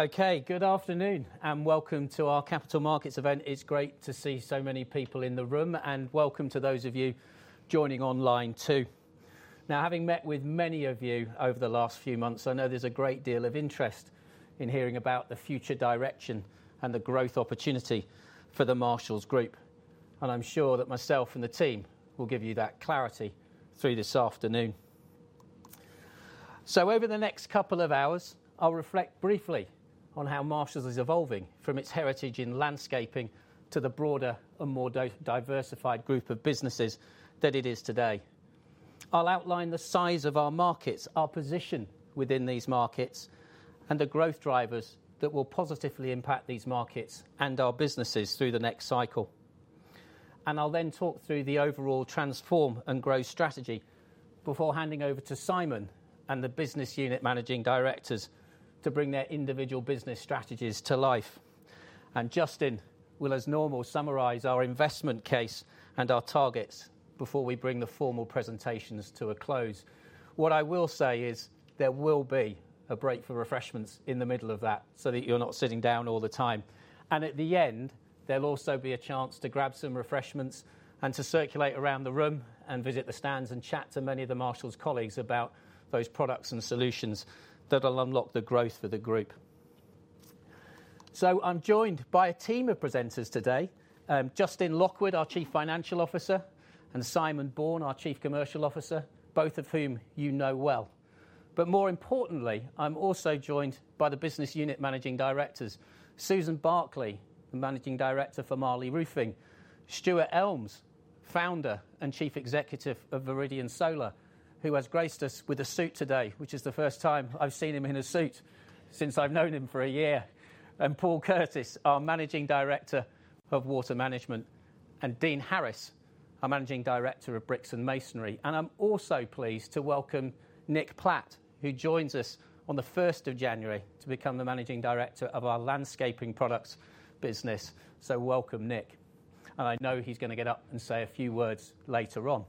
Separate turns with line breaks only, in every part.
Okay, good afternoon and welcome to our Capital Markets event. It's great to see so many people in the room, and welcome to those of you joining online too. Now, having met with many of you over the last few months, I know there's a great deal of interest in hearing about the future direction and the growth opportunity for the Marshalls Group, and I'm sure that myself and the team will give you that clarity through this afternoon. So, over the next couple of hours, I'll reflect briefly on how Marshalls is evolving from its heritage in landscaping to the broader and more diversified group of businesses that it is today. I'll outline the size of our markets, our position within these markets, and the growth drivers that will positively impact these markets and our businesses through the next cycle. I'll then talk through the overall Transform and Grow strategy before handing over to Simon and the business unit Managing Directors to bring their individual business strategies to life. Justin will, as normal, summarize our investment case and our targets before we bring the formal presentations to a close. What I will say is there will be a break for refreshments in the middle of that so that you're not sitting down all the time. At the end, there'll be a chance to grab some refreshments and to circulate around the room and visit the stands and chat to many of the Marshalls colleagues about those products and solutions that will unlock the growth for the group. I'm joined by a team of presenters today: Justin Lockwood, our Chief Financial Officer, and Simon Bourne, our Chief Commercial Officer, both of whom you know well. More importantly, I'm also joined by the business unit Managing Directors, Susan Barclay, the Managing Director for Marley Roofing, Stuart Elms, Founder and Chief Executive of Viridian Solar, who has graced us with a suit today, which is the first time I've seen him in a suit since I've known him for a year, and Paul Curtis, our Managing Director of Water Management, and Dean Harris, our Managing Director of Bricks and Masonry. I'm also pleased to welcome Nick Platt, who joins us on the 1st of January to become the Managing Director of our Landscaping Products business. Welcome, Nick. I know he's going to get up and say a few words later on.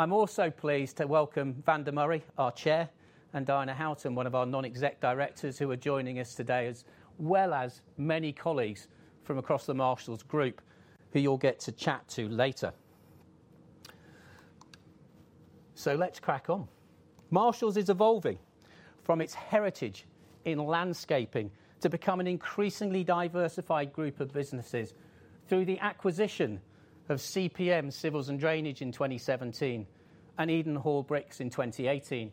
I'm also pleased to welcome Vanda Murray, our Chair, and Diana Houghton, one of our non-exec directors who are joining us today, as well as many colleagues from across the Marshalls Group who you'll get to chat to later. So, let's crack on. Marshalls is evolving from its heritage in landscaping to become an increasingly diversified group of businesses through the acquisition of CPM Group in 2017 and Edenhall in 2018,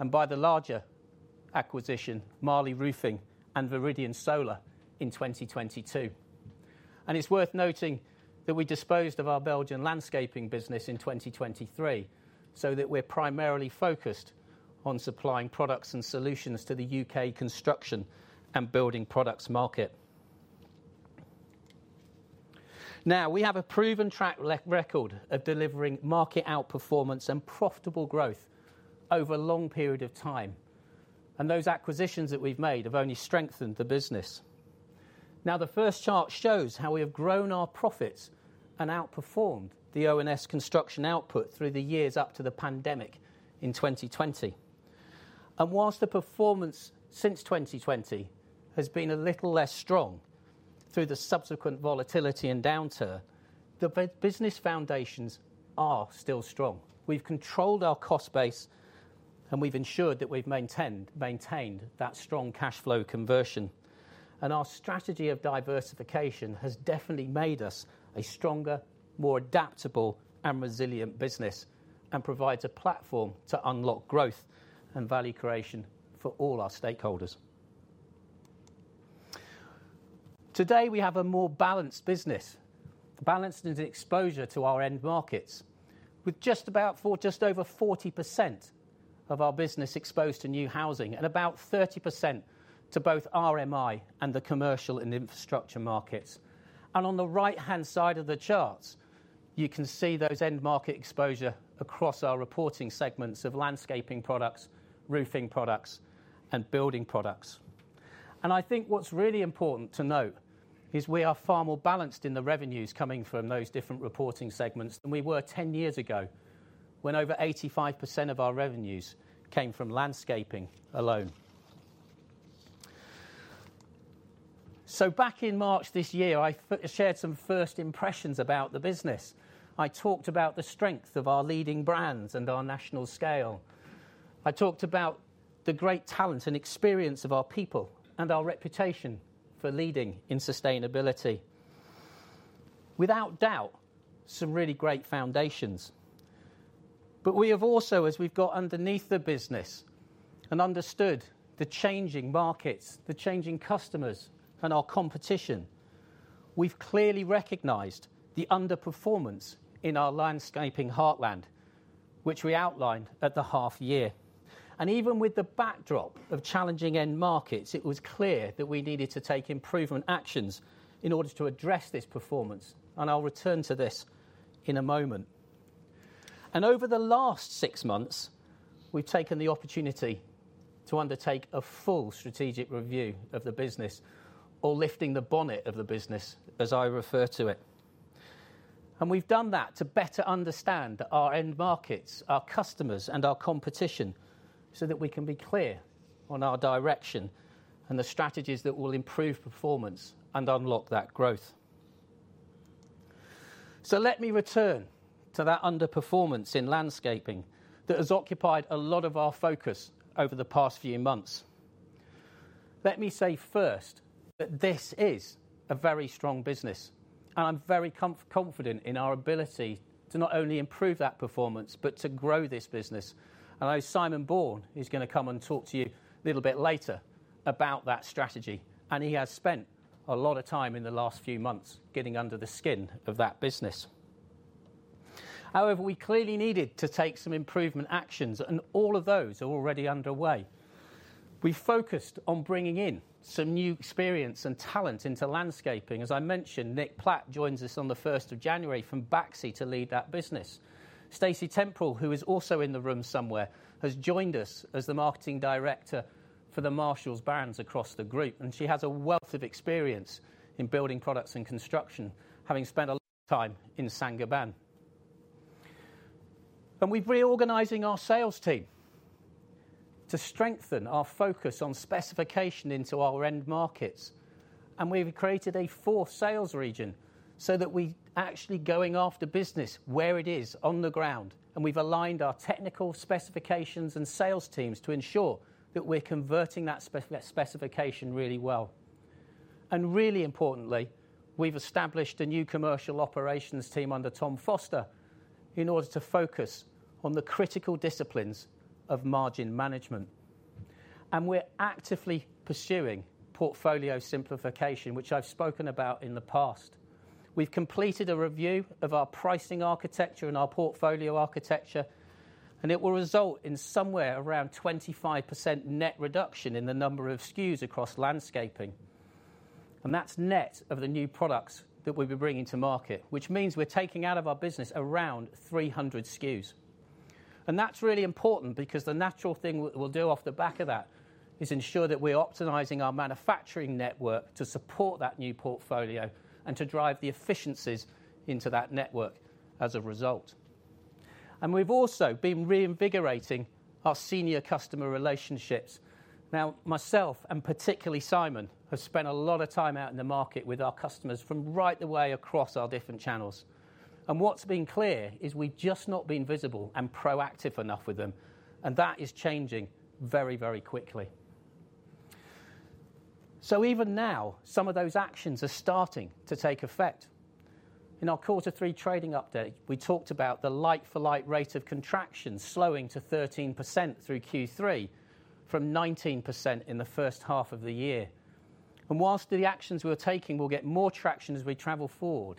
and by the larger acquisition, Marley Roofing and Viridian Solar in 2022. And it's worth noting that we disposed of our Belgian landscaping business in 2023 so that we're primarily focused on supplying products and solutions to the U.K. construction and building products market. Now, we have a proven track record of delivering market outperformance and profitable growth over a long period of time, and those acquisitions that we've made have only strengthened the business. Now, the first chart shows how we have grown our profits and outperformed the ONS construction output through the years up to the pandemic in 2020. And while the performance since 2020 has been a little less strong through the subsequent volatility and downturn, the business foundations are still strong. We've controlled our cost base, and we've ensured that we've maintained that strong cash flow conversion. And our strategy of diversification has definitely made us a stronger, more adaptable, and resilient business and provides a platform to unlock growth and value creation for all our stakeholders. Today, we have a more balanced business, balanced in exposure to our end markets, with just about, for just over 40% of our business exposed to new housing and about 30% to both RMI and the commercial and infrastructure markets. And on the right-hand side of the chart, you can see those end market exposure across our reporting segments of landscaping products, roofing products, and building products. And I think what's really important to note is we are far more balanced in the revenues coming from those different reporting segments than we were 10 years ago when over 85% of our revenues came from landscaping alone. So, back in March this year, I shared some first impressions about the business. I talked about the strength of our leading brands and our national scale. I talked about the great talent and experience of our people and our reputation for leading in sustainability. Without doubt, some really great foundations. But we have also, as we've got underneath the business and understood the changing markets, the changing customers, and our competition, we've clearly recognized the underperformance in our landscaping heartland, which we outlined at the half-year. And even with the backdrop of challenging end markets, it was clear that we needed to take improvement actions in order to address this performance. And I'll return to this in a moment. And over the last six months, we've taken the opportunity to undertake a full strategic review of the business, or lifting the bonnet of the business, as I refer to it. We've done that to better understand our end markets, our customers, and our competition so that we can be clear on our direction and the strategies that will improve performance and unlock that growth. Let me return to that underperformance in landscaping that has occupied a lot of our focus over the past few months. Let me say first that this is a very strong business, and I'm very confident in our ability to not only improve that performance but to grow this business. I know Simon Bourne is going to come and talk to you a little bit later about that strategy, and he has spent a lot of time in the last few months getting under the skin of that business. However, we clearly needed to take some improvement actions, and all of those are already underway. We focused on bringing in some new experience and talent into landscaping. As I mentioned, Nick Platt joins us on the 1st of January from Baxi to lead that business. Stacy Temple, who is also in the room somewhere, has joined us as the Marketing Director for the Marshalls brands across the group, and she has a wealth of experience in building products and construction, having spent a lot of time in Saint-Gobain. And we're reorganizing our sales team to strengthen our focus on specification into our end markets. And we've created a fourth sales region so that we're actually going after business where it is on the ground. And we've aligned our technical specifications and sales teams to ensure that we're converting that specification really well. Really importantly, we've established a new commercial operations team under Tom Foster in order to focus on the critical disciplines of margin management. We're actively pursuing portfolio simplification, which I've spoken about in the past. We've completed a review of our pricing architecture and our portfolio architecture, and it will result in somewhere around 25% net reduction in the number of SKUs across landscaping. That's net of the new products that we'll be bringing to market, which means we're taking out of our business around 300 SKUs. That's really important because the natural thing we'll do off the back of that is ensure that we're optimizing our manufacturing network to support that new portfolio and to drive the efficiencies into that network as a result. We've also been reinvigorating our senior customer relationships. Now, myself and particularly Simon have spent a lot of time out in the market with our customers from right the way across our different channels. And what's been clear is we've just not been visible and proactive enough with them, and that is changing very, very quickly. So, even now, some of those actions are starting to take effect. In our quarter three trading update, we talked about the like-for-like rate of contraction slowing to 13% through Q3 from 19% in the first half of the year. And whilst the actions we're taking will get more traction as we travel forward,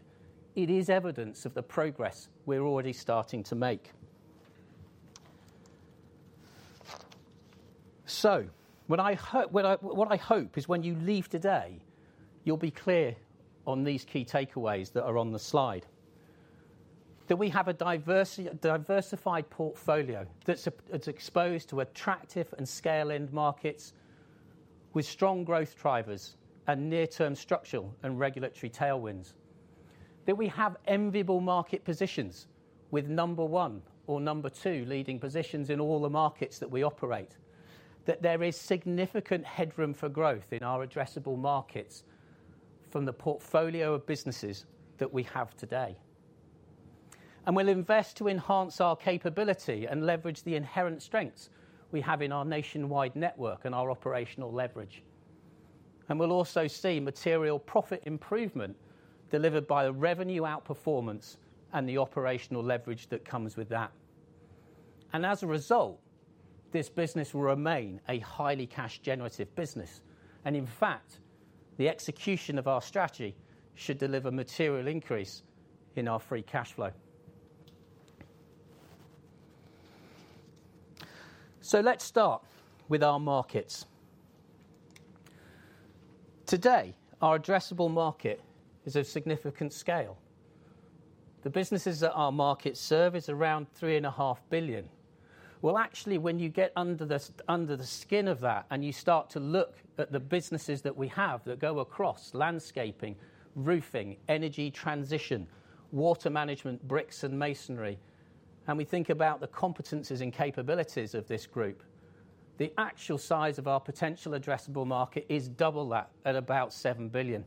it is evidence of the progress we're already starting to make. What I hope is when you leave today, you'll be clear on these key takeaways that are on the slide: that we have a diversified portfolio that's exposed to attractive and scale-end markets with strong growth drivers and near-term structural and regulatory tailwinds. That we have enviable market positions with number one or number two leading positions in all the markets that we operate. That there is significant headroom for growth in our addressable markets from the portfolio of businesses that we have today. And we'll invest to enhance our capability and leverage the inherent strengths we have in our nationwide network and our operational leverage. And we'll also see material profit improvement delivered by the revenue outperformance and the operational leverage that comes with that. As a result, this business will remain a highly cash-generative business, and in fact, the execution of our strategy should deliver material increase in our free cash flow. Let's start with our markets. Today, our addressable market is of significant scale. The businesses that our market serve is around 3.5 billion. Well, actually, when you get under the skin of that and you start to look at the businesses that we have that go across landscaping, roofing, energy transition, Water Management, bricks, and masonry, and we think about the competencies and capabilities of this group, the actual size of our potential addressable market is double that at about 7 billion.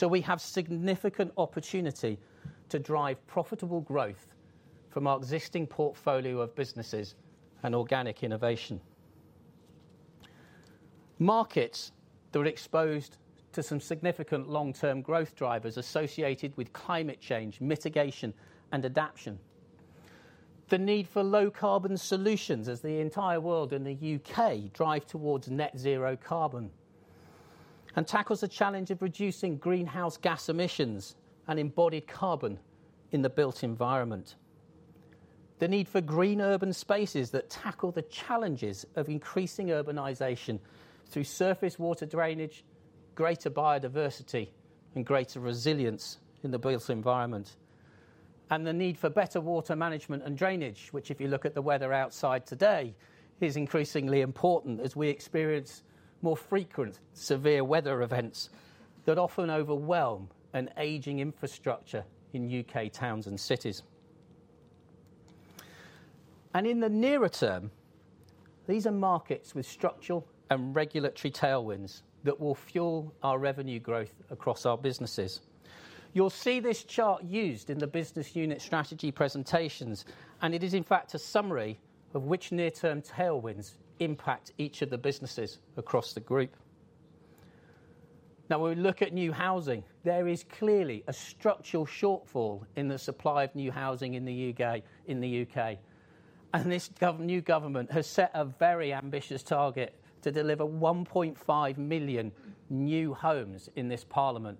We have significant opportunity to drive profitable growth from our existing portfolio of businesses and organic innovation. Markets that are exposed to some significant long-term growth drivers associated with climate change mitigation and adaption. The need for low-carbon solutions as the entire world and the U.K. drive towards net zero carbon and tackles the challenge of reducing greenhouse gas emissions and embodied carbon in the built environment. The need for green urban spaces that tackle the challenges of increasing urbanization through surface water drainage, greater biodiversity, and greater resilience in the built environment, and the need for better Water Management and drainage, which, if you look at the weather outside today, is increasingly important as we experience more frequent severe weather events that often overwhelm an aging infrastructure in U.K. towns and cities, and in the nearer term, these are markets with structural and regulatory tailwinds that will fuel our revenue growth across our businesses. You'll see this chart used in the business unit strategy presentations, and it is, in fact, a summary of which near-term tailwinds impact each of the businesses across the group. Now, when we look at new housing, there is clearly a structural shortfall in the supply of new housing in the U.K. And this new government has set a very ambitious target to deliver 1.5 million new homes in this parliament.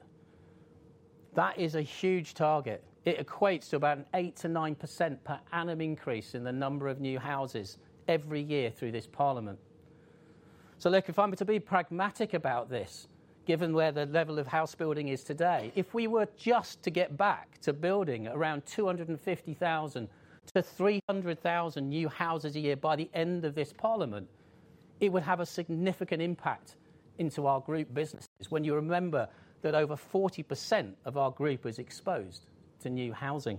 That is a huge target. It equates to about an 8%-9% per annum increase in the number of new houses every year through this parliament. So, look, if I'm to be pragmatic about this, given where the level of house building is today, if we were just to get back to building around 250,000 to 300,000 new houses a year by the end of this parliament, it would have a significant impact into our group businesses when you remember that over 40% of our group is exposed to new housing.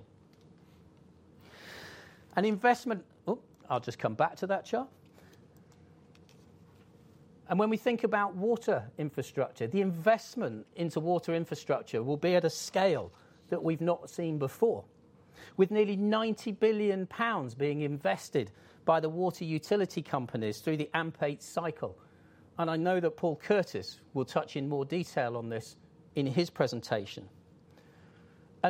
And investment, oh, I'll just come back to that chart. And when we think about water infrastructure, the investment into water infrastructure will be at a scale that we've not seen before, with nearly 90 billion pounds being invested by the water utility companies through the AMP8 cycle. And I know that Paul Curtis will touch in more detail on this in his presentation.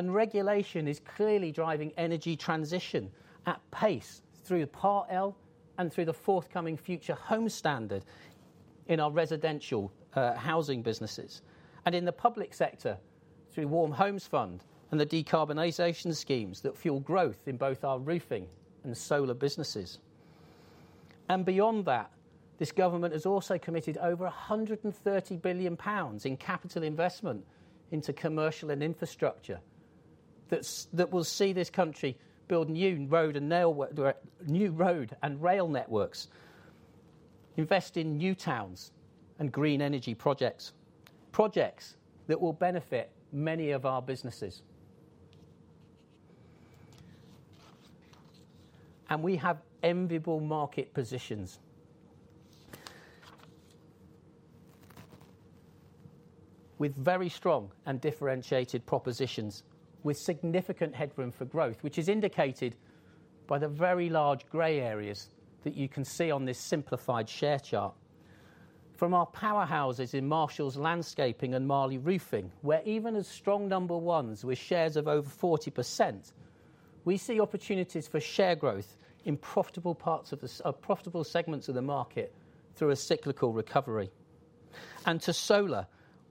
Regulation is clearly driving energy transition at pace through the Part L and through the forthcoming Future Homes Standard in our residential housing businesses and in the public sector through Warm Homes Fund and the decarbonization schemes that fuel growth in both our roofing and solar businesses. Beyond that, this government has also committed over 130 billion pounds in capital investment into commercial and infrastructure that will see this country build new road and rail networks, invest in new towns and green energy projects, projects that will benefit many of our businesses. We have enviable market positions with very strong and differentiated propositions, with significant headroom for growth, which is indicated by the very large gray areas that you can see on this simplified share chart. From our powerhouses in Marshalls Landscaping and Marley Roofing, where even as strong number ones with shares of over 40%, we see opportunities for share growth in profitable parts of the profitable segments of the market through a cyclical recovery. And to solar,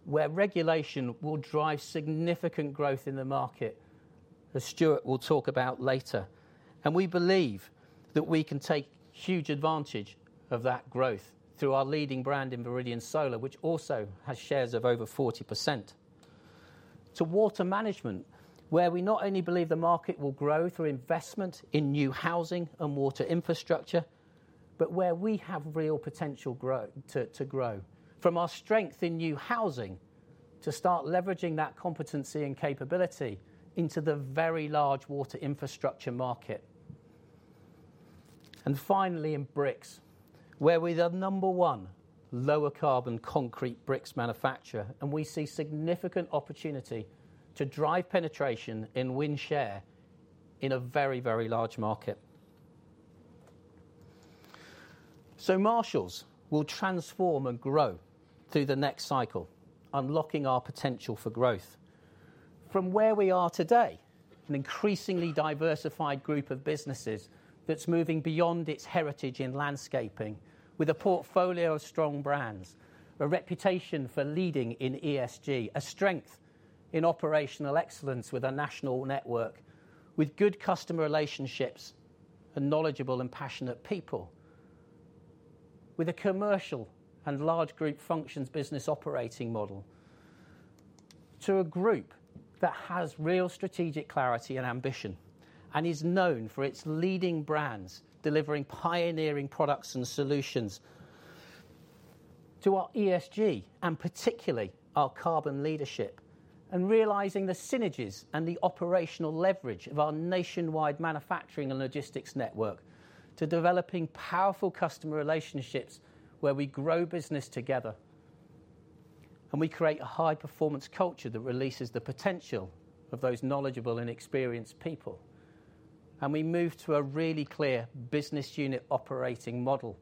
where regulation will drive significant growth in the market, as Stuart will talk about later. And we believe that we can take huge advantage of that growth through our leading brand in Viridian Solar, which also has shares of over 40%. To Water Management, where we not only believe the market will grow through investment in new housing and water infrastructure, but where we have real potential to grow. From our strength in new housing to start leveraging that competency and capability into the very large water infrastructure market. Finally, in bricks, where we are the number one lower carbon concrete bricks manufacturer, and we see significant opportunity to drive penetration in win share in a very, very large market. Marshalls will transform and grow through the next cycle, unlocking our potential for growth. From where we are today, an increasingly diversified group of businesses that's moving beyond its heritage in landscaping with a portfolio of strong brands, a reputation for leading in ESG, a strength in operational excellence with a national network, with good customer relationships and knowledgeable and passionate people, with a commercial and large group functions business operating model to a group that has real strategic clarity and ambition and is known for its leading brands delivering pioneering products and solutions to our ESG and particularly our carbon leadership, and realizing the synergies and the operational leverage of our nationwide manufacturing and logistics network to developing powerful customer relationships where we grow business together and we create a high-performance culture that releases the potential of those knowledgeable and experienced people. We move to a really clear business unit operating model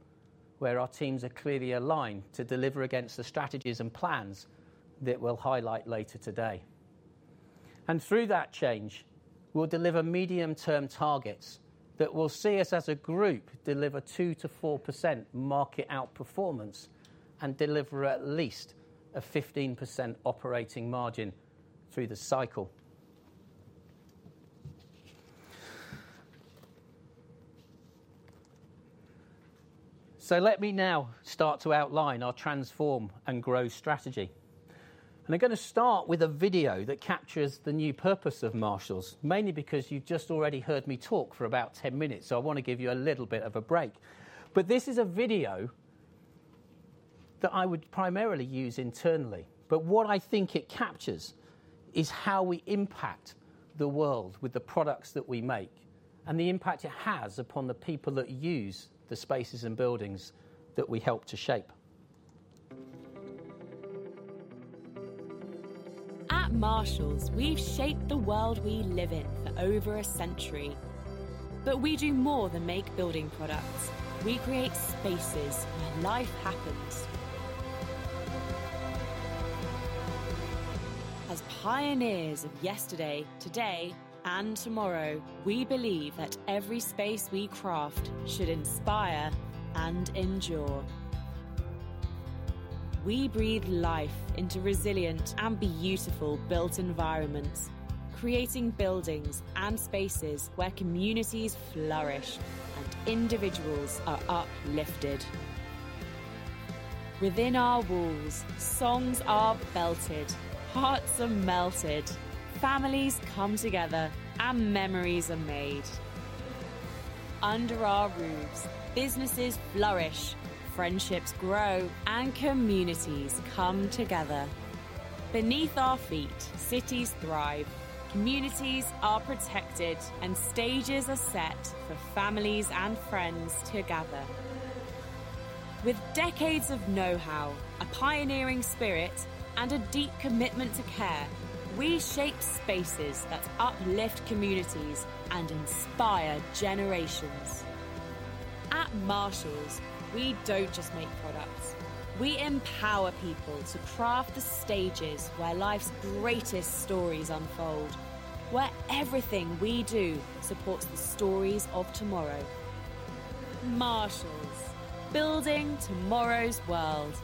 where our teams are clearly aligned to deliver against the strategies and plans that we'll highlight later today. Through that change, we'll deliver medium-term targets that will see us as a group deliver 2%-4% market outperformance and deliver at least 15% operating margin through the cycle. Let me now start to outline our transform and grow strategy. I'm going to start with a video that captures the new purpose of Marshalls, mainly because you've just already heard me talk for about 10 minutes, so I want to give you a little bit of a break. This is a video that I would primarily use internally. But what I think it captures is how we impact the world with the products that we make and the impact it has upon the people that use the spaces and buildings that we help to shape.
At Marshalls, we've shaped the world we live in for over a century. But we do more than make building products. We create spaces where life happens. As pioneers of yesterday, today, and tomorrow, we believe that every space we craft should inspire and endure. We breathe life into resilient and beautiful built environments, creating buildings and spaces where communities flourish and individuals are uplifted. Within our walls, songs are belted, hearts are melted, families come together, and memories are made. Under our roofs, businesses flourish, friendships grow, and communities come together. Beneath our feet, cities thrive, communities are protected, and stages are set for families and friends to gather. With decades of know-how, a pioneering spirit, and a deep commitment to care, we shape spaces that uplift communities and inspire generations. At Marshalls, we don't just make products. We empower people to craft the stages where life's greatest stories unfold, where everything we do supports the stories of tomorrow. Marshalls: Building Tomorrow's World.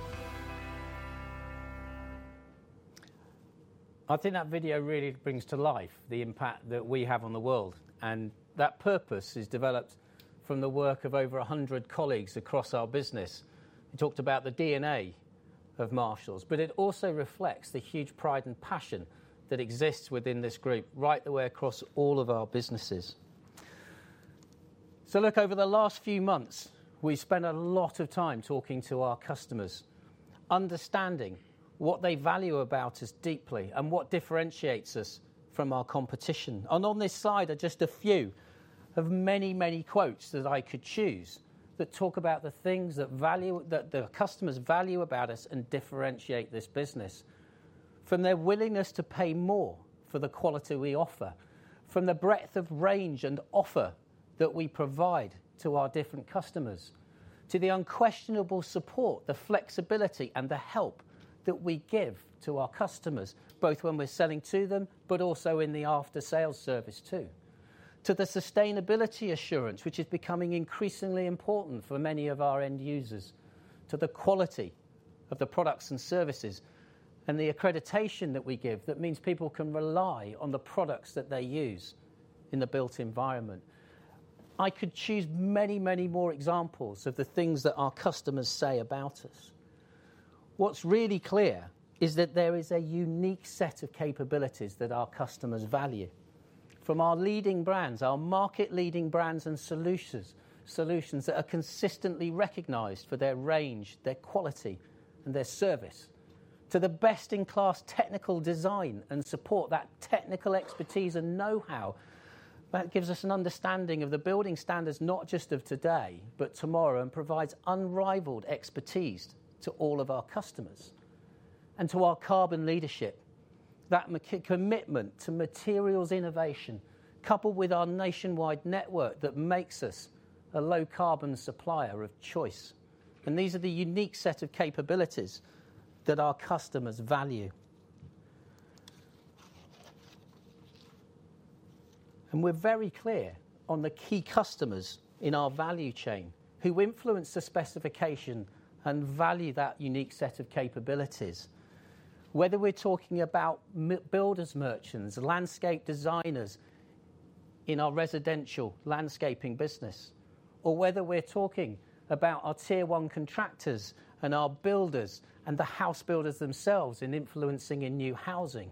I think that video really brings to life the impact that we have on the world. That purpose is developed from the work of over 100 colleagues across our business. We talked about the DNA of Marshalls, but it also reflects the huge pride and passion that exists within this group right the way across all of our businesses. Look, over the last few months, we've spent a lot of time talking to our customers, understanding what they value about us deeply and what differentiates us from our competition. On this slide are just a few of many, many quotes that I could choose that talk about the things that the customers value about us and differentiate this business, from their willingness to pay more for the quality we offer, from the breadth of range and offer that we provide to our different customers, to the unquestionable support, the flexibility, and the help that we give to our customers, both when we're selling to them but also in the after-sales service too, to the sustainability assurance, which is becoming increasingly important for many of our end users, to the quality of the products and services and the accreditation that we give that means people can rely on the products that they use in the built environment. I could choose many, many more examples of the things that our customers say about us. What's really clear is that there is a unique set of capabilities that our customers value, from our leading brands, our market-leading brands and solutions, solutions that are consistently recognized for their range, their quality, and their service, to the best-in-class technical design and support, that technical expertise and know-how that gives us an understanding of the building standards not just of today but tomorrow and provides unrivaled expertise to all of our customers and to our carbon leadership, that commitment to materials innovation coupled with our nationwide network that makes us a low-carbon supplier of choice, and these are the unique set of capabilities that our customers value. We're very clear on the key customers in our value chain who influence the specification and value that unique set of capabilities, whether we're talking about builders, merchants, landscape designers in our residential landscaping business, or whether we're talking about our tier-one contractors and our builders and the house builders themselves in influencing in new housing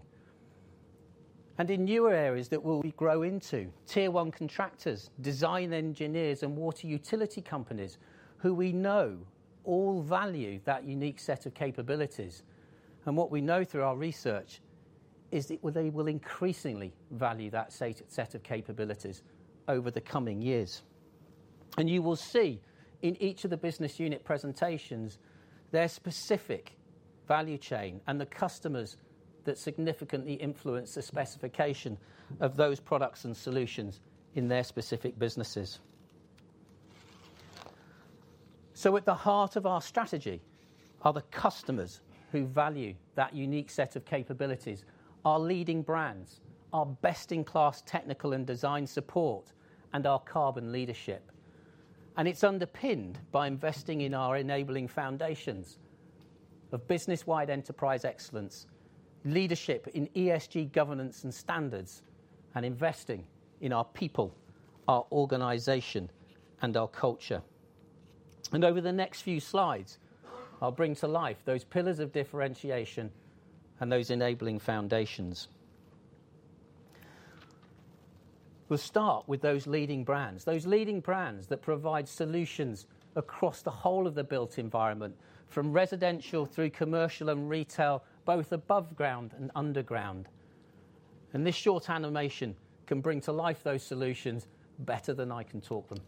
and in newer areas that we'll grow into, tier-one contractors, design engineers, and water utility companies who we know all value that unique set of capabilities. What we know through our research is that they will increasingly value that set of capabilities over the coming years. You will see in each of the business unit presentations their specific value chain and the customers that significantly influence the specification of those products and solutions in their specific businesses. At the heart of our strategy are the customers who value that unique set of capabilities, our leading brands, our best-in-class technical and design support, and our carbon leadership. It's underpinned by investing in our enabling foundations of business-wide enterprise excellence, leadership in ESG governance and standards, and investing in our people, our organization, and our culture. Over the next few slides, I'll bring to life those pillars of differentiation and those enabling foundations. We'll start with those leading brands, those leading brands that provide solutions across the whole of the built environment, from residential through commercial and retail, both above ground and underground. This short animation can bring to life those solutions better than I can talk them.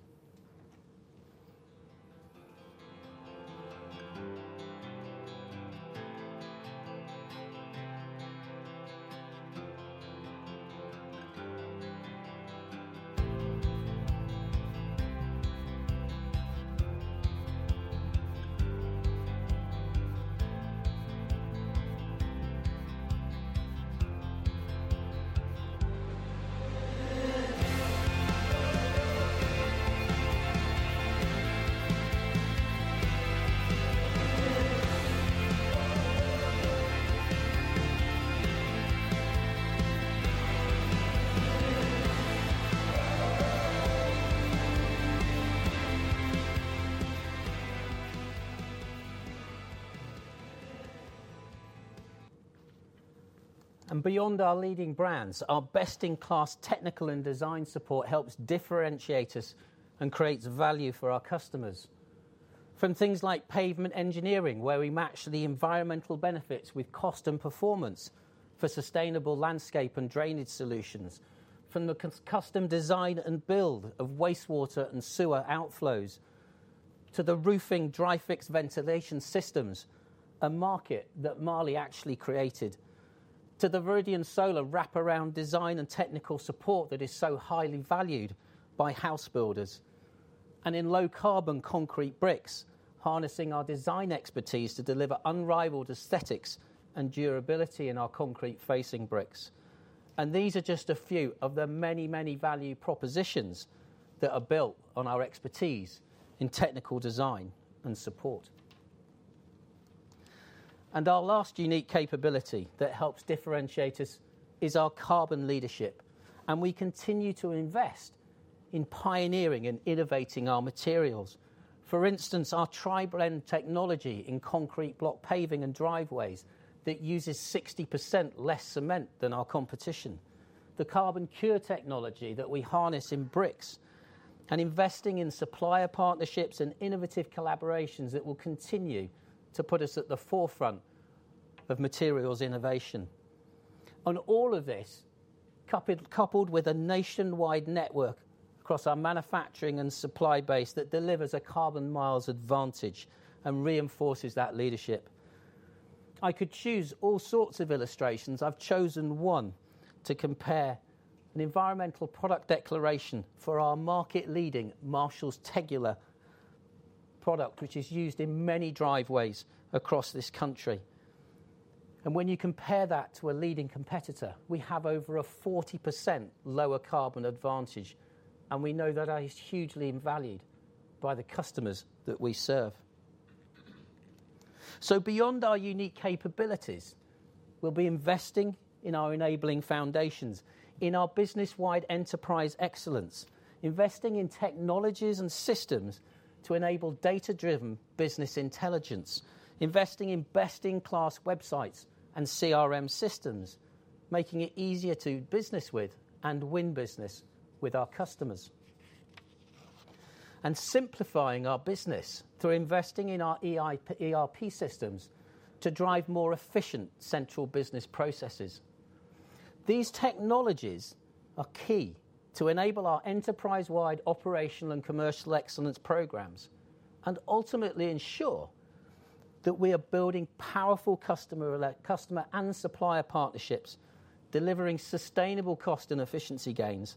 Beyond our leading brands, our best-in-class technical and design support helps differentiate us and creates value for our customers. From things like pavement engineering, where we match the environmental benefits with cost and performance for sustainable landscape and drainage solutions, from the custom design and build of wastewater and sewer outflows to the roofing dry-fix ventilation systems, a market that Marley actually created, to the Viridian Solar wrap-around design and technical support that is so highly valued by house builders, and in low-carbon concrete bricks, harnessing our design expertise to deliver unrivaled aesthetics and durability in our concrete-facing bricks. These are just a few of the many, many value propositions that are built on our expertise in technical design and support. Our last unique capability that helps differentiate us is our carbon leadership. We continue to invest in pioneering and innovating our materials. For instance, our tri-blend technology in concrete block paving and driveways that uses 60% less cement than our competition, the CarbonCure technology that we harness in bricks, and investing in supplier partnerships and innovative collaborations that will continue to put us at the forefront of materials innovation, and all of this coupled with a nationwide network across our manufacturing and supply base that delivers a carbon miles advantage and reinforces that leadership. I could choose all sorts of illustrations. I've chosen one to compare: an environmental product declaration for our market-leading Marshalls Tegula product, which is used in many driveways across this country, and when you compare that to a leading competitor, we have over a 40% lower carbon advantage. And we know that is hugely valued by the customers that we serve. So, beyond our unique capabilities, we'll be investing in our enabling foundations, in our business-wide enterprise excellence, investing in technologies and systems to enable data-driven business intelligence, investing in best-in-class websites and CRM systems, making it easier to do business with and win business with our customers, and simplifying our business through investing in our ERP systems to drive more efficient central business processes. These technologies are key to enable our enterprise-wide operational and commercial excellence programs and ultimately ensure that we are building powerful customer and supplier partnerships, delivering sustainable cost and efficiency gains,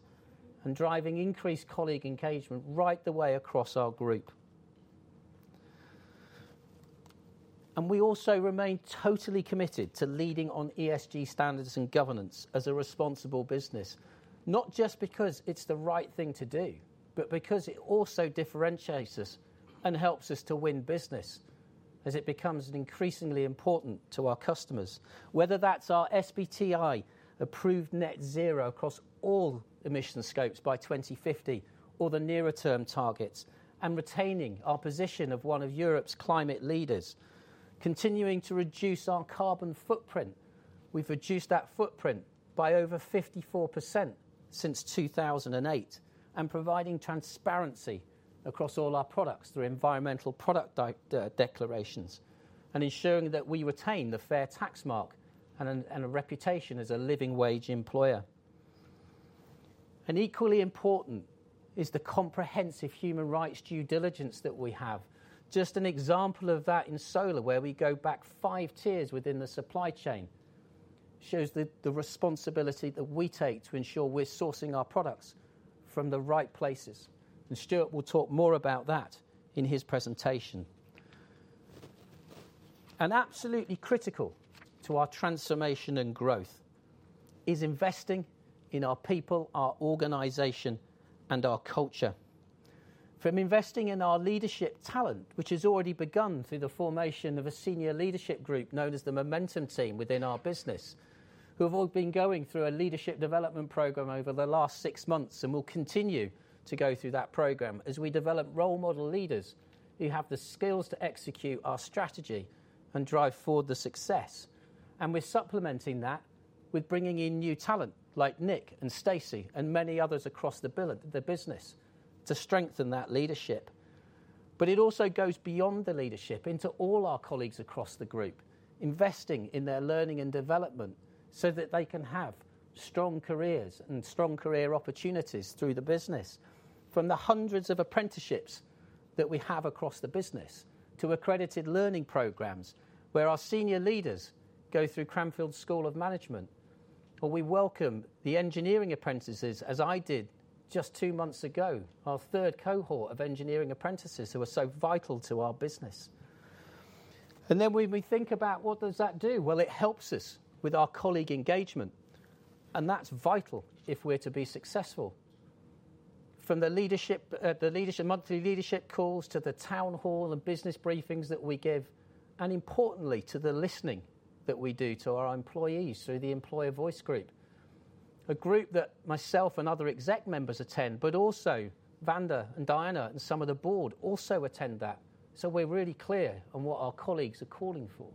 and driving increased colleague engagement right the way across our group. And we also remain totally committed to leading on ESG standards and governance as a responsible business, not just because it's the right thing to do, but because it also differentiates us and helps us to win business as it becomes increasingly important to our customers, whether that's our SBTi approved net zero across all emission scopes by 2050 or the nearer-term targets and retaining our position of one of Europe's climate leaders, continuing to reduce our carbon footprint. We've reduced that footprint by over 54% since 2008 and providing transparency across all our products through environmental product declarations and ensuring that we retain the Fair Tax Mark and a reputation as a living wage employer. And equally important is the comprehensive human rights due diligence that we have. Just an example of that in solar, where we go back five tiers within the supply chain, shows the responsibility that we take to ensure we're sourcing our products from the right places, and Stuart will talk more about that in his presentation, and absolutely critical to our transformation and growth is investing in our people, our organization, and our culture, from investing in our leadership talent, which has already begun through the formation of a senior leadership group known as the Momentum Team within our business, who have all been going through a leadership development program over the last six months and will continue to go through that program as we develop role model leaders who have the skills to execute our strategy and drive forward the success. And we're supplementing that with bringing in new talent like Nick and Stacy and many others across the business to strengthen that leadership. But it also goes beyond the leadership into all our colleagues across the group, investing in their learning and development so that they can have strong careers and strong career opportunities through the business, from the hundreds of apprenticeships that we have across the business to accredited learning programs where our senior leaders go through Cranfield School of Management, or we welcome the engineering apprentices as I did just two months ago, our third cohort of engineering apprentices who are so vital to our business. And then when we think about what does that do? Well, it helps us with our colleague engagement. That's vital if we're to be successful, from the monthly leadership calls to the town hall and business briefings that we give, and importantly, to the listening that we do to our employees through the Employer Voice Group, a group that myself and other exec members attend, but also Vanda and Diana and some of the board also attend that. So we're really clear on what our colleagues are calling for.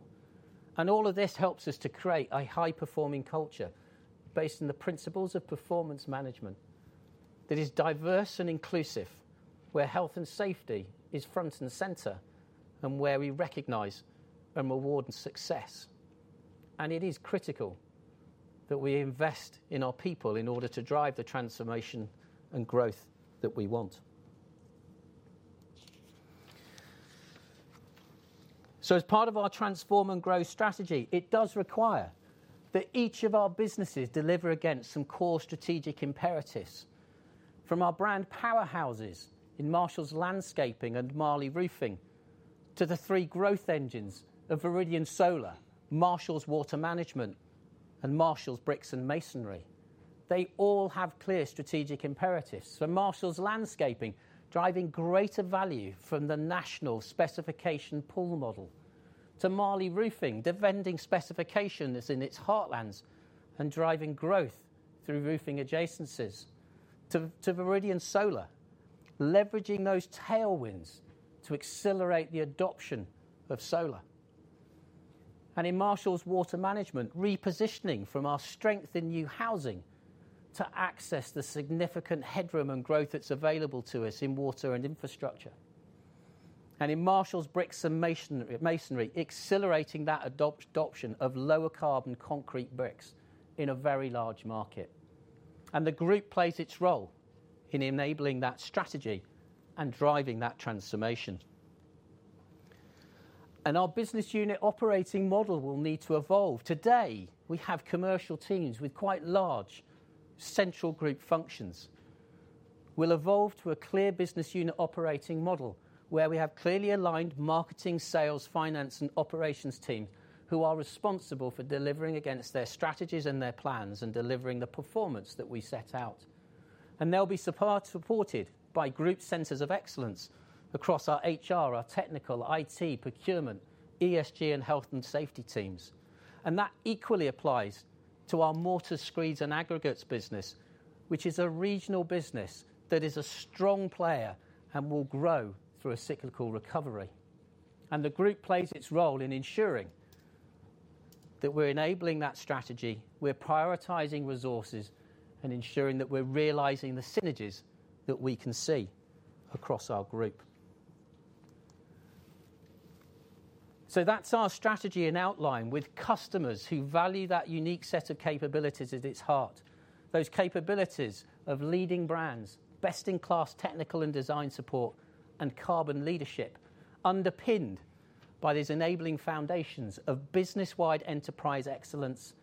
All of this helps us to create a high-performing culture based on the principles of performance management that is diverse and inclusive, where health and safety is front and center and where we recognize and reward success. It is critical that we invest in our people in order to drive the transformation and growth that we want. So, as part of our transform and grow strategy, it does require that each of our businesses deliver against some core strategic imperatives, from our brand powerhouses in Marshalls Landscaping and Marley Roofing to the three growth engines of Viridian Solar, Marshalls Water Management, and Marshalls Bricks and Masonry. They all have clear strategic imperatives. So, Marshalls Landscaping driving greater value from the national specification pool model to Marley Roofing defending specifications in its heartlands and driving growth through roofing adjacencies to Viridian Solar, leveraging those tailwinds to accelerate the adoption of solar. And in Marshalls Water Management, repositioning from our strength in new housing to access the significant headroom and growth that's available to us in water and infrastructure. And in Marshalls Bricks and Masonry, accelerating that adoption of lower-carbon concrete bricks in a very large market. The group plays its role in enabling that strategy and driving that transformation. Our business unit operating model will need to evolve. Today, we have commercial teams with quite large central group functions. We'll evolve to a clear business unit operating model where we have clearly aligned marketing, sales, finance, and operations teams who are responsible for delivering against their strategies and their plans and delivering the performance that we set out. They'll be supported by group centers of excellence across our HR, our technical, IT, procurement, ESG, and health and safety teams. That equally applies to our mortars, screeds, and aggregates business, which is a regional business that is a strong player and will grow through a cyclical recovery. The group plays its role in ensuring that we're enabling that strategy, we're prioritizing resources, and ensuring that we're realizing the synergies that we can see across our group. That's our strategy and outline with customers who value that unique set of capabilities at its heart, those capabilities of leading brands, best-in-class technical and design support, and carbon leadership, underpinned by these enabling foundations of business-wide enterprise excellence,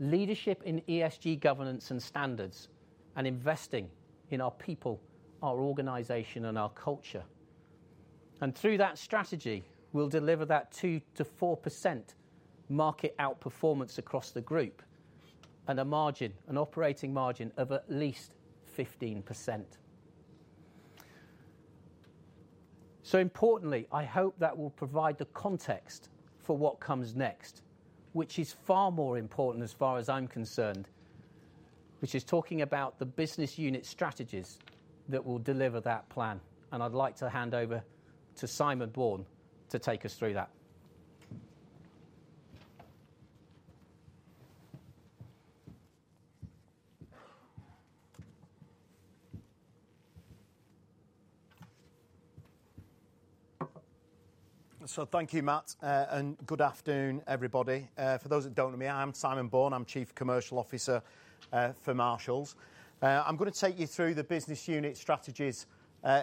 leadership in ESG governance and standards, and investing in our people, our organization, and our culture. Through that strategy, we'll deliver that 2%-4% market outperformance across the group and a margin, an operating margin of at least 15%. Importantly, I hope that will provide the context for what comes next, which is far more important as far as I'm concerned, which is talking about the business unit strategies that will deliver that plan. I'd like to hand over to Simon Bourne to take us through that.
Thank you, Matt. Good afternoon, everybody. For those that don't know me, I'm Simon Bourne. I'm Chief Commercial Officer for Marshalls. I'm going to take you through the business unit strategies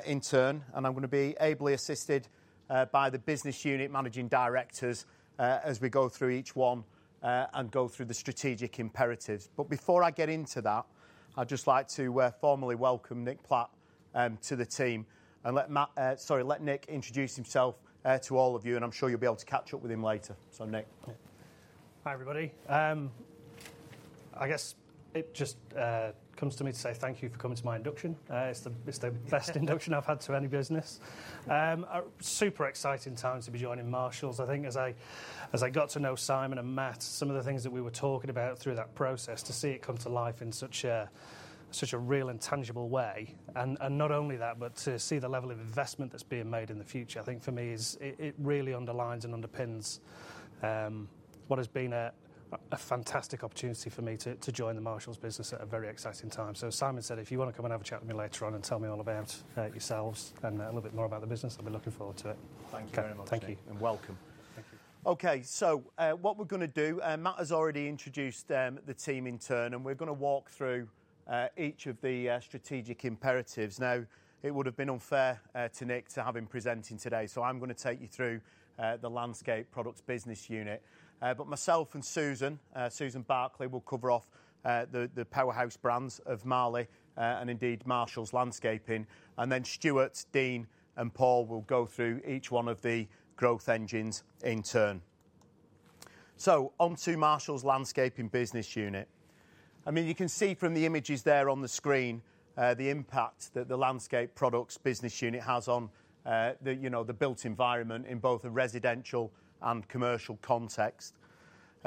in turn. I'm going to be ably assisted by the business unit Managing Directors as we go through each one and go through the strategic imperatives. Before I get into that, I'd just like to formally welcome Nick Platt to the team and let Nick introduce himself to all of you. I'm sure you'll be able to catch up with him later. Nick.
Hi, everybody. I guess it just comes to me to say thank you for coming to my induction. It's the best induction I've had to any business. Super exciting times to be joining Marshalls. I think as I got to know Simon and Matt, some of the things that we were talking about through that process, to see it come to life in such a real and tangible way, and not only that, but to see the level of investment that's being made in the future. I think for me it really underlines and underpins what has been a fantastic opportunity for me to join the Marshalls business at a very exciting time, so as Simon said, if you want to come and have a chat with me later on and tell me all about yourselves and a little bit more about the business, I'll be looking forward to it. Thank you very much. Thank you.
And welcome.
Thank you.
Okay. So, what we're going to do, Matt has already introduced the team in turn, and we're going to walk through each of the strategic imperatives. Now, it would have been unfair to Nick to have him presenting today. So, I'm going to take you through the Landscaping Products business unit. But myself and Susan, Susan Barclay, will cover off the powerhouse brands of Marley and indeed Marshalls Landscaping. And then Stuart, Dean, and Paul will go through each one of the growth engines in turn. So, onto Marshalls Landscaping business unit. I mean, you can see from the images there on the screen the impact that the Landscaping Products business unit has on the built environment in both a residential and commercial context.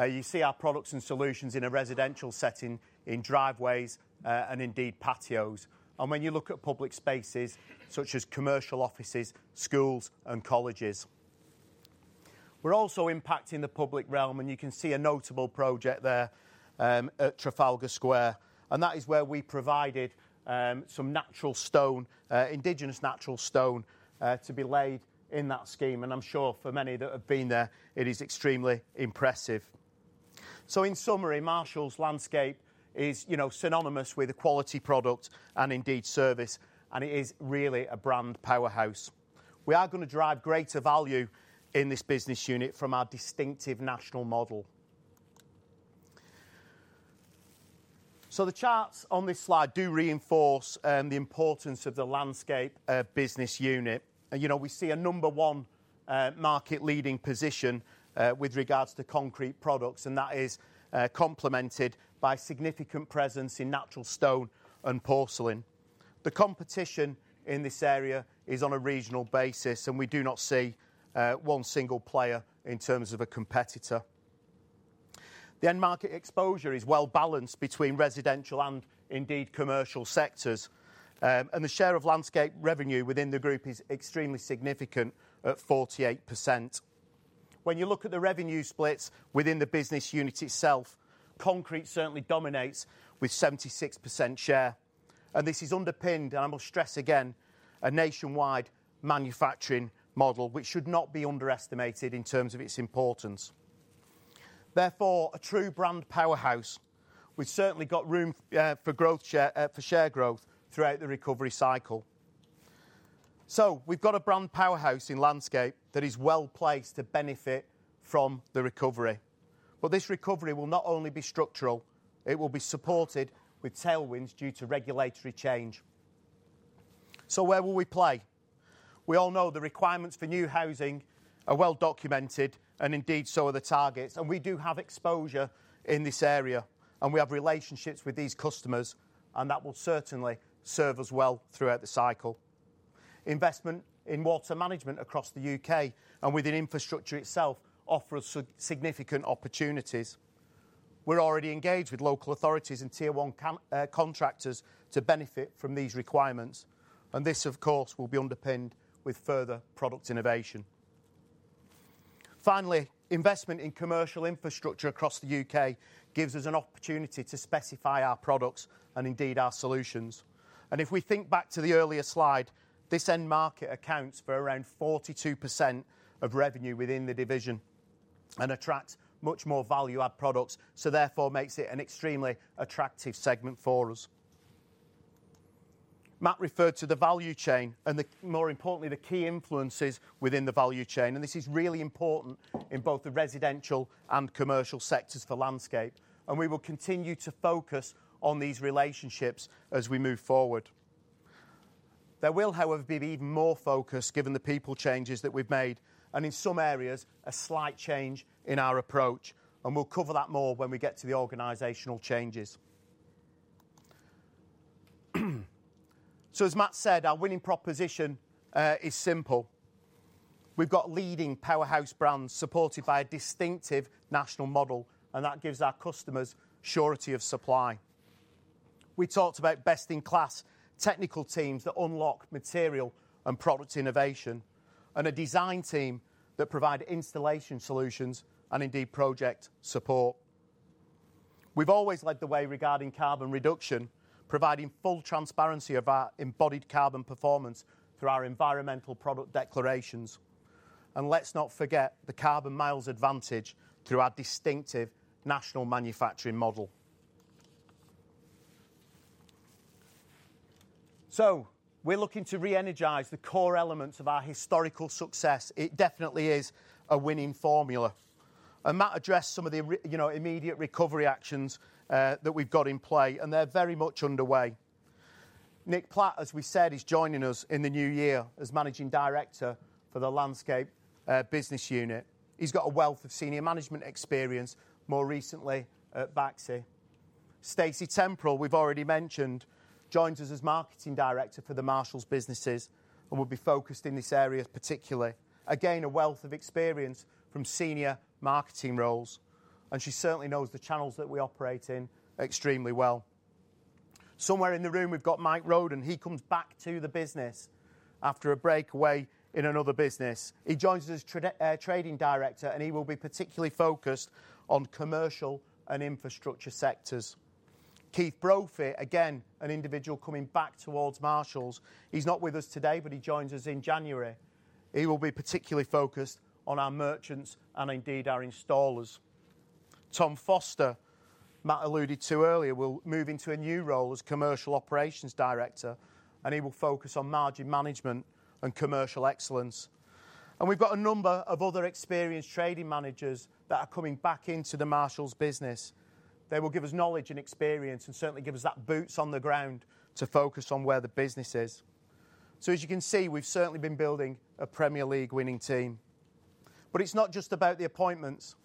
You see our products and solutions in a residential setting, in driveways, and indeed patios. And when you look at public spaces such as commercial offices, schools, and colleges, we're also impacting the public realm. And you can see a notable project there at Trafalgar Square. And that is where we provided some natural stone, indigenous natural stone to be laid in that scheme. And I'm sure for many that have been there, it is extremely impressive. So, in summary, Marshalls Landscaping is synonymous with a quality product and indeed service. And it is really a brand powerhouse. We are going to drive greater value in this business unit from our distinctive national model. So, the charts on this slide do reinforce the importance of the Landscaping business unit. We see a number one market leading position with regards to concrete products. And that is complemented by significant presence in natural stone and porcelain. The competition in this area is on a regional basis. We do not see one single player in terms of a competitor. The end market exposure is well balanced between residential and indeed commercial sectors. The share of landscape revenue within the group is extremely significant at 48%. When you look at the revenue splits within the business unit itself, concrete certainly dominates with 76% share. This is underpinned, and I must stress again, a nationwide manufacturing model, which should not be underestimated in terms of its importance. Therefore, a true brand powerhouse. We've certainly got room for share growth throughout the recovery cycle. We've got a brand powerhouse in landscape that is well placed to benefit from the recovery. This recovery will not only be structural. It will be supported with tailwinds due to regulatory change. Where will we play? We all know the requirements for new housing are well documented, and indeed so are the targets. And we do have exposure in this area. And we have relationships with these customers. And that will certainly serve us well throughout the cycle. Investment in Water Management across the U.K. and within infrastructure itself offers significant opportunities. We're already engaged with local authorities and tier one contractors to benefit from these requirements. And this, of course, will be underpinned with further product innovation. Finally, investment in commercial infrastructure across the U.K. gives us an opportunity to specify our products and indeed our solutions. And if we think back to the earlier slide, this end market accounts for around 42% of revenue within the division and attracts much more value-add products. So, therefore, it makes it an extremely attractive segment for us. Matt referred to the value chain and, more importantly, the key influences within the value chain, and this is really important in both the residential and commercial sectors for landscape, and we will continue to focus on these relationships as we move forward. There will, however, be even more focus given the people changes that we've made and, in some areas, a slight change in our approach, and we'll cover that more when we get to the organizational changes, so as Matt said, our winning proposition is simple. We've got leading powerhouse brands supported by a distinctive national model, and that gives our customers surety of supply. We talked about best-in-class technical teams that unlock material and product innovation and a design team that provide installation solutions and indeed project support. We've always led the way regarding carbon reduction, providing full transparency of our embodied carbon performance through our environmental product declarations, and let's not forget the carbon miles advantage through our distinctive national manufacturing model, so we're looking to re-energize the core elements of our historical success. It definitely is a winning formula, and Matt addressed some of the immediate recovery actions that we've got in play, and they're very much underway. Nick Platt, as we said, is joining us in the new year as Managing Director for the Landscape business unit. He's got a wealth of senior management experience, more recently at Baxi. Stacy Temple, we've already mentioned, joins us as marketing director for the Marshalls businesses and will be focused in this area particularly. Again, a wealth of experience from senior marketing roles, and she certainly knows the channels that we operate in extremely well. Somewhere in the room, we've got Mike Roden. He comes back to the business after a break away in another business. He joins us as Trading Director. And he will be particularly focused on commercial and infrastructure sectors. Keith Brophy, again, an individual coming back towards Marshalls. He's not with us today, but he joins us in January. He will be particularly focused on our merchants and indeed our installers. Tom Foster, Matt alluded to earlier, will move into a new role as Commercial Operations Director. And he will focus on margin management and commercial excellence. And we've got a number of other experienced trading managers that are coming back into the Marshalls business. They will give us knowledge and experience and certainly give us that boots on the ground to focus on where the business is. So, as you can see, we've certainly been building a Premier League-winning team. But it's not just about the appointments.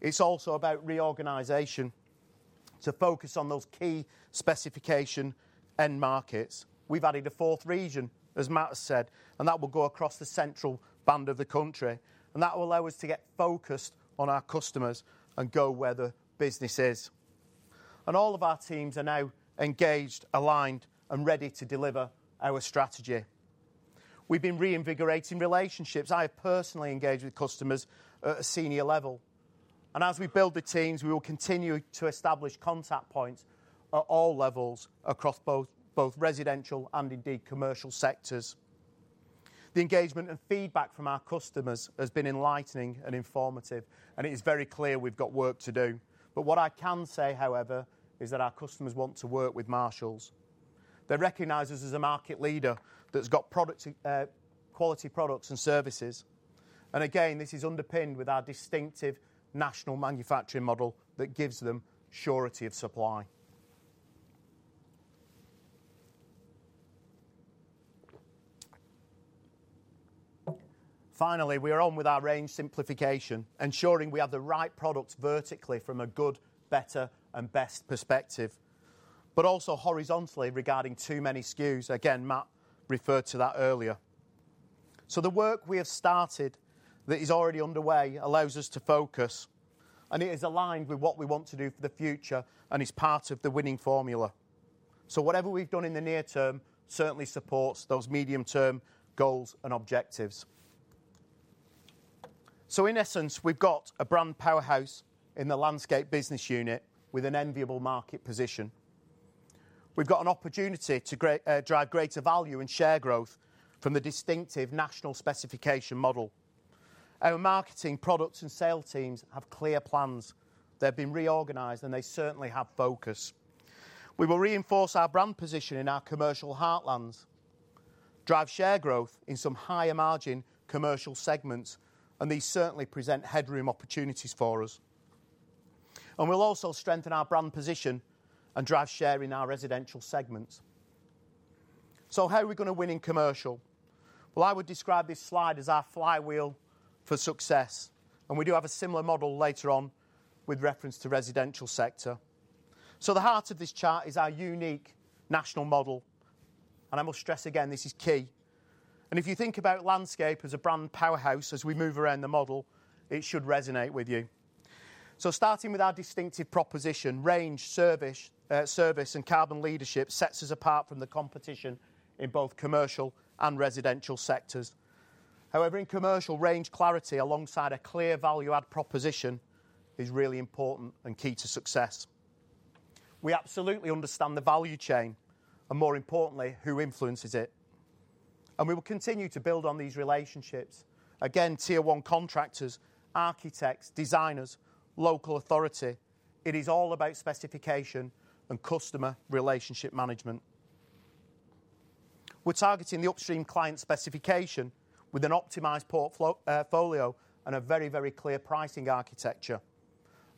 It's also about reorganization to focus on those key specification end markets. We've added a fourth region, as Matt has said. And that will go across the central band of the country. And that will allow us to get focused on our customers and go where the business is. And all of our teams are now engaged, aligned, and ready to deliver our strategy. We've been reinvigorating relationships. I have personally engaged with customers at a senior level. And as we build the teams, we will continue to establish contact points at all levels across both residential and indeed commercial sectors. The engagement and feedback from our customers has been enlightening and informative. And it is very clear we've got work to do. But what I can say, however, is that our customers want to work with Marshalls. They recognize us as a market leader that's got quality products and services. And again, this is underpinned with our distinctive national manufacturing model that gives them surety of supply. Finally, we are on with our range simplification, ensuring we have the right products vertically from a good, better, and best perspective, but also horizontally regarding too many SKUs. Again, Matt referred to that earlier. So, the work we have started that is already underway allows us to focus. And it is aligned with what we want to do for the future. And it's part of the winning formula. So, whatever we've done in the near term certainly supports those medium-term goals and objectives. So, in essence, we've got a brand powerhouse in the Landscape business unit with an enviable market position. We've got an opportunity to drive greater value and share growth from the distinctive national specification model. Our marketing products and sales teams have clear plans. They've been reorganized, and they certainly have focus. We will reinforce our brand position in our commercial heartlands, drive share growth in some higher margin commercial segments, and these certainly present headroom opportunities for us. We'll also strengthen our brand position and drive share in our residential segments. So, how are we going to win in commercial? Well, I would describe this slide as our flywheel for success. We do have a similar model later on with reference to residential sector. So, the heart of this chart is our unique national model. I must stress again, this is key. If you think about Landscape as a brand powerhouse, as we move around the model, it should resonate with you. So, starting with our distinctive proposition, range, service, and carbon leadership sets us apart from the competition in both commercial and residential sectors. However, in commercial, range clarity alongside a clear value-add proposition is really important and key to success. We absolutely understand the value chain and, more importantly, who influences it. And we will continue to build on these relationships. Again, tier one contractors, architects, designers, local authority. It is all about specification and customer relationship management. We're targeting the upstream client specification with an optimized portfolio and a very, very clear pricing architecture.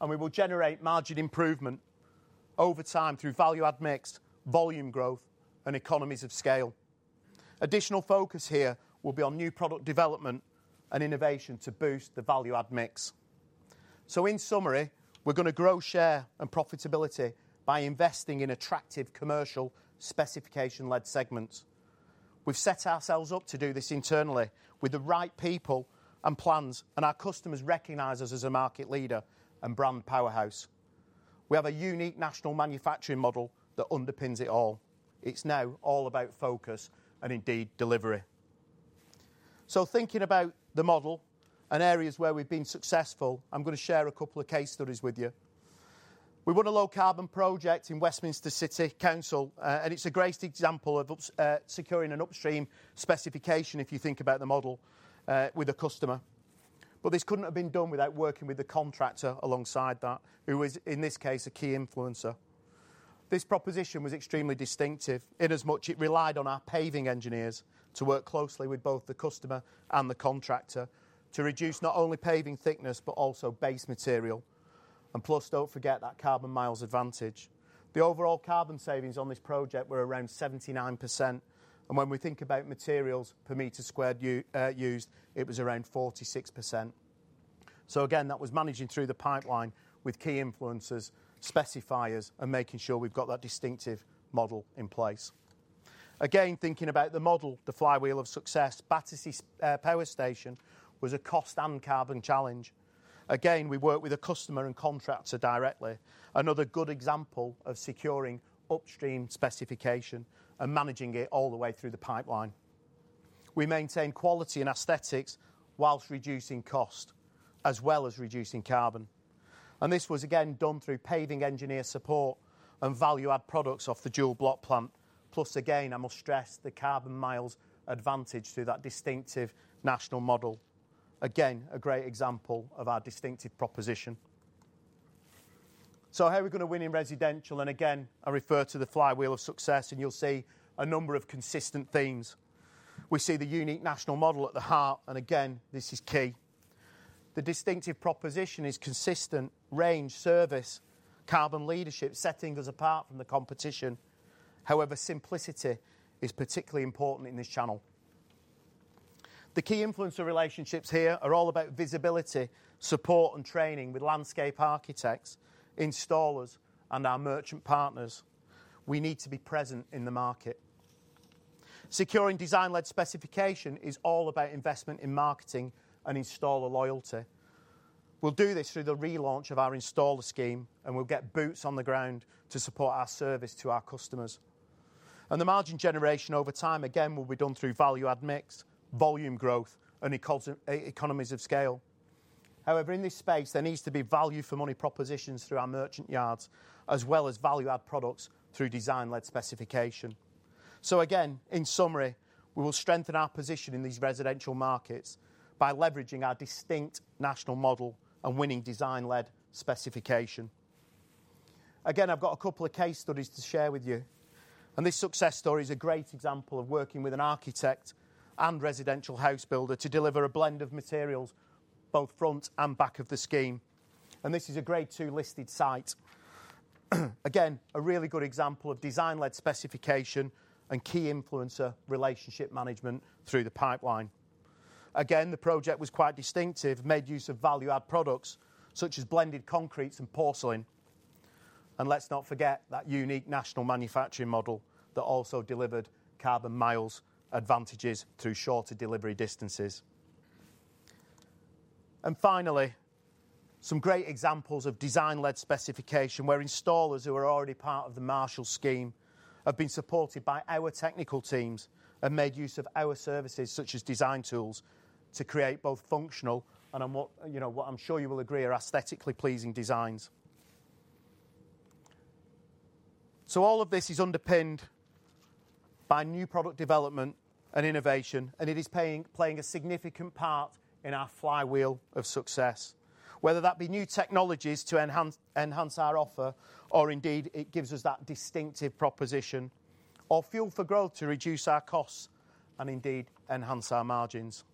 And we will generate margin improvement over time through value-add mix, volume growth, and economies of scale. Additional focus here will be on new product development and innovation to boost the value-add mix. So, in summary, we're going to grow share and profitability by investing in attractive commercial specification-led segments. We've set ourselves up to do this internally with the right people and plans. And our customers recognize us as a market leader and brand powerhouse. We have a unique national manufacturing model that underpins it all. It's now all about focus and indeed delivery. So, thinking about the model and areas where we've been successful, I'm going to share a couple of case studies with you. We won a low-carbon project in Westminster City Council. And it's a great example of securing an upstream specification if you think about the model with a customer. But this couldn't have been done without working with the contractor alongside that, who is, in this case, a key influencer. This proposition was extremely distinctive inasmuch as it relied on our paving engineers to work closely with both the customer and the contractor to reduce not only paving thickness but also base material. Plus, don't forget that carbon miles advantage. The overall carbon savings on this project were around 79%. And when we think about materials per meter squared used, it was around 46%. So, again, that was managing through the pipeline with key influencers, specifiers, and making sure we've got that distinctive model in place. Again, thinking about the model, the flywheel of success, Battersea Power Station was a cost and carbon challenge. Again, we work with a customer and contractor directly. Another good example of securing upstream specification and managing it all the way through the pipeline. We maintain quality and aesthetics while reducing cost as well as reducing carbon. And this was, again, done through paving engineer support and value-add products off the Dual Block plant. Plus, again, I must stress the carbon miles advantage through that distinctive national model. Again, a great example of our distinctive proposition. So, how are we going to win in residential? And again, I refer to the flywheel of success. And you'll see a number of consistent themes. We see the unique national model at the heart. And again, this is key. The distinctive proposition is consistent range, service, carbon leadership setting us apart from the competition. However, simplicity is particularly important in this channel. The key influencer relationships here are all about visibility, support, and training with landscape architects, installers, and our merchant partners. We need to be present in the market. Securing design-led specification is all about investment in marketing and installer loyalty. We'll do this through the relaunch of our installer scheme. And we'll get boots on the ground to support our service to our customers. And the margin generation over time, again, will be done through value-add mix, volume growth, and economies of scale. However, in this space, there needs to be value-for-money propositions through our merchant yards as well as value-add products through design-led specification. So, again, in summary, we will strengthen our position in these residential markets by leveraging our distinct national model and winning design-led specification. Again, I've got a couple of case studies to share with you. And this success story is a great example of working with an architect and residential house builder to deliver a blend of materials both front and back of the scheme. And this is a grade two listed site. Again, a really good example of design-led specification and key influencer relationship management through the pipeline. Again, the project was quite distinctive, made use of value-add products such as blended concretes and porcelain. And let's not forget that unique national manufacturing model that also delivered carbon miles advantages through shorter delivery distances. Finally, some great examples of design-led specification where installers who are already part of the Marshalls scheme have been supported by our technical teams and made use of our services such as design tools to create both functional and, what I'm sure you will agree, are aesthetically pleasing designs. All of this is underpinned by new product development and innovation. It is playing a significant part in our flywheel of success, whether that be new technologies to enhance our offer or indeed it gives us that distinctive proposition or fuel for growth to reduce our costs and indeed enhance our margins.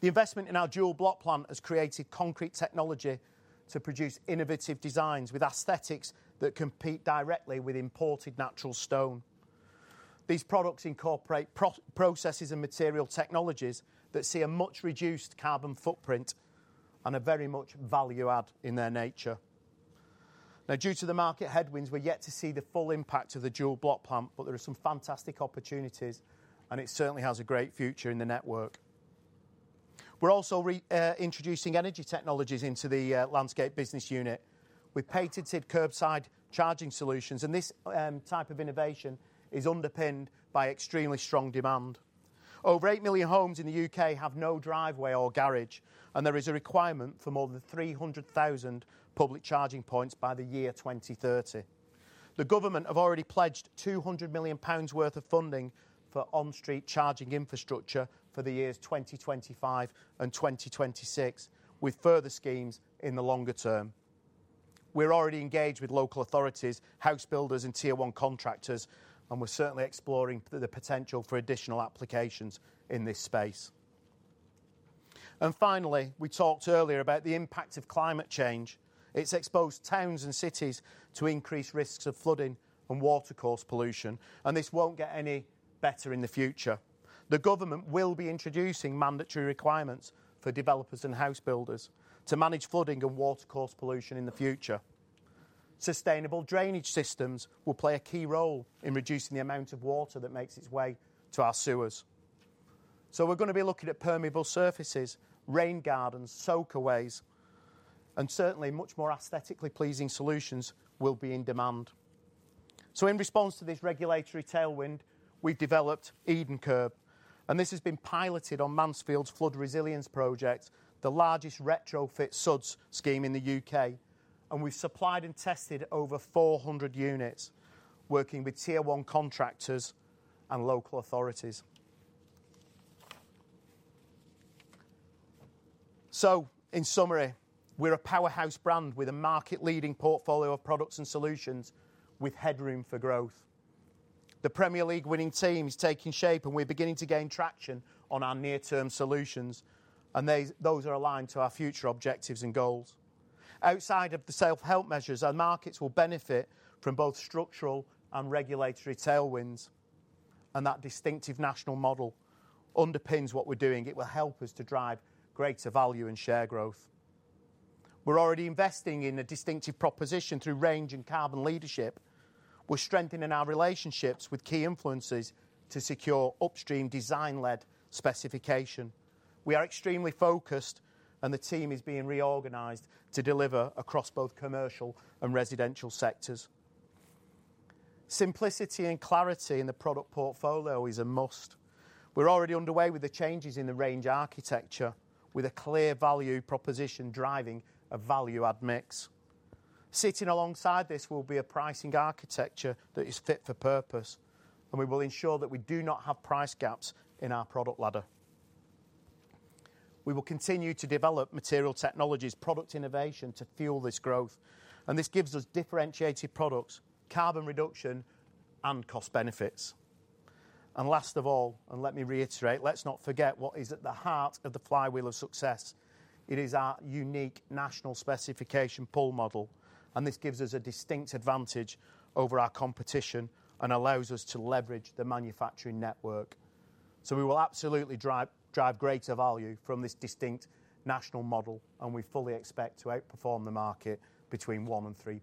The investment in our Dual Block plant has created concrete technology to produce innovative designs with aesthetics that compete directly with imported natural stone. These products incorporate processes and material technologies that see a much reduced carbon footprint and are very much value-add in their nature. Now, due to the market headwinds, we're yet to see the full impact of the Dual Block Plant, but there are some fantastic opportunities, and it certainly has a great future in the network. We're also introducing energy technologies into the Landscaping business unit with patented curbside charging solutions, and this type of innovation is underpinned by extremely strong demand. Over eight million homes in the U.K. have no driveway or garage, and there is a requirement for more than 300,000 public charging points by the year 2030. The government have already pledged 200 million pounds worth of funding for on-street charging infrastructure for the years 2025 and 2026 with further schemes in the longer term. We're already engaged with local authorities, house builders, and tier one contractors, and we're certainly exploring the potential for additional applications in this space, and finally, we talked earlier about the impact of climate change. It's exposed towns and cities to increased risks of flooding and watercourse pollution, and this won't get any better in the future. The government will be introducing mandatory requirements for developers and house builders to manage flooding and watercourse pollution in the future. Sustainable drainage systems will play a key role in reducing the amount of water that makes its way to our sewers, so we're going to be looking at permeable surfaces, rain gardens, soakaways, and certainly much more aesthetically pleasing solutions will be in demand. So, in response to this regulatory tailwind, we've developed Eden Kerb, and this has been piloted on Mansfield's flood resilience project, the largest retrofit SuDS scheme in the U.K. And we've supplied and tested over 400 units working with tier one contractors and local authorities. So, in summary, we're a powerhouse brand with a market-leading portfolio of products and solutions with headroom for growth. The Premier League-winning team is taking shape. And we're beginning to gain traction on our near-term solutions. And those are aligned to our future objectives and goals. Outside of the self-help measures, our markets will benefit from both structural and regulatory tailwinds. And that distinctive national model underpins what we're doing. It will help us to drive greater value and share growth. We're already investing in a distinctive proposition through range and carbon leadership. We're strengthening our relationships with key influencers to secure upstream design-led specification. We are extremely focused. And the team is being reorganized to deliver across both commercial and residential sectors. Simplicity and clarity in the product portfolio is a must. We're already underway with the changes in the range architecture with a clear value proposition driving a value-add mix. Sitting alongside this will be a pricing architecture that is fit for purpose, and we will ensure that we do not have price gaps in our product ladder. We will continue to develop material technologies, product innovation to fuel this growth, and this gives us differentiated products, carbon reduction, and cost benefits, and last of all, and let me reiterate, let's not forget what is at the heart of the flywheel of success. It is our unique national specification pool model, and this gives us a distinct advantage over our competition and allows us to leverage the manufacturing network, so we will absolutely drive greater value from this distinct national model, and we fully expect to outperform the market between one and three%.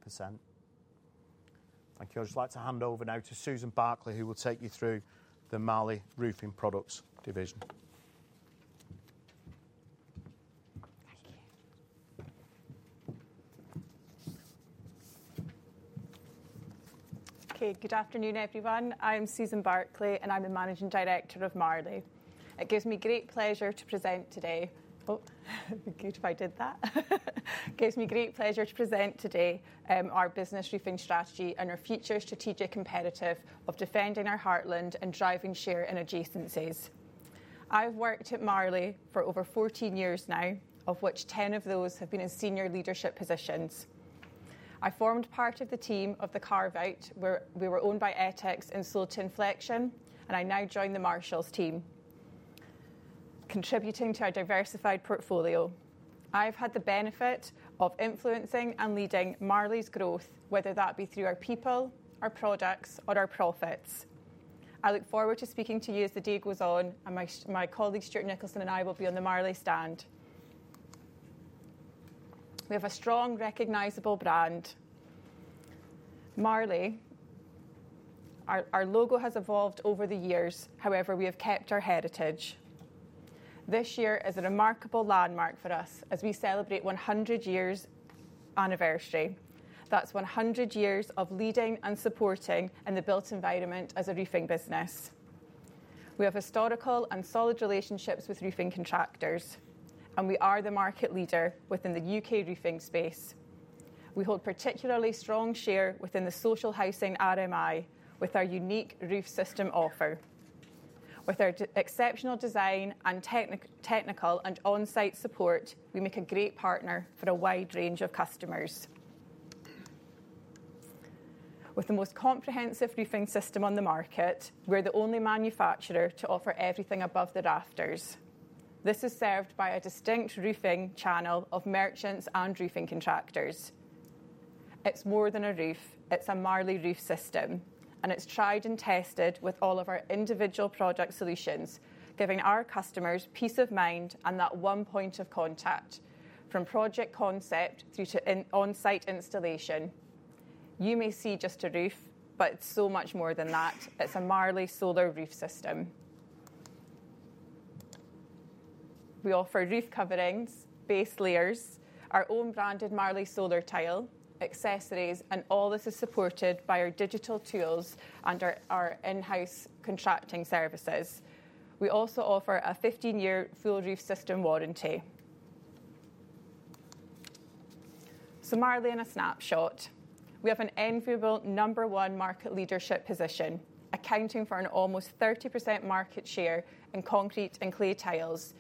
Thank you. I'd just like to hand over now to Susan Barclay, who will take you through the Marley Roofing Products division. Thank you.
Okay. Good afternoon, everyone. I'm Susan Barclay, and I'm the Managing Director of Marley. It gives me great pleasure to present today. Oh, it'd be good if I did that. It gives me great pleasure to present today our business roofing strategy and our future strategic imperative of defending our heartland and driving share in adjacencies. I've worked at Marley for over 14 years now, of which 10 of those have been in senior leadership positions. I formed part of the team of the Carve Out, where we were owned by Etex and sold to inflection. I now join the Marshalls team, contributing to our diversified portfolio. I've had the benefit of influencing and leading Marley's growth, whether that be through our people, our products, or our profits. I look forward to speaking to you as the day goes on, and my colleagues, Stuart Nicholson and I, will be on the Marley stand. We have a strong, recognizable brand, Marley. Our logo has evolved over the years. However, we have kept our heritage. This year is a remarkable landmark for us as we celebrate 100 years anniversary. That's 100 years of leading and supporting in the built environment as a roofing business. We have historical and solid relationships with roofing contractors, and we are the market leader within the U.K. roofing space. We hold a particularly strong share within the social housing RMI with our unique roof system offer. With our exceptional design and technical and on-site support, we make a great partner for a wide range of customers. With the most comprehensive roofing system on the market, we're the only manufacturer to offer everything above the rafters. This is served by a distinct roofing channel of merchants and roofing contractors. It's more than a roof. It's a Marley roof system. And it's tried and tested with all of our individual product solutions, giving our customers peace of mind and that one point of contact from project concept through to on-site installation. You may see just a roof, but it's so much more than that. It's a Marley solar roof system. We offer roof coverings, base layers, our own branded Marley solar tile accessories, and all this is supported by our digital tools and our in-house contracting services. We also offer a 15-year full roof system warranty. Marley in a snapshot. We have an enviable number one market leadership position, accounting for an almost 30% market share in concrete and clay tiles.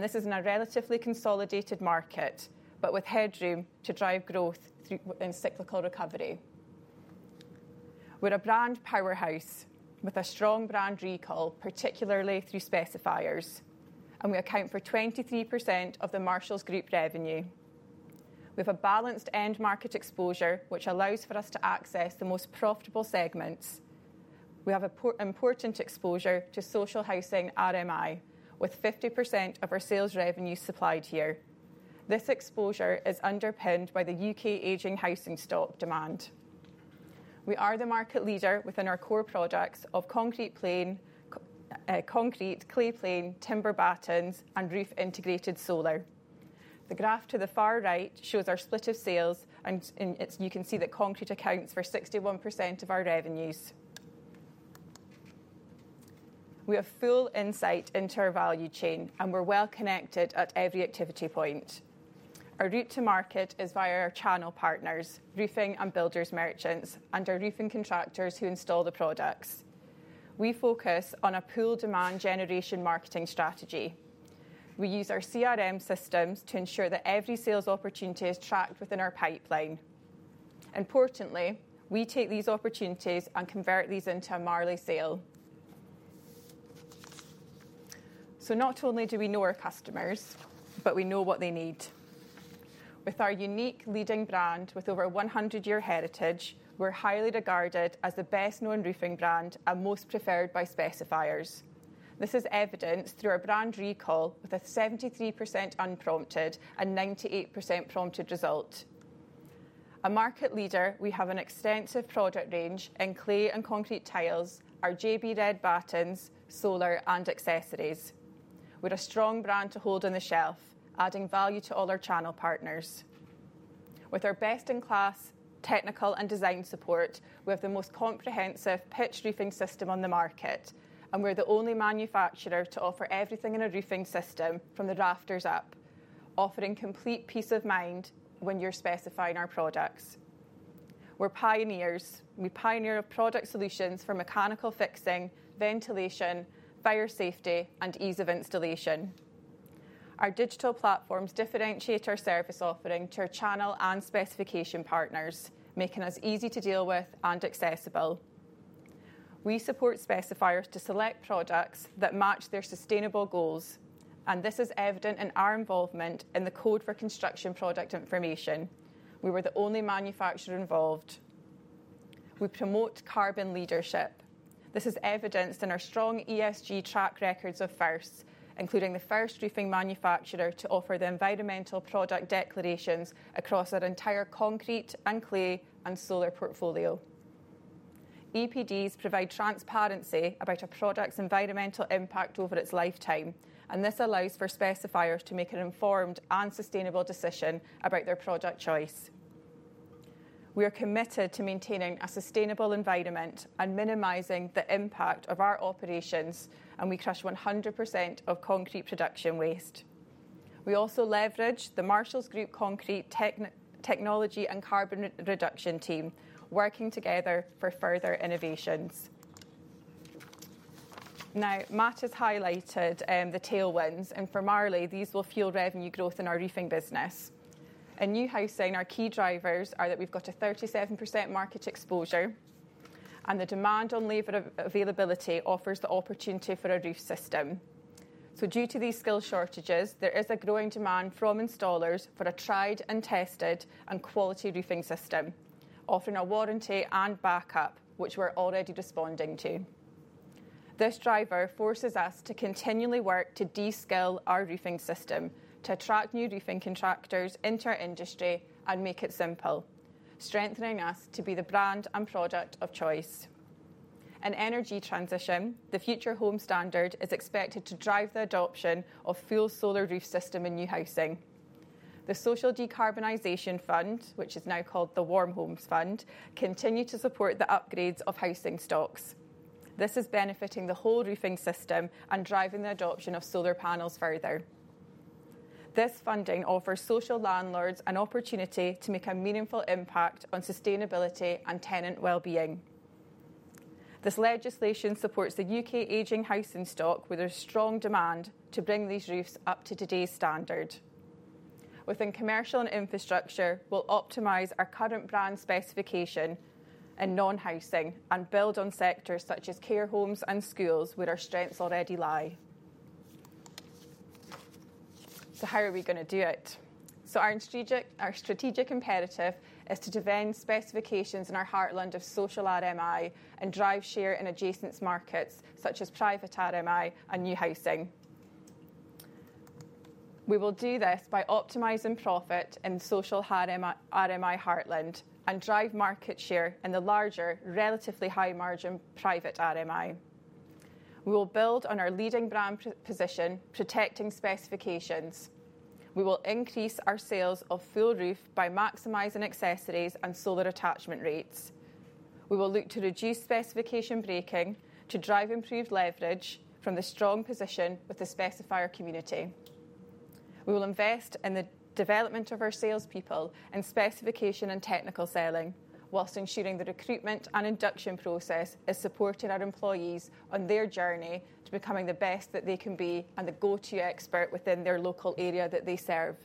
This is in a relatively consolidated market, but with headroom to drive growth through cyclical recovery. We're a brand powerhouse with a strong brand recall, particularly through specifiers. We account for 23% of the Marshalls Group revenue. We have a balanced end market exposure, which allows for us to access the most profitable segments. We have important exposure to social housing RMI, with 50% of our sales revenue supplied here. This exposure is underpinned by the U.K. aging housing stock demand. We are the market leader within our core products of concrete, clay plain, timber battens, and roof integrated solar. The graph to the far right shows our split of sales. You can see that concrete accounts for 61% of our revenues. We have full insight into our value chain. We're well connected at every activity point. Our route to market is via our channel partners, roofing and builders merchants, and our roofing contractors who install the products. We focus on a pull demand generation marketing strategy. We use our CRM systems to ensure that every sales opportunity is tracked within our pipeline. Importantly, we take these opportunities and convert these into a Marley sale. So, not only do we know our customers, but we know what they need. With our unique leading brand with over a 100-year heritage, we're highly regarded as the best-known roofing brand and most preferred by specifiers. This is evident through our brand recall with a 73% unprompted and 98% prompted result. A market leader, we have an extensive product range in clay and concrete tiles, our JB Red battens, solar, and accessories. We're a strong brand to hold on the shelf, adding value to all our channel partners. With our best-in-class technical and design support, we have the most comprehensive pitch roofing system on the market, and we're the only manufacturer to offer everything in a roofing system from the rafters up, offering complete peace of mind when you're specifying our products. We're pioneers. We pioneer our product solutions for mechanical fixing, ventilation, fire safety, and ease of installation. Our digital platforms differentiate our service offering to our channel and specification partners, making us easy to deal with and accessible. We support specifiers to select products that match their sustainable goals. This is evident in our involvement in the Code for Construction Product Information. We were the only manufacturer involved. We promote carbon leadership. This is evidenced in our strong ESG track records of first, including the first roofing manufacturer to offer the environmental product declarations across our entire concrete and clay and solar portfolio. EPDs provide transparency about a product's environmental impact over its lifetime. And this allows for specifiers to make an informed and sustainable decision about their product choice. We are committed to maintaining a sustainable environment and minimizing the impact of our operations. And we crush 100% of concrete production waste. We also leverage the Marshalls Group concrete technology and carbon reduction team, working together for further innovations. Now, Matt has highlighted the tailwinds. And for Marley, these will fuel revenue growth in our roofing business. In new housing, our key drivers are that we've got a 37% market exposure. And the demand on labor availability offers the opportunity for a roof system. Due to these skill shortages, there is a growing demand from installers for a tried and tested and quality roofing system, offering a warranty and backup, which we're already responding to. This driver forces us to continually work to descale our roofing system to attract new roofing contractors into our industry and make it simple, strengthening us to be the brand and product of choice. In energy transition, the Future Homes Standard is expected to drive the adoption of full solar roof system in new housing. The Social Housing Decarbonization Fund, which is now called the Warm Homes: Social Housing Fund, continues to support the upgrades of housing stocks. This is benefiting the whole roofing system and driving the adoption of solar panels further. This funding offers social landlords an opportunity to make a meaningful impact on sustainability and tenant well-being. This legislation supports the U.K. aging housing stock with a strong demand to bring these roofs up to today's standard. Within commercial and infrastructure, we'll optimize our current brand specification in non-housing and build on sectors such as care homes and schools, where our strengths already lie. So, how are we going to do it? So, our strategic imperative is to defend specifications in our heartland of social RMI and drive share in adjacent markets such as private RMI and new housing. We will do this by optimizing profit in social RMI heartland and drive market share in the larger, relatively high-margin private RMI. We will build on our leading brand position, protecting specifications. We will increase our sales of full roof by maximizing accessories and solar attachment rates. We will look to reduce specification breaking to drive improved leverage from the strong position with the specifier community. We will invest in the development of our salespeople in specification and technical selling, whilst ensuring the recruitment and induction process is supporting our employees on their journey to becoming the best that they can be and the go-to expert within their local area that they serve.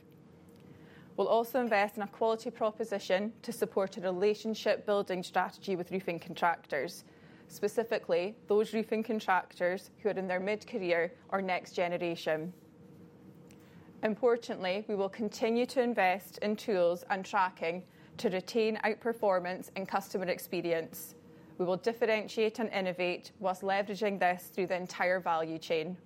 We'll also invest in a quality proposition to support a relationship-building strategy with roofing contractors, specifically those roofing contractors who are in their mid-career or next generation. Importantly, we will continue to invest in tools and tracking to retain outperformance in customer experience. We will differentiate and innovate, whilst leveraging this through the entire value chain.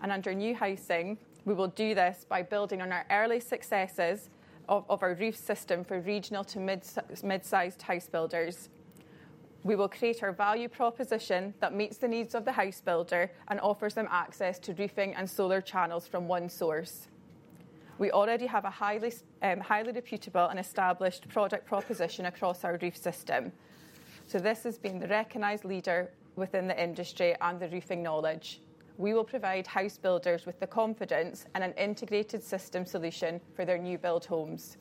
And under new housing, we will do this by building on our early successes of our roof system for regional to mid-sized house builders. We will create our value proposition that meets the needs of the house builder and offers them access to roofing and solar channels from one source. We already have a highly reputable and established product proposition across our roof system, so this has been the recognized leader within the industry and the roofing knowledge. We will provide house builders with the confidence and an integrated system solution for their new-build homes.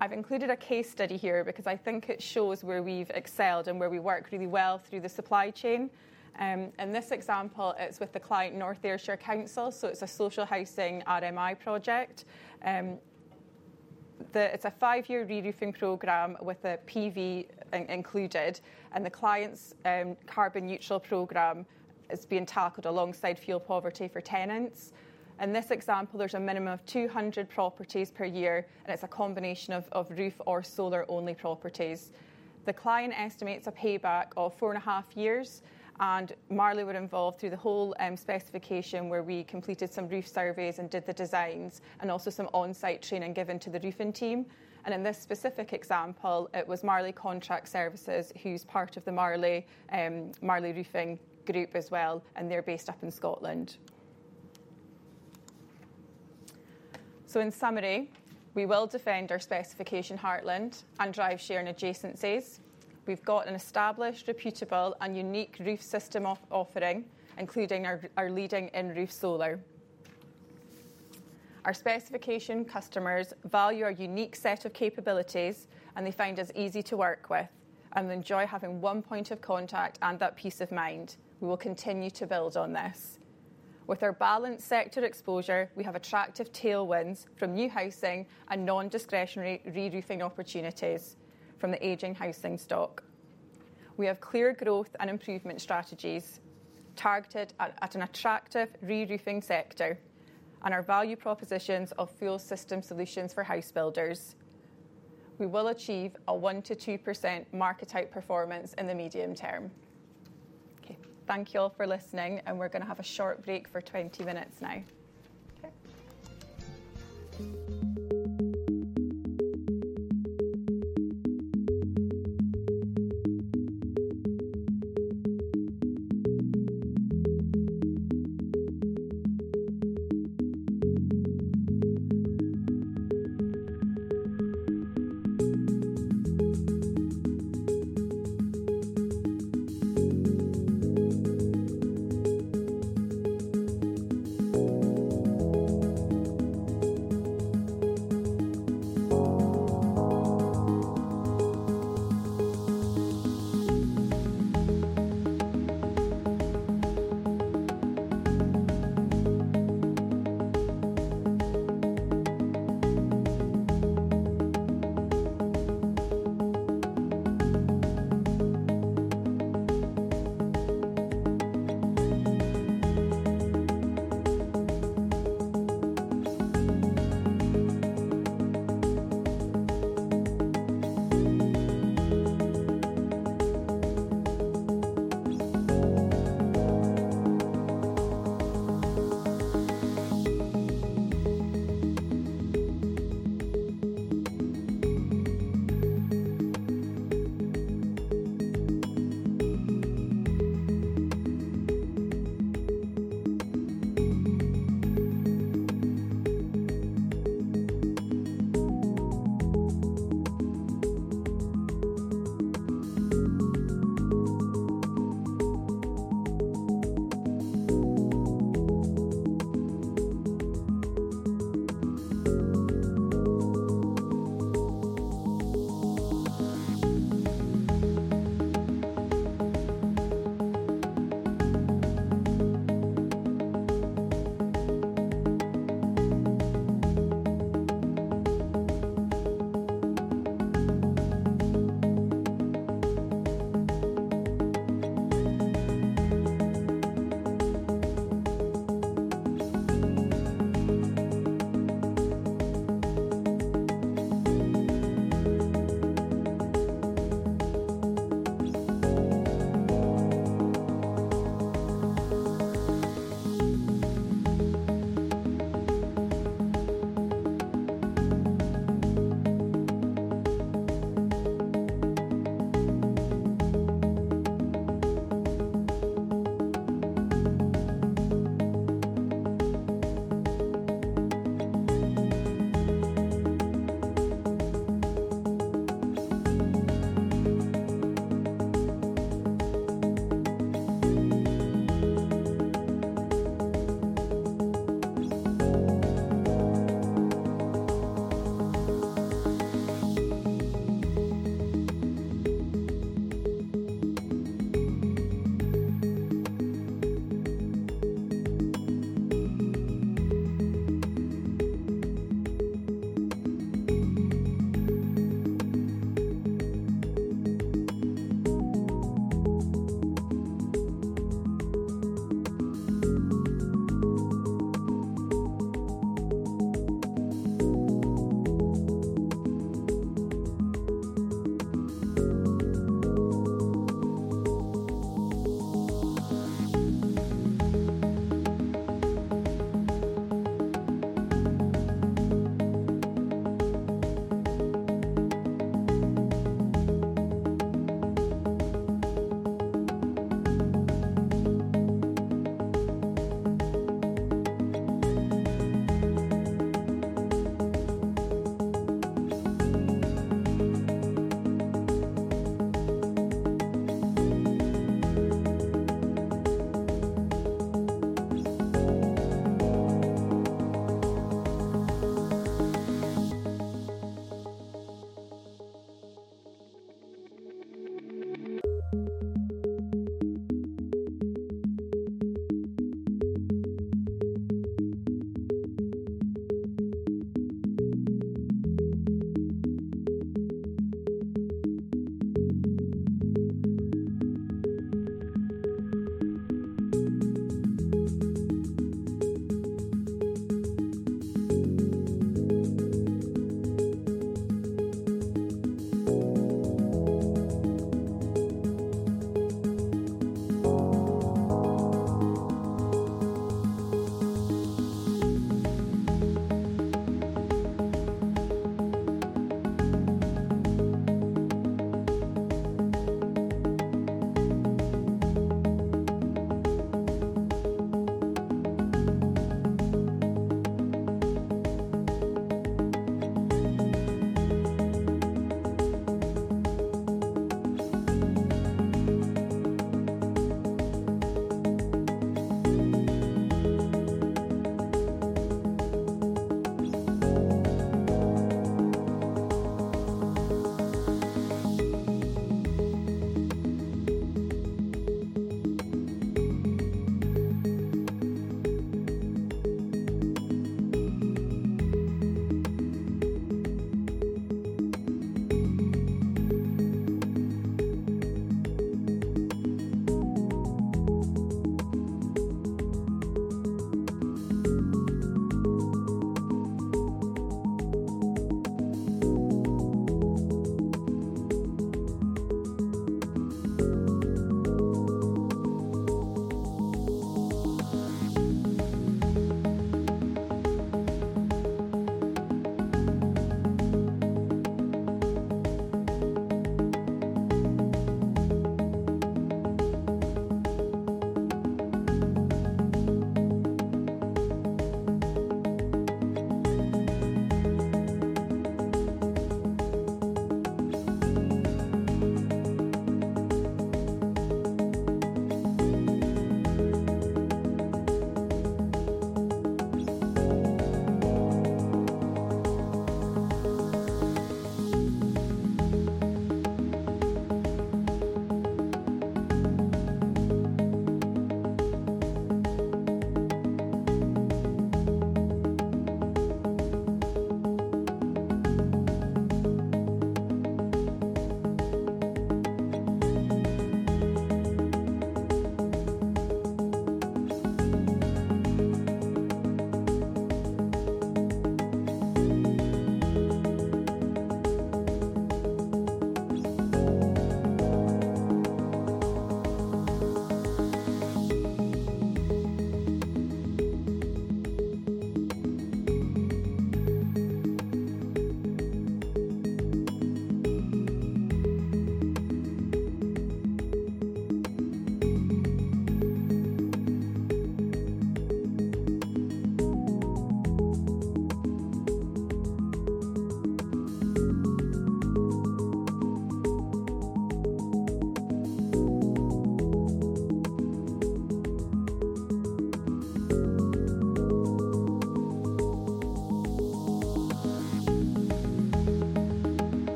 I've included a case study here because I think it shows where we've excelled and where we work really well through the supply chain. In this example, it's with the client North Ayrshire Council, so it's a social housing RMI project. It's a five-year reroofing program with a PV included, and the client's carbon neutral program is being tackled alongside fuel poverty for tenants. In this example, there's a minimum of 200 properties per year. It's a combination of roof or solar-only properties. The client estimates a payback of four and a half years. Marley were involved through the whole specification, where we completed some roof surveys and did the designs and also some on-site training given to the roofing team. In this specific example, it was Marley Contract Services, who's part of the Marley Roofing Group as well. They're based up in Scotland. In summary, we will defend our specification heartland and drive share in adjacencies. We've got an established, reputable, and unique roof system offering, including our leading-in roof solar. Our specification customers value our unique set of capabilities. They find it easy to work with. They enjoy having one point of contact and that peace of mind. We will continue to build on this. With our balanced sector exposure, we have attractive tailwinds from new housing and non-discretionary reroofing opportunities from the aging housing stock. We have clear growth and improvement strategies targeted at an attractive reroofing sector and our value propositions of full system solutions for house builders. We will achieve a 1%-2% market-out performance in the medium term. Okay. Thank you all for listening, and we're going to have a short break for 20 minutes now.
Okay. Back, everybody.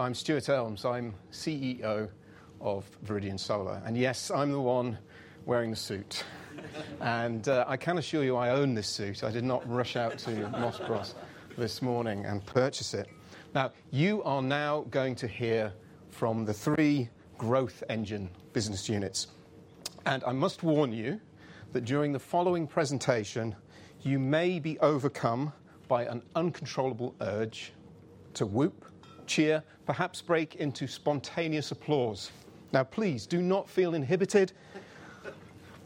I'm Stuart Elms. I'm CEO of Viridian Solar. And yes, I'm the one wearing the suit. And I can assure you I own this suit. I did not rush out to Moss Bros this morning and purchase it. Now, you are now going to hear from the three Growth Engine business units. I must warn you that during the following presentation, you may be overcome by an uncontrollable urge to whoop, cheer, perhaps break into spontaneous applause. Now, please do not feel inhibited.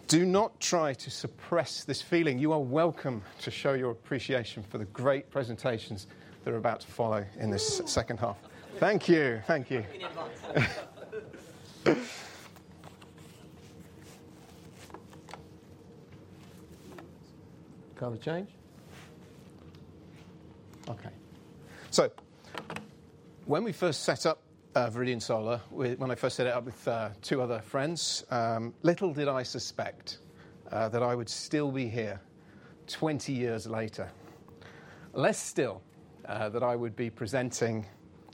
Do not try to suppress this feeling. You are welcome to show your appreciation for the great presentations that are about to follow in this second half. Thank you. Thank you. Color change? OK. So when we first set up Viridian Solar, when I first set it up with two other friends, little did I suspect that I would still be here 20 years later, less still that I would be presenting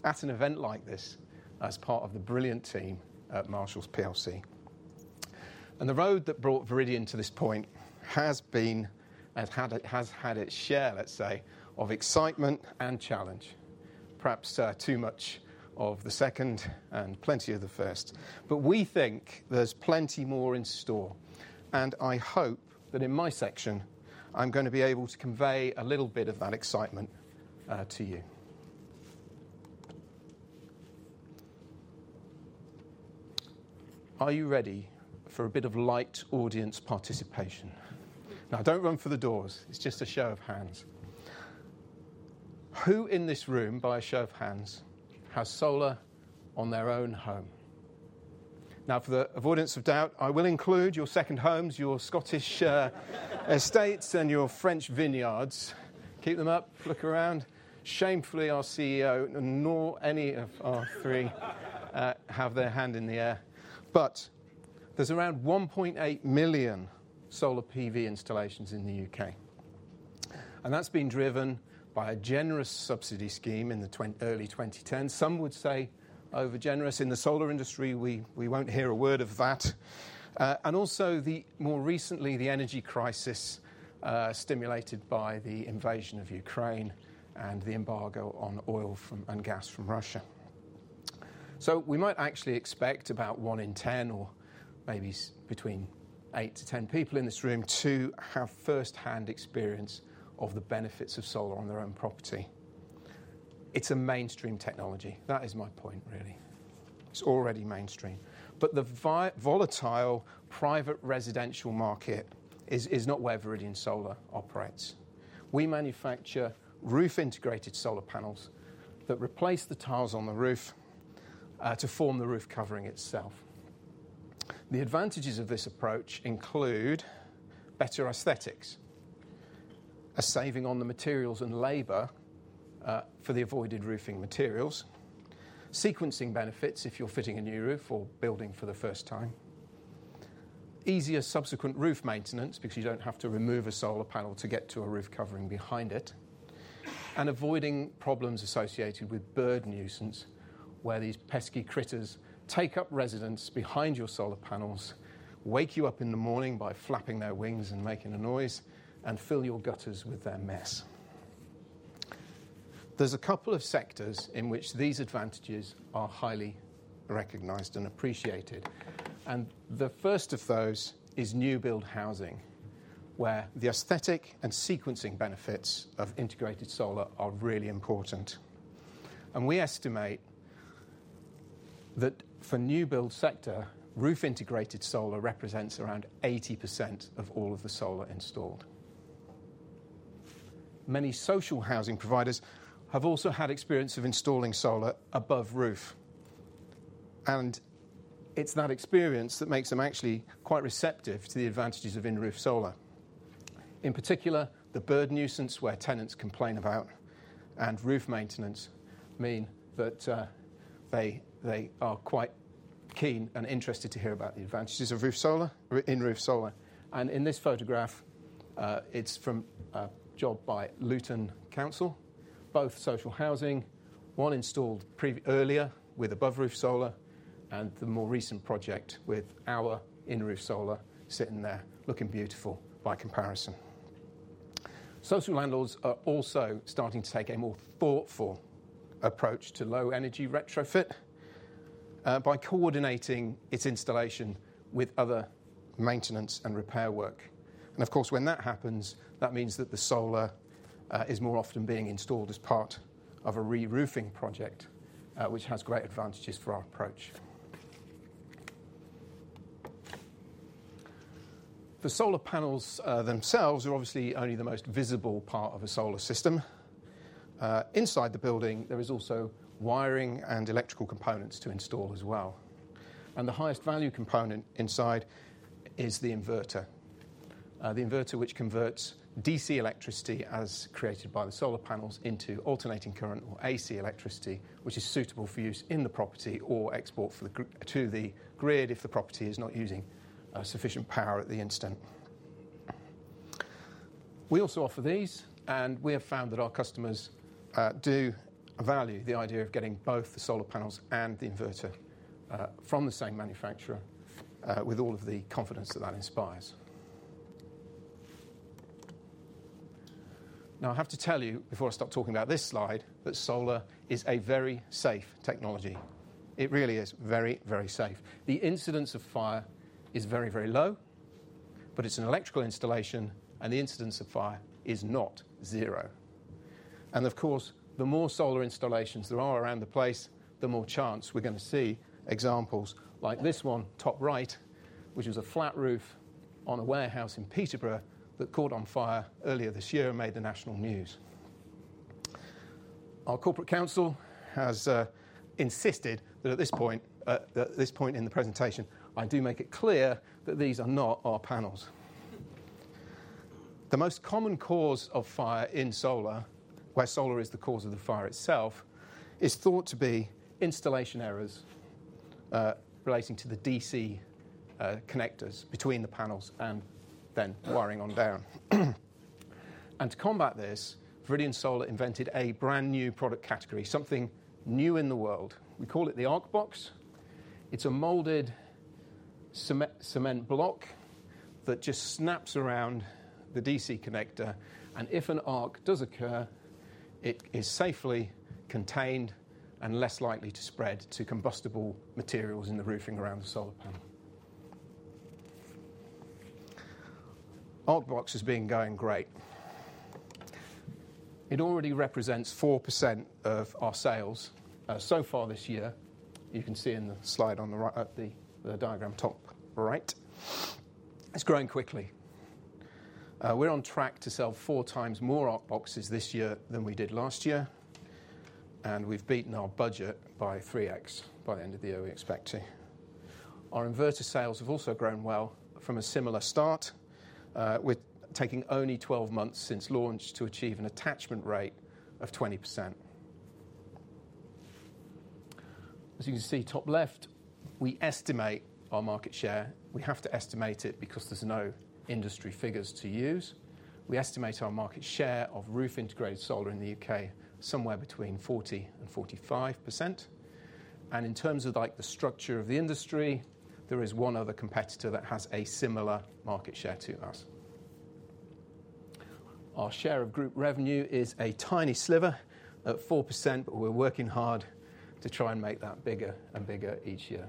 at an event like this as part of the brilliant team at Marshalls plc. The road that brought Viridian to this point has been and has had its share, let's say, of excitement and challenge, perhaps too much of the second and plenty of the first. We think there's plenty more in store. I hope that in my section, I'm going to be able to convey a little bit of that excitement to you. Are you ready for a bit of light audience participation? Now, don't run for the doors. It's just a show of hands. Who in this room, by a show of hands, has solar on their own home? Now, for the avoidance of doubt, I will include your second homes, your Scottish estates, and your French vineyards. Keep them up. Look around. Shamefully, our CEO nor any of our three have their hand in the air. There's around 1.8 million solar PV installations in the U.K.. That's been driven by a generous subsidy scheme in the early 2010s. Some would say over-generous. In the solar industry, we won't hear a word of that. And also, more recently, the energy crisis stimulated by the invasion of Ukraine and the embargo on oil and gas from Russia. So we might actually expect about one in 10, or maybe between eight to 10 people in this room, to have firsthand experience of the benefits of solar on their own property. It's a mainstream technology. That is my point, really. It's already mainstream. But the volatile private residential market is not where Viridian Solar operates. We manufacture roof-integrated solar panels that replace the tiles on the roof to form the roof covering itself. The advantages of this approach include better aesthetics, a saving on the materials and labor for the avoided roofing materials, sequencing benefits if you're fitting a new roof or building for the first time, easier subsequent roof maintenance because you don't have to remove a solar panel to get to a roof covering behind it, and avoiding problems associated with bird nuisance, where these pesky critters take up residence behind your solar panels, wake you up in the morning by flapping their wings and making a noise, and fill your gutters with their mess. There's a couple of sectors in which these advantages are highly recognized and appreciated, and the first of those is new-build housing, where the aesthetic and sequencing benefits of integrated solar are really important, and we estimate that for new-build sector, roof-integrated solar represents around 80% of all of the solar installed. Many social housing providers have also had experience of installing solar above roof. And it's that experience that makes them actually quite receptive to the advantages of in-roof solar. In particular, the bird nuisance, where tenants complain about, and roof maintenance mean that they are quite keen and interested to hear about the advantages of in-roof solar. And in this photograph, it's from a job by Luton Council. Both social housing, one installed earlier with above-roof solar, and the more recent project with our in-roof solar sitting there, looking beautiful by comparison. Social landlords are also starting to take a more thoughtful approach to low-energy retrofit by coordinating its installation with other maintenance and repair work. And of course, when that happens, that means that the solar is more often being installed as part of a reroofing project, which has great advantages for our approach. The solar panels themselves are obviously only the most visible part of a solar system. Inside the building, there is also wiring and electrical components to install as well, and the highest value component inside is the inverter, the inverter which converts DC electricity, as created by the solar panels, into alternating current or AC electricity, which is suitable for use in the property or export to the grid if the property is not using sufficient power at the instant. We also offer these, and we have found that our customers do value the idea of getting both the solar panels and the inverter from the same manufacturer with all of the confidence that that inspires. Now, I have to tell you before I stop talking about this slide that solar is a very safe technology. It really is very, very safe. The incidence of fire is very, very low. But it's an electrical installation, and the incidence of fire is not zero. And of course, the more solar installations there are around the place, the more chance we're going to see examples like this one top right, which was a flat roof on a warehouse in Peterborough that caught on fire earlier this year and made the national news. Our corporate counsel has insisted that at this point, at this point in the presentation, I do make it clear that these are not our panels. The most common cause of fire in solar, where solar is the cause of the fire itself, is thought to be installation errors relating to the DC connectors between the panels and then wiring on down. And to combat this, Viridian Solar invented a brand new product category, something new in the world. We call it the ArcBox. It's a molded cement block that just snaps around the DC connector. If an arc does occur, it is safely contained and less likely to spread to combustible materials in the roofing around the solar panel. ArcBox has been going great. It already represents 4% of our sales so far this year. You can see in the slide on the diagram top right. It's growing quickly. We're on track to sell four times more ArcBoxes this year than we did last year. We've beaten our budget by 3x. By the end of the year, we expect to. Our inverter sales have also grown well from a similar start, with taking only 12 months since launch to achieve an attachment rate of 20%. As you can see top left, we estimate our market share. We have to estimate it because there's no industry figures to use. We estimate our market share of roof-integrated solar in the U.K. somewhere between 40% and 45%. And in terms of the structure of the industry, there is one other competitor that has a similar market share to us. Our share of group revenue is a tiny sliver at 4%, but we're working hard to try and make that bigger and bigger each year.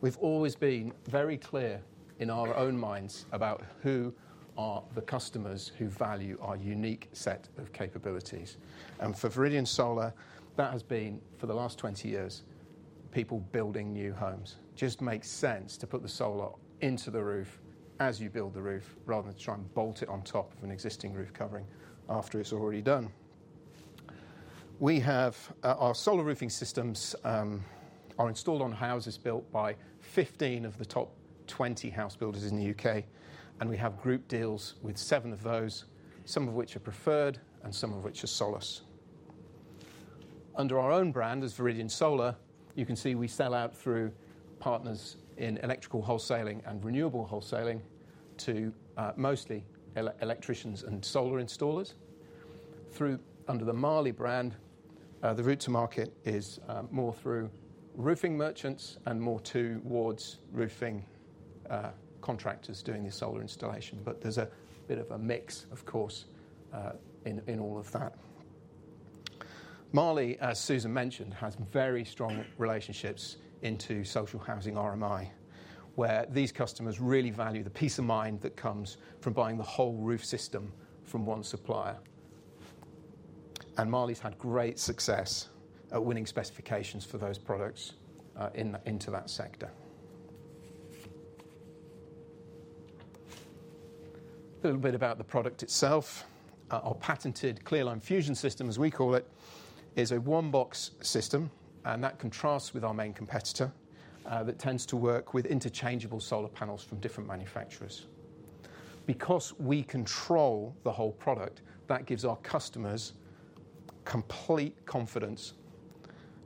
We've always been very clear in our own minds about who are the customers who value our unique set of capabilities. And for Viridian Solar, that has been, for the last 20 years, people building new homes. It just makes sense to put the solar into the roof as you build the roof rather than try and bolt it on top of an existing roof covering after it's already done. Our solar roofing systems are installed on houses built by 15 of the top 20 house builders in the U.K.. And we have group deals with seven of those, some of which are preferred and some of which are sole. Under our own brand, as Viridian Solar, you can see we sell out through partners in electrical wholesaling and renewable wholesaling to mostly electricians and solar installers. Under the Marley brand, the route to market is more through roofing merchants and more towards roofing contractors doing the solar installation. But there's a bit of a mix, of course, in all of that. Marley, as Susan mentioned, has very strong relationships into social housing RMI, where these customers really value the peace of mind that comes from buying the whole roof system from one supplier. And Marley's had great success at winning specifications for those products into that sector. A little bit about the product itself. Our patented Clearline Fusion system, as we call it, is a one-box system, and that contrasts with our main competitor that tends to work with interchangeable solar panels from different manufacturers. Because we control the whole product, that gives our customers complete confidence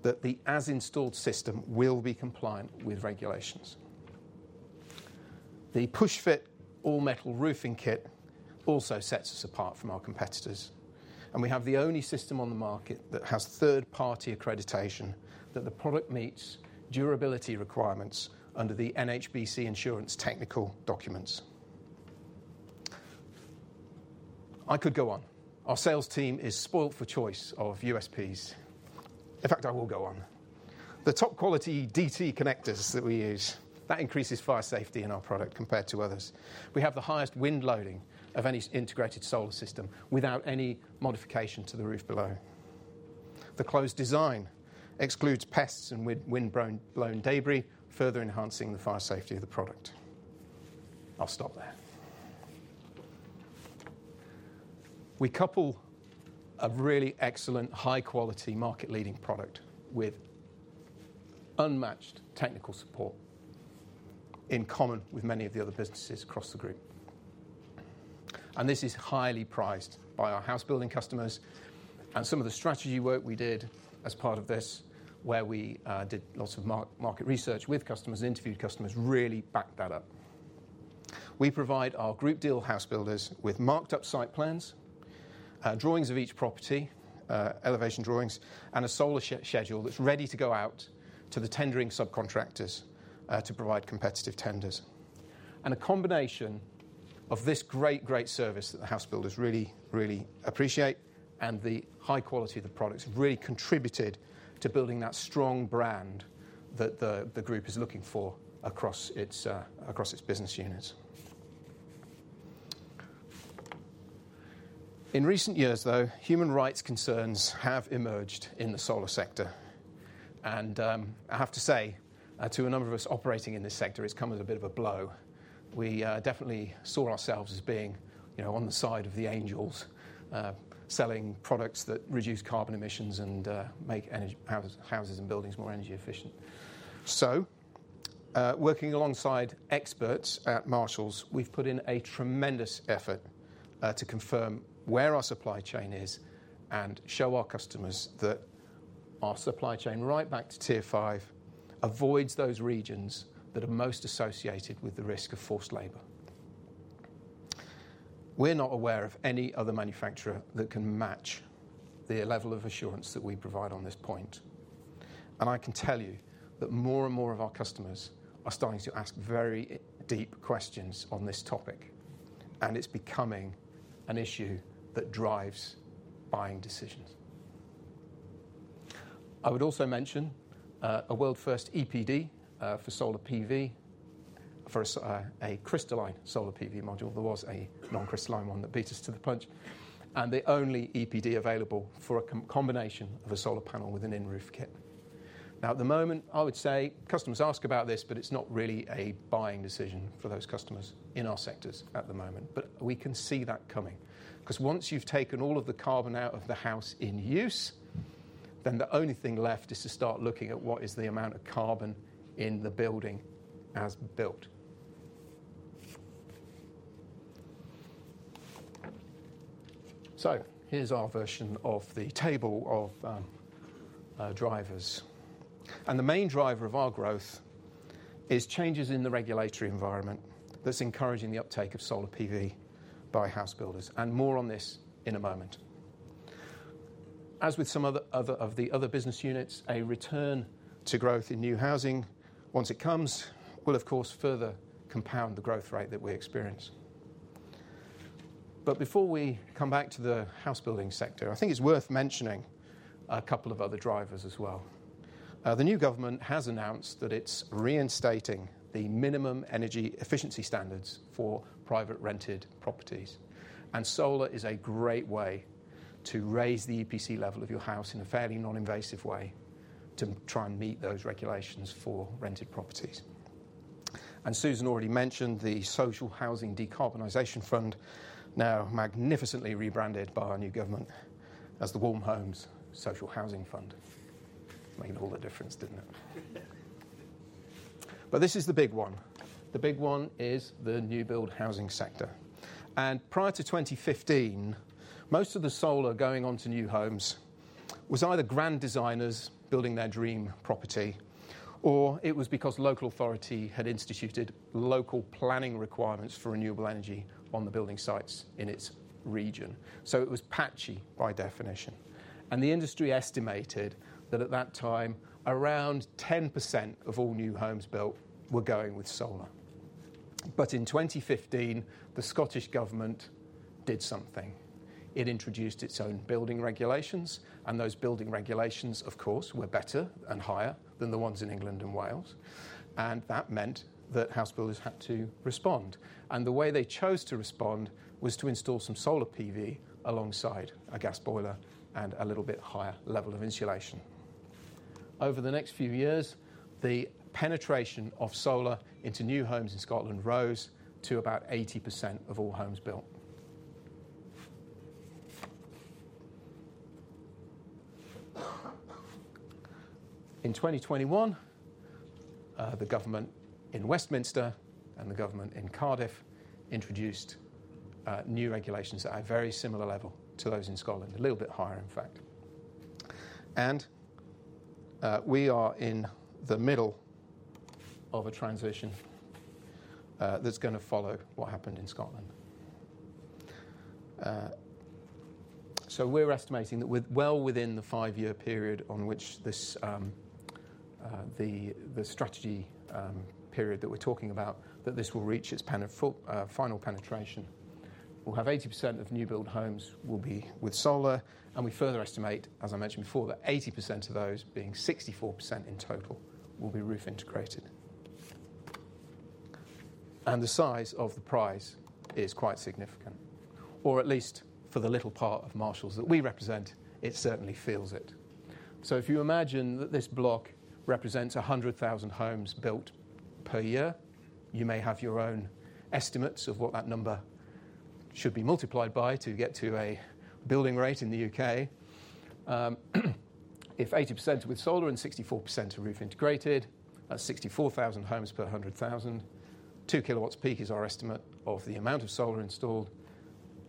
that the as-installed system will be compliant with regulations. The PushFit all-metal roofing kit also sets us apart from our competitors, and we have the only system on the market that has third-party accreditation that the product meets durability requirements under the NHBC insurance technical documents. I could go on. Our sales team is spoiled for choice of USPs. In fact, I will go on. The top-quality DT connectors that we use, that increases fire safety in our product compared to others. We have the highest wind loading of any integrated solar system without any modification to the roof below. The closed design excludes pests and wind-blown debris, further enhancing the fire safety of the product. I'll stop there. We couple a really excellent, high-quality, market-leading product with unmatched technical support in common with many of the other businesses across the group. And this is highly prized by our house-building customers. And some of the strategy work we did as part of this, where we did lots of market research with customers and interviewed customers, really backed that up. We provide our group deal house builders with marked-up site plans, drawings of each property, elevation drawings, and a solar schedule that's ready to go out to the tendering subcontractors to provide competitive tenders. A combination of this great, great service that the house builders really, really appreciate and the high quality of the products have really contributed to building that strong brand that the group is looking for across its business units. In recent years, though, human rights concerns have emerged in the solar sector. I have to say, to a number of us operating in this sector, it's come as a bit of a blow. We definitely saw ourselves as being on the side of the angels, selling products that reduce carbon emissions and make houses and buildings more energy efficient. Working alongside experts at Marshalls, we've put in a tremendous effort to confirm where our supply chain is and show our customers that our supply chain, right back to tier five, avoids those regions that are most associated with the risk of forced labor. We're not aware of any other manufacturer that can match the level of assurance that we provide on this point. And I can tell you that more and more of our customers are starting to ask very deep questions on this topic. And it's becoming an issue that drives buying decisions. I would also mention a world-first EPD for solar PV, for a crystalline solar PV module. There was a non-crystalline one that beat us to the punch. And the only EPD available for a combination of a solar panel with an in-roof kit. Now, at the moment, I would say customers ask about this, but it's not really a buying decision for those customers in our sectors at the moment. But we can see that coming. Because once you've taken all of the carbon out of the house in use, then the only thing left is to start looking at what is the amount of carbon in the building as built. So here's our version of the table of drivers. And the main driver of our growth is changes in the regulatory environment that's encouraging the uptake of solar PV by house builders. And more on this in a moment. As with some of the other business units, a return to growth in new housing, once it comes, will, of course, further compound the growth rate that we experience. But before we come back to the house-building sector, I think it's worth mentioning a couple of other drivers as well. The new government has announced that it's reinstating the minimum energy efficiency standards for private rented properties. Solar is a great way to raise the EPC level of your house in a fairly non-invasive way to try and meet those regulations for rented properties. Susan already mentioned the Social Housing Decarbonization Fund, now magnificently rebranded by our new government as the Warm Homes Social Housing Fund. It made all the difference, didn't it? This is the big one. The big one is the new-build housing sector. Prior to 2015, most of the solar going on to new homes was either grand designers building their dream property, or it was because local authority had instituted local planning requirements for renewable energy on the building sites in its region. It was patchy by definition. The industry estimated that at that time, around 10% of all new homes built were going with solar. In 2015, the Scottish Government did something. It introduced its own building regulations. And those building regulations, of course, were better and higher than the ones in England and Wales. And that meant that house builders had to respond. And the way they chose to respond was to install some solar PV alongside a gas boiler and a little bit higher level of insulation. Over the next few years, the penetration of solar into new homes in Scotland rose to about 80% of all homes built. In 2021, the government in Westminster and the government in Cardiff introduced new regulations at a very similar level to those in Scotland, a little bit higher, in fact. And we are in the middle of a transition that's going to follow what happened in Scotland. So we're estimating that we're well within the five-year period on which the strategy period that we're talking about, that this will reach its final penetration. We'll have 80% of new-build homes will be with solar. And we further estimate, as I mentioned before, that 80% of those, being 64% in total, will be roof-integrated. And the size of the prize is quite significant. Or at least for the little part of Marshalls that we represent, it certainly feels it. So if you imagine that this block represents 100,000 homes built per year, you may have your own estimates of what that number should be multiplied by to get to a building rate in the U.K.. If 80% with solar and 64% roof-integrated, that's 64,000 homes per 100,000. Two kilowatts peak is our estimate of the amount of solar installed.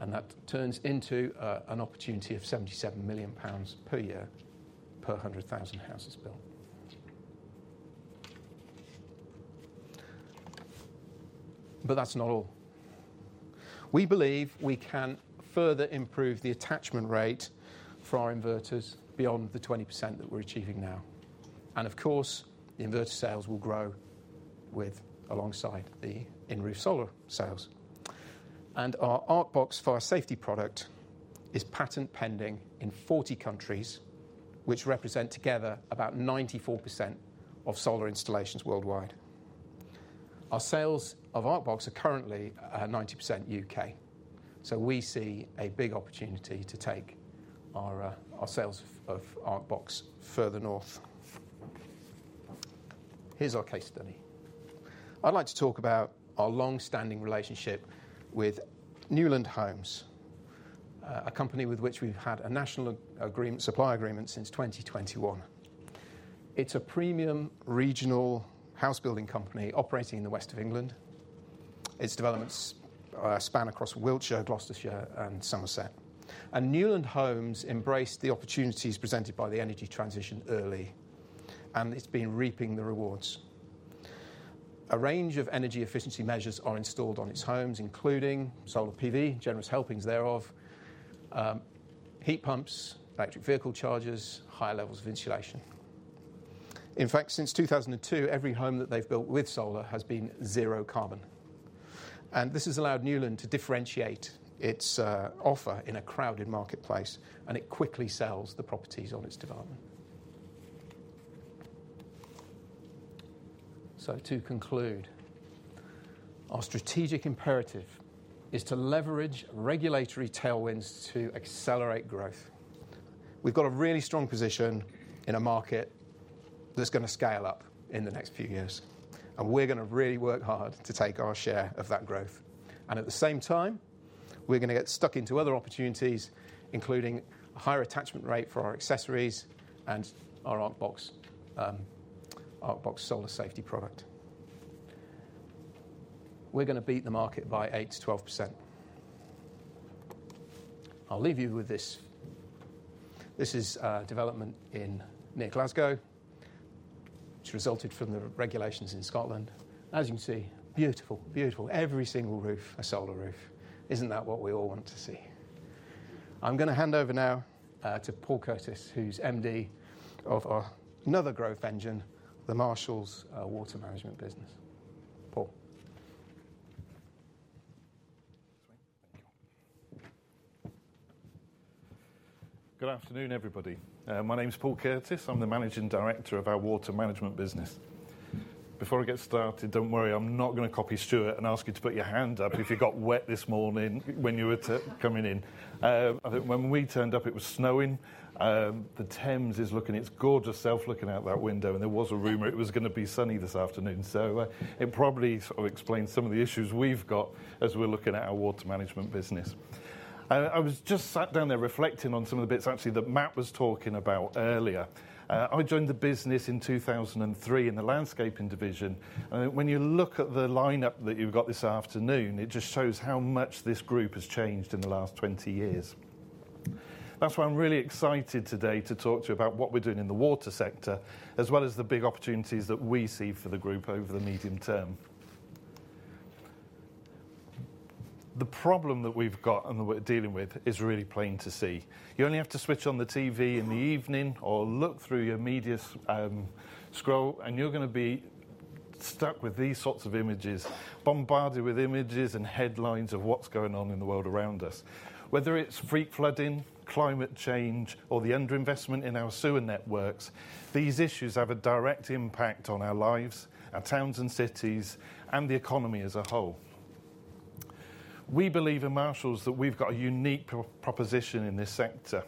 And that turns into an opportunity of 77 million pounds per year per 100,000 houses built. But that's not all. We believe we can further improve the attachment rate for our inverters beyond the 20% that we're achieving now. And of course, the inverter sales will grow alongside the in-roof solar sales. And our ArcBox Fire Safety product is patent-pending in 40 countries, which represent together about 94% of solar installations worldwide. Our sales of ArcBox are currently 90% U.K.. So we see a big opportunity to take our sales of ArcBox further north. Here's our case study. I'd like to talk about our long-standing relationship with Newland Homes, a company with which we've had a national supply agreement since 2021. It's a premium regional house-building company operating in the west of England. Its developments span across Wiltshire, Gloucestershire, and Somerset. Newland Homes embraced the opportunities presented by the energy transition early. It's been reaping the rewards. A range of energy efficiency measures are installed on its homes, including solar PV, generous helpings thereof, heat pumps, electric vehicle chargers, high levels of insulation. In fact, since 2002, every home that they've built with solar has been zero carbon. This has allowed Newland to differentiate its offer in a crowded marketplace. It quickly sells the properties on its development. To conclude, our strategic imperative is to leverage regulatory tailwinds to accelerate growth. We've got a really strong position in a market that's going to scale up in the next few years. We're going to really work hard to take our share of that growth. And at the same time, we're going to get stuck into other opportunities, including a higher attachment rate for our accessories and our ArcBox solar safety product. We're going to beat the market by 8%-12%. I'll leave you with this. This is a development near Glasgow, which resulted from the regulations in Scotland. As you can see, beautiful, beautiful. Every single roof, a solar roof. Isn't that what we all want to see? I'm going to hand over now to Paul Curtis, who's MD of another growth engine, the Marshalls Water Management business. Paul.
Good afternoon, everybody. My name is Paul Curtis. I'm the Managing Director of our Water Management business. Before I get started, don't worry, I'm not going to copy Stuart and ask you to put your hand up if you got wet this morning when you were coming in. When we turned up, it was snowing. The Thames is looking its gorgeous self looking out that window. And there was a rumor it was going to be sunny this afternoon. So it probably sort of explains some of the issues we've got as we're looking at our Water Management business. I was just sat down there reflecting on some of the bits, actually, that Matt was talking about earlier. I joined the business in 2003 in the landscaping division. And when you look at the lineup that you've got this afternoon, it just shows how much this group has changed in the last 20 years. That's why I'm really excited today to talk to you about what we're doing in the water sector, as well as the big opportunities that we see for the group over the medium term. The problem that we've got and that we're dealing with is really plain to see. You only have to switch on the TV in the evening or look through your media scroll, and you're going to be stuck with these sorts of images, bombarded with images and headlines of what's going on in the world around us. Whether it's freak flooding, climate change, or the underinvestment in our sewer networks, these issues have a direct impact on our lives, our towns and cities, and the economy as a whole. We believe in Marshalls that we've got a unique proposition in this sector,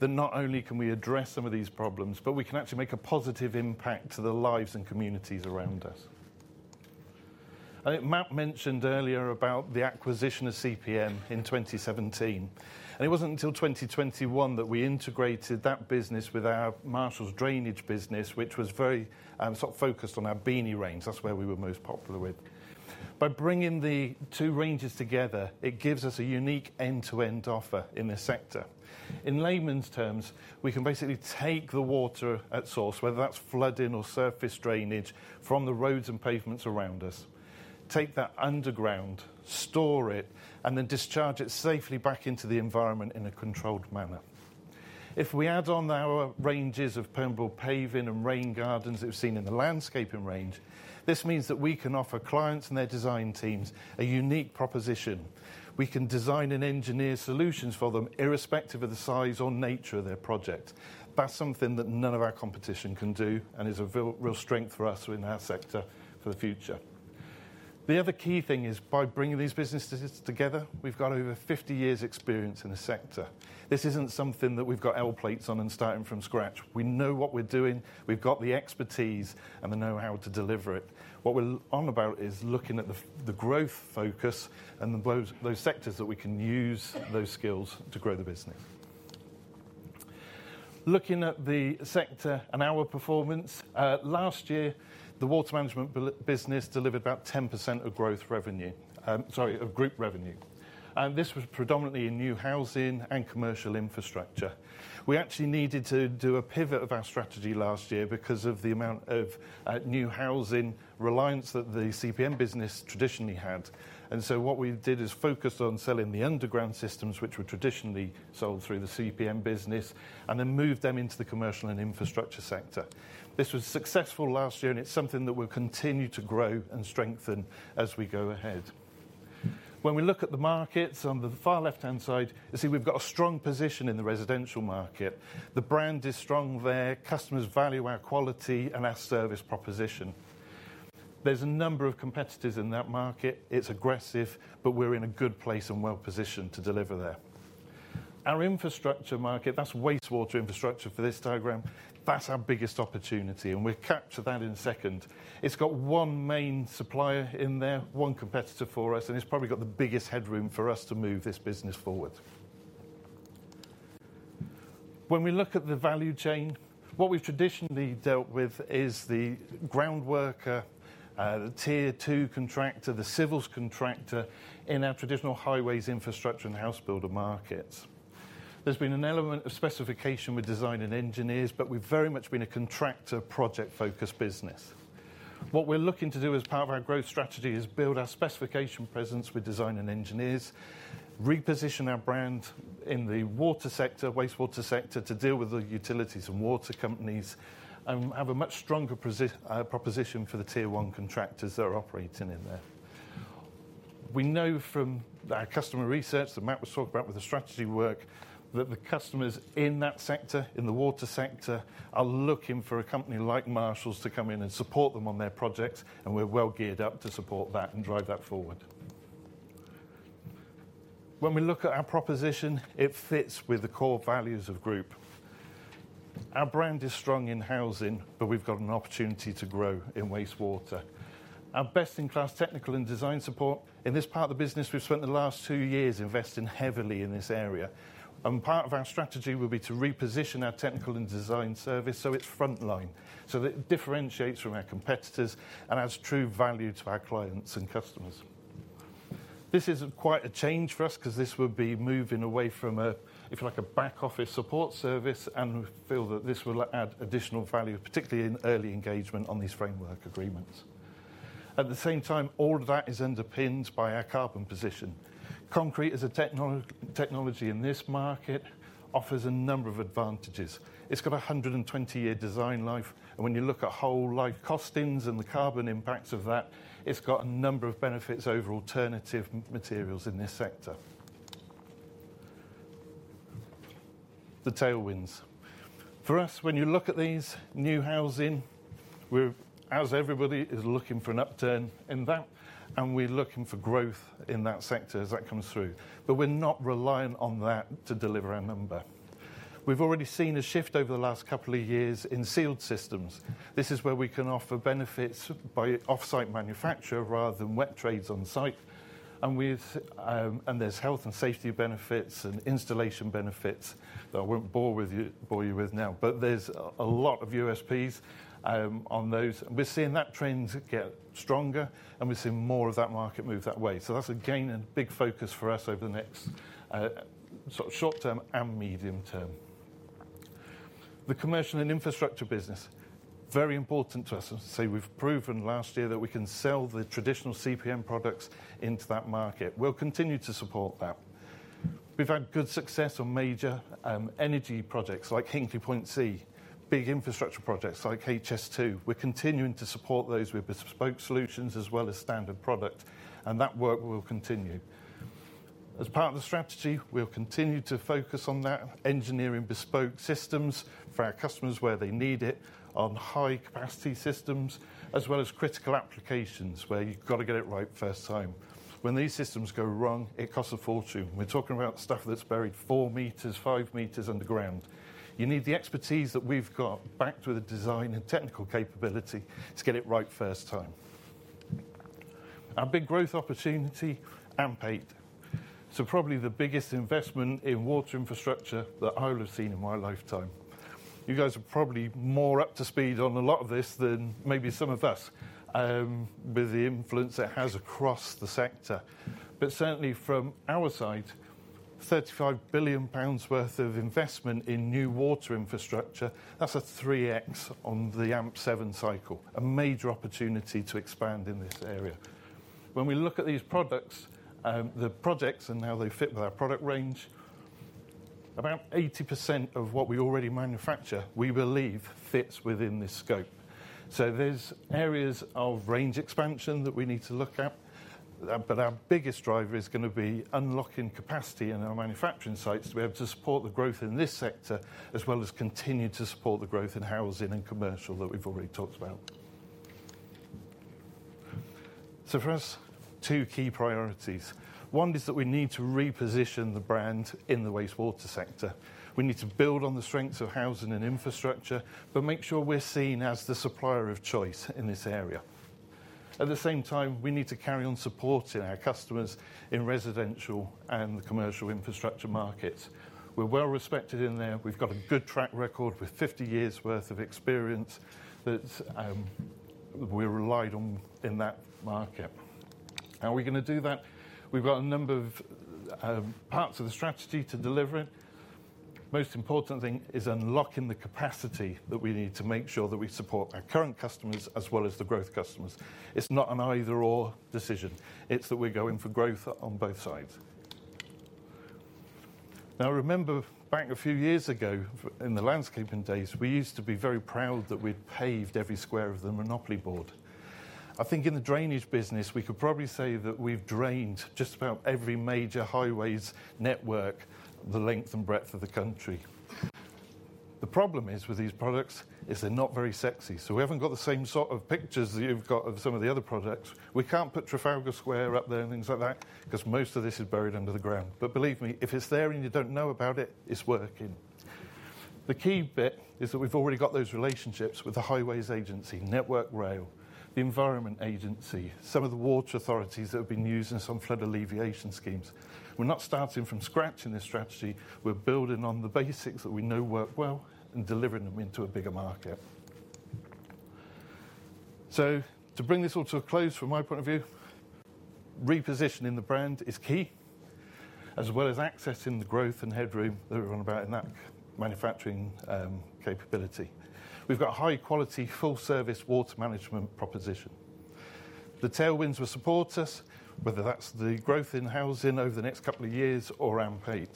that not only can we address some of these problems, but we can actually make a positive impact to the lives and communities around us. Matt mentioned earlier about the acquisition of CPM in 2017. It wasn't until 2021 that we integrated that business with our Marshalls drainage business, which was very sort of focused on our Beany range. That's where we were most popular with. By bringing the two ranges together, it gives us a unique end-to-end offer in this sector. In layman's terms, we can basically take the water at source, whether that's flooding or surface drainage from the roads and pavements around us, take that underground, store it, and then discharge it safely back into the environment in a controlled manner. If we add on our ranges of permeable paving and rain gardens that we've seen in the landscaping range, this means that we can offer clients and their design teams a unique proposition. We can design and engineer solutions for them, irrespective of the size or nature of their project. That's something that none of our competition can do and is a real strength for us in our sector for the future. The other key thing is, by bringing these businesses together, we've got over 50 years' experience in the sector. This isn't something that we've got L plates on and starting from scratch. We know what we're doing. We've got the expertise and the know-how to deliver it. What we're on about is looking at the growth focus and those sectors that we can use those skills to grow the business. Looking at the sector and our performance, last year, the Water Management business delivered about 10% of growth revenue, sorry, of group revenue, and this was predominantly in new housing and commercial infrastructure. We actually needed to do a pivot of our strategy last year because of the amount of new housing reliance that the CPM business traditionally had. So what we did is focused on selling the underground systems, which were traditionally sold through the CPM business, and then moved them into the commercial and infrastructure sector. This was successful last year. It's something that will continue to grow and strengthen as we go ahead. When we look at the markets on the far left-hand side, you see we've got a strong position in the residential market. The brand is strong there. Customers value our quality and our service proposition. There's a number of competitors in that market. It's aggressive, but we're in a good place and well-positioned to deliver there. Our infrastructure market, that's wastewater infrastructure for this diagram. That's our biggest opportunity. We'll capture that in a second. It's got one main supplier in there, one competitor for us. It's probably got the biggest headroom for us to move this business forward. When we look at the value chain, what we've traditionally dealt with is the groundworker, the tier two contractor, the civils contractor in our traditional highways infrastructure and house builder markets. There's been an element of specification with design and engineers, but we've very much been a contractor project-focused business. What we're looking to do as part of our growth strategy is build our specification presence with design and engineers, reposition our brand in the water sector, wastewater sector, to deal with the utilities and water companies, and have a much stronger proposition for the tier one contractors that are operating in there. We know from our customer research that Matt was talking about with the strategy work that the customers in that sector, in the water sector, are looking for a company like Marshalls to come in and support them on their projects, and we're well geared up to support that and drive that forward. When we look at our proposition, it fits with the core values of the Group. Our brand is strong in housing, but we've got an opportunity to grow in wastewater, our best-in-class technical and design support. In this part of the business, we've spent the last two years investing heavily in this area, and part of our strategy will be to reposition our technical and design service so it's frontline, so that it differentiates from our competitors and adds true value to our clients and customers. This is quite a change for us because this will be moving away from a, if you like, a back-office support service, and we feel that this will add additional value, particularly in early engagement on these framework agreements. At the same time, all of that is underpinned by our carbon position. Concrete as a technology in this market offers a number of advantages. It's got a 120-year design life. And when you look at whole life costings and the carbon impacts of that, it's got a number of benefits over alternative materials in this sector. The tailwinds for us, when you look at these new housing, as everybody is looking for an upturn in that, and we're looking for growth in that sector as that comes through, but we're not reliant on that to deliver our number. We've already seen a shift over the last couple of years in sealed systems. This is where we can offer benefits by off-site manufacture rather than wet trades on site. And there's health and safety benefits and installation benefits that I won't bore you with now. But there's a lot of USPs on those. And we're seeing that trend get stronger. And we're seeing more of that market move that way. So that's again a big focus for us over the next sort of short-term and medium-term. The commercial and infrastructure business, very important to us. As I say, we've proven last year that we can sell the traditional CPM products into that market. We'll continue to support that. We've had good success on major energy projects like Hinkley Point C, big infrastructure projects like HS2. We're continuing to support those with bespoke solutions as well as standard product. That work will continue. As part of the strategy, we'll continue to focus on that, engineering bespoke systems for our customers where they need it on high-capacity systems, as well as critical applications where you've got to get it right first time. When these systems go wrong, it costs a fortune. We're talking about stuff that's buried four meters, five meters underground. You need the expertise that we've got backed with a design and technical capability to get it right first time. Our big growth opportunity, AMP8, so probably the biggest investment in water infrastructure that I'll have seen in my lifetime. You guys are probably more up to speed on a lot of this than maybe some of us with the influence it has across the sector. Certainly, from our side, 35 billion pounds worth of investment in new water infrastructure, that's a 3x on the AMP7 cycle, a major opportunity to expand in this area. When we look at these products, the projects and how they fit with our product range, about 80% of what we already manufacture, we believe, fits within this scope. So there's areas of range expansion that we need to look at. But our biggest driver is going to be unlocking capacity in our manufacturing sites to be able to support the growth in this sector, as well as continue to support the growth in housing and commercial that we've already talked about. So for us, two key priorities. One is that we need to reposition the brand in the wastewater sector. We need to build on the strengths of housing and infrastructure, but make sure we're seen as the supplier of choice in this area. At the same time, we need to carry on supporting our customers in residential and the commercial infrastructure markets. We're well-respected in there. We've got a good track record with 50 years' worth of experience that we're relied on in that market. How are we going to do that? We've got a number of parts of the strategy to deliver it. Most important thing is unlocking the capacity that we need to make sure that we support our current customers as well as the growth customers. It's not an either/or decision. It's that we're going for growth on both sides. Now, remember back a few years ago in the landscaping days, we used to be very proud that we'd paved every square of the Monopoly board. I think in the drainage business, we could probably say that we've drained just about every major highways network the length and breadth of the country. The problem is with these products is they're not very sexy. So we haven't got the same sort of pictures that you've got of some of the other products. We can't put Trafalgar Square up there and things like that because most of this is buried under the ground. But believe me, if it's there and you don't know about it, it's working. The key bit is that we've already got those relationships with the Highways Agency, Network Rail, the Environment Agency, some of the water authorities that have been using some flood alleviation schemes. We're not starting from scratch in this strategy. We're building on the basics that we know work well and delivering them into a bigger market. To bring this all to a close from my point of view, repositioning the brand is key, as well as accessing the growth and headroom that we're on about in that manufacturing capability. We've got a high-quality, full-service Water Management proposition. The tailwinds will support us, whether that's the growth in housing over the next couple of years or AMP8.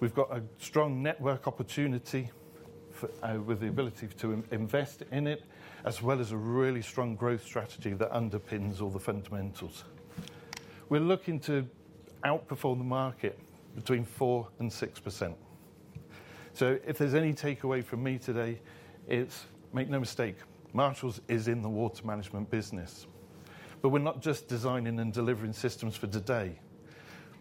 We've got a strong network opportunity with the ability to invest in it, as well as a really strong growth strategy that underpins all the fundamentals. We're looking to outperform the market between 4% and 6%. If there's any takeaway from me today, it's, make no mistake, Marshalls is in the Water Management business. But we're not just designing and delivering systems for today.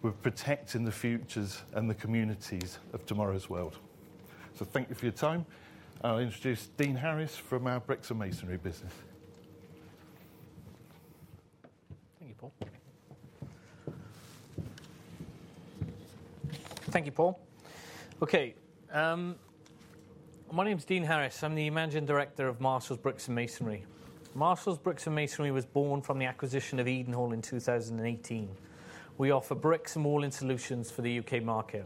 We're protecting the futures and the communities of tomorrow's world. Thank you for your time. I'll introduce Dean Harris from our Bricks and Masonry business.
Thank you, Paul. Thank you, Paul. Okay. My name's Dean Harris. I'm the Managing Director of Marshalls Bricks and Masonry. Marshalls Bricks and Masonry was born from the acquisition of Edenhall in 2018. We offer bricks and walling solutions for the U.K. market.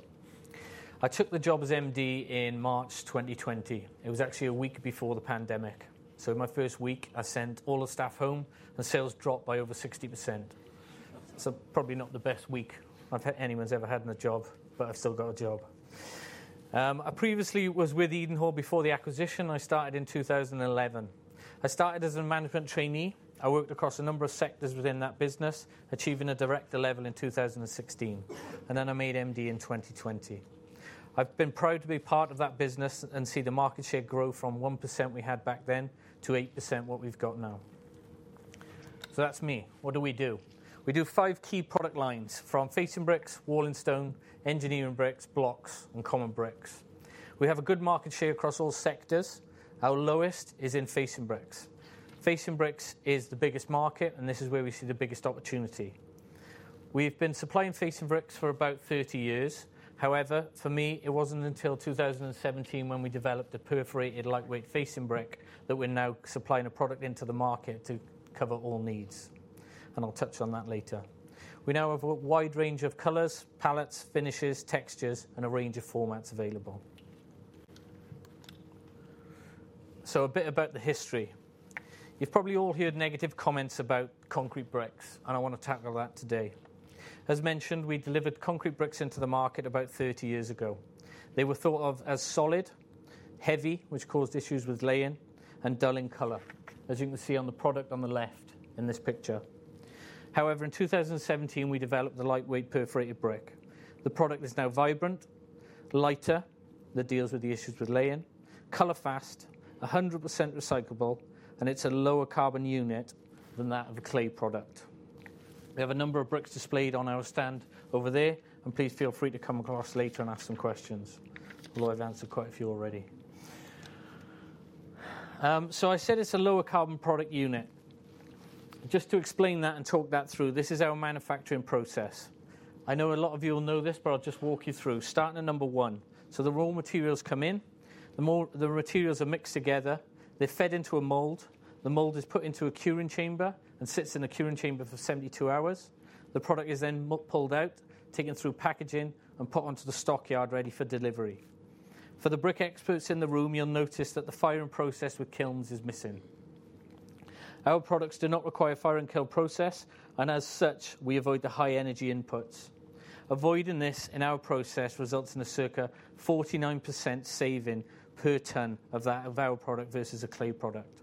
I took the job as MD in March 2020. It was actually a week before the pandemic. So my first week, I sent all the staff home. The sales dropped by over 60%. So probably not the best week I've had anyone's ever had in the job, but I've still got a job. I previously was with Edenhall before the acquisition. I started in 2011. I started as a management trainee. I worked across a number of sectors within that business, achieving a director level in 2016, and then I made MD in 2020. I've been proud to be part of that business and see the market share grow from 1% we had back then to 8% what we've got now, so that's me. What do we do? We do five key product lines from facing bricks, walling stone, engineering bricks, blocks, and common bricks. We have a good market share across all sectors. Our lowest is in facing bricks. Facing bricks is the biggest market, and this is where we see the biggest opportunity. We've been supplying facing bricks for about 30 years. However, for me, it wasn't until 2017 when we developed a perforated lightweight facing brick that we're now supplying a product into the market to cover all needs, and I'll touch on that later. We now have a wide range of colors, palettes, finishes, textures, and a range of formats available, so a bit about the history. You've probably all heard negative comments about concrete bricks, and I want to tackle that today. As mentioned, we delivered concrete bricks into the market about 30 years ago. They were thought of as solid, heavy, which caused issues with laying, and dull in color, as you can see on the product on the left in this picture. However, in 2017, we developed the lightweight perforated brick. The product is now vibrant, lighter, that deals with the issues with laying, color-fast, 100% recyclable, and it's a lower carbon unit than that of a clay product. We have a number of bricks displayed on our stand over there, and please feel free to come across later and ask some questions, although I've answered quite a few already, so I said it's a lower carbon product unit. Just to explain that and talk that through, this is our manufacturing process. I know a lot of you will know this, but I'll just walk you through. Starting at number one. So the raw materials come in. The materials are mixed together. They're fed into a mold. The mold is put into a curing chamber and sits in a curing chamber for 72 hours. The product is then pulled out, taken through packaging, and put onto the stockyard ready for delivery. For the brick experts in the room, you'll notice that the firing process with kilns is missing. Our products do not require a fire-and-kiln process. And as such, we avoid the high-energy inputs. Avoiding this in our process results in a circa 49% saving per ton of our product versus a clay product.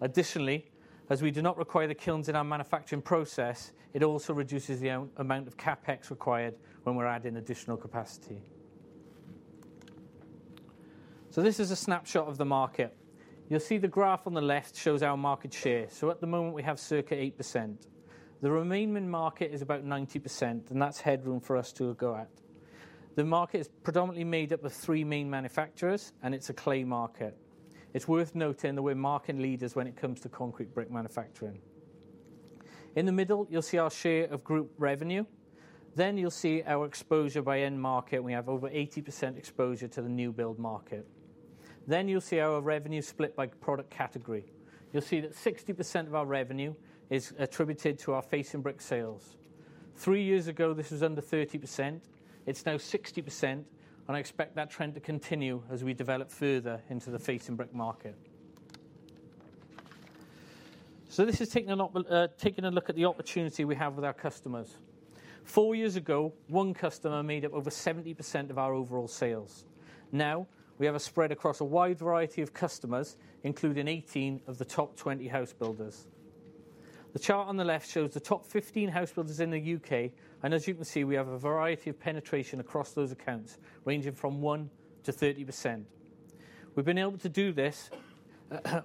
Additionally, as we do not require the kilns in our manufacturing process, it also reduces the amount of CapEx required when we're adding additional capacity. This is a snapshot of the market. You'll see the graph on the left shows our market share. At the moment, we have circa 8%. The remaining market is about 90%, and that's headroom for us to go at. The market is predominantly made up of three main manufacturers, and it's a clay market. It's worth noting that we're market leaders when it comes to concrete brick manufacturing. In the middle, you'll see our share of group revenue. You'll see our exposure by end market. We have over 80% exposure to the new build market. You'll see our revenue split by product category. You'll see that 60% of our revenue is attributed to our facing brick sales. Three years ago, this was under 30%. It's now 60%, and I expect that trend to continue as we develop further into the facing brick market. So this is taking a look at the opportunity we have with our customers. Four years ago, one customer made up over 70% of our overall sales. Now, we have a spread across a wide variety of customers, including 18 of the top 20 house builders. The chart on the left shows the top 15 house builders in the U.K.. And as you can see, we have a variety of penetration across those accounts, ranging from 1%-30%. We've been able to do this.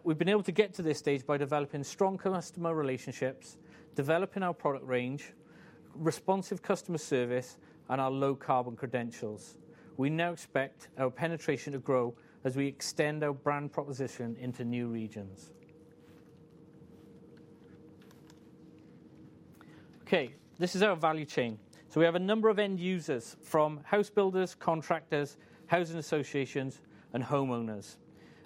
We've been able to get to this stage by developing strong customer relationships, developing our product range, responsive customer service, and our low-carbon credentials. We now expect our penetration to grow as we extend our brand proposition into new regions. Okay. This is our value chain. So we have a number of end users from house builders, contractors, housing associations, and homeowners.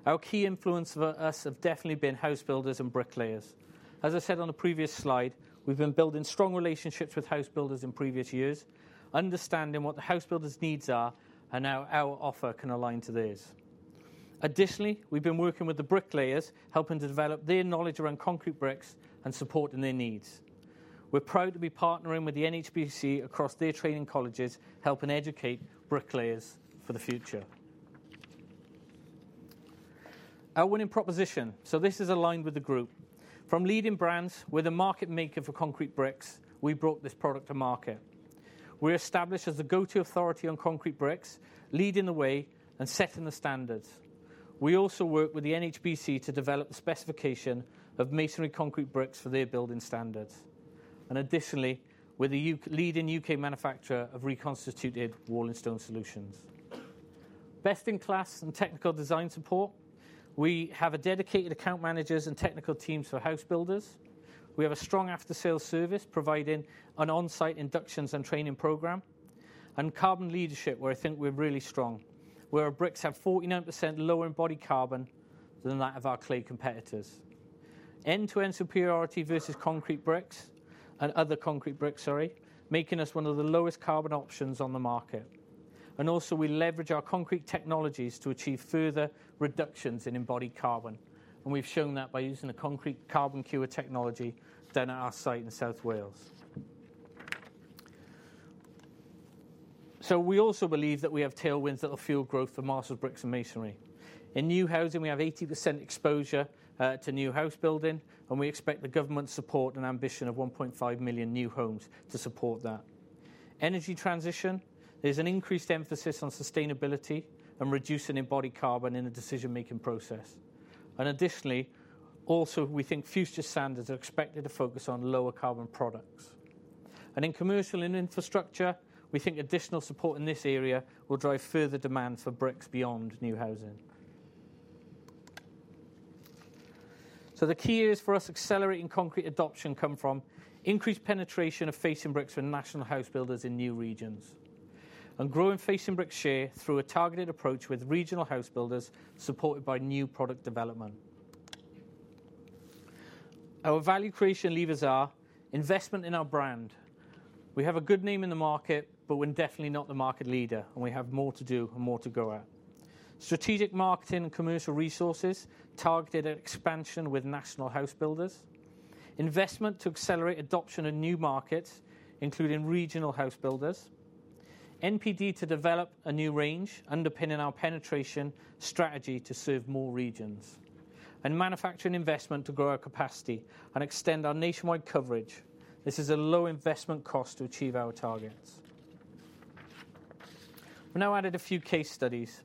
Our key influence for us have definitely been house builders and bricklayers. As I said on the previous slide, we've been building strong relationships with house builders in previous years, understanding what the house builders' needs are, and now our offer can align to those. Additionally, we've been working with the bricklayers, helping to develop their knowledge around concrete bricks and supporting their needs. We're proud to be partnering with the NHBC across their training colleges, helping educate bricklayers for the future. Our winning proposition. So this is aligned with the group. From leading brands, we're the market maker for concrete bricks. We brought this product to market. We're established as the go-to authority on concrete bricks, leading the way and setting the standards. We also work with the NHBC to develop the specification of masonry concrete bricks for their building standards. Additionally, we're the leading U.K. manufacturer of reconstituted walling stone solutions. Best-in-class and technical design support. We have dedicated account managers and technical teams for house builders. We have a strong after-sales service providing on-site inductions and training program. Carbon leadership, where I think we're really strong, where our bricks have 49% lower embodied carbon than that of our clay competitors. End-to-end superiority versus concrete bricks and other concrete bricks, sorry, making us one of the lowest carbon options on the market. We also leverage our concrete technologies to achieve further reductions in embodied carbon. We've shown that by using a concrete CarbonCure technology done at our site in South Wales. We also believe that we have tailwinds that will fuel growth for Marshalls Bricks and Masonry. In new housing, we have 80% exposure to new house building. And we expect the government support and ambition of 1.5 million new homes to support that. Energy transition. There's an increased emphasis on sustainability and reducing embodied carbon in the decision-making process. And additionally, also, we think future standards are expected to focus on lower carbon products. And in commercial and infrastructure, we think additional support in this area will drive further demand for bricks beyond new housing. So the key areas for us accelerating concrete adoption come from increased penetration of facing bricks from national house builders in new regions and growing facing bricks share through a targeted approach with regional house builders supported by new product development. Our value creation levers are investment in our brand. We have a good name in the market, but we're definitely not the market leader. And we have more to do and more to go at. Strategic marketing and commercial resources targeted at expansion with national house builders. Investment to accelerate adoption in new markets, including regional house builders. NPD to develop a new range underpinning our penetration strategy to serve more regions. And manufacturing investment to grow our capacity and extend our nationwide coverage. This is a low investment cost to achieve our targets. We've now added a few case studies.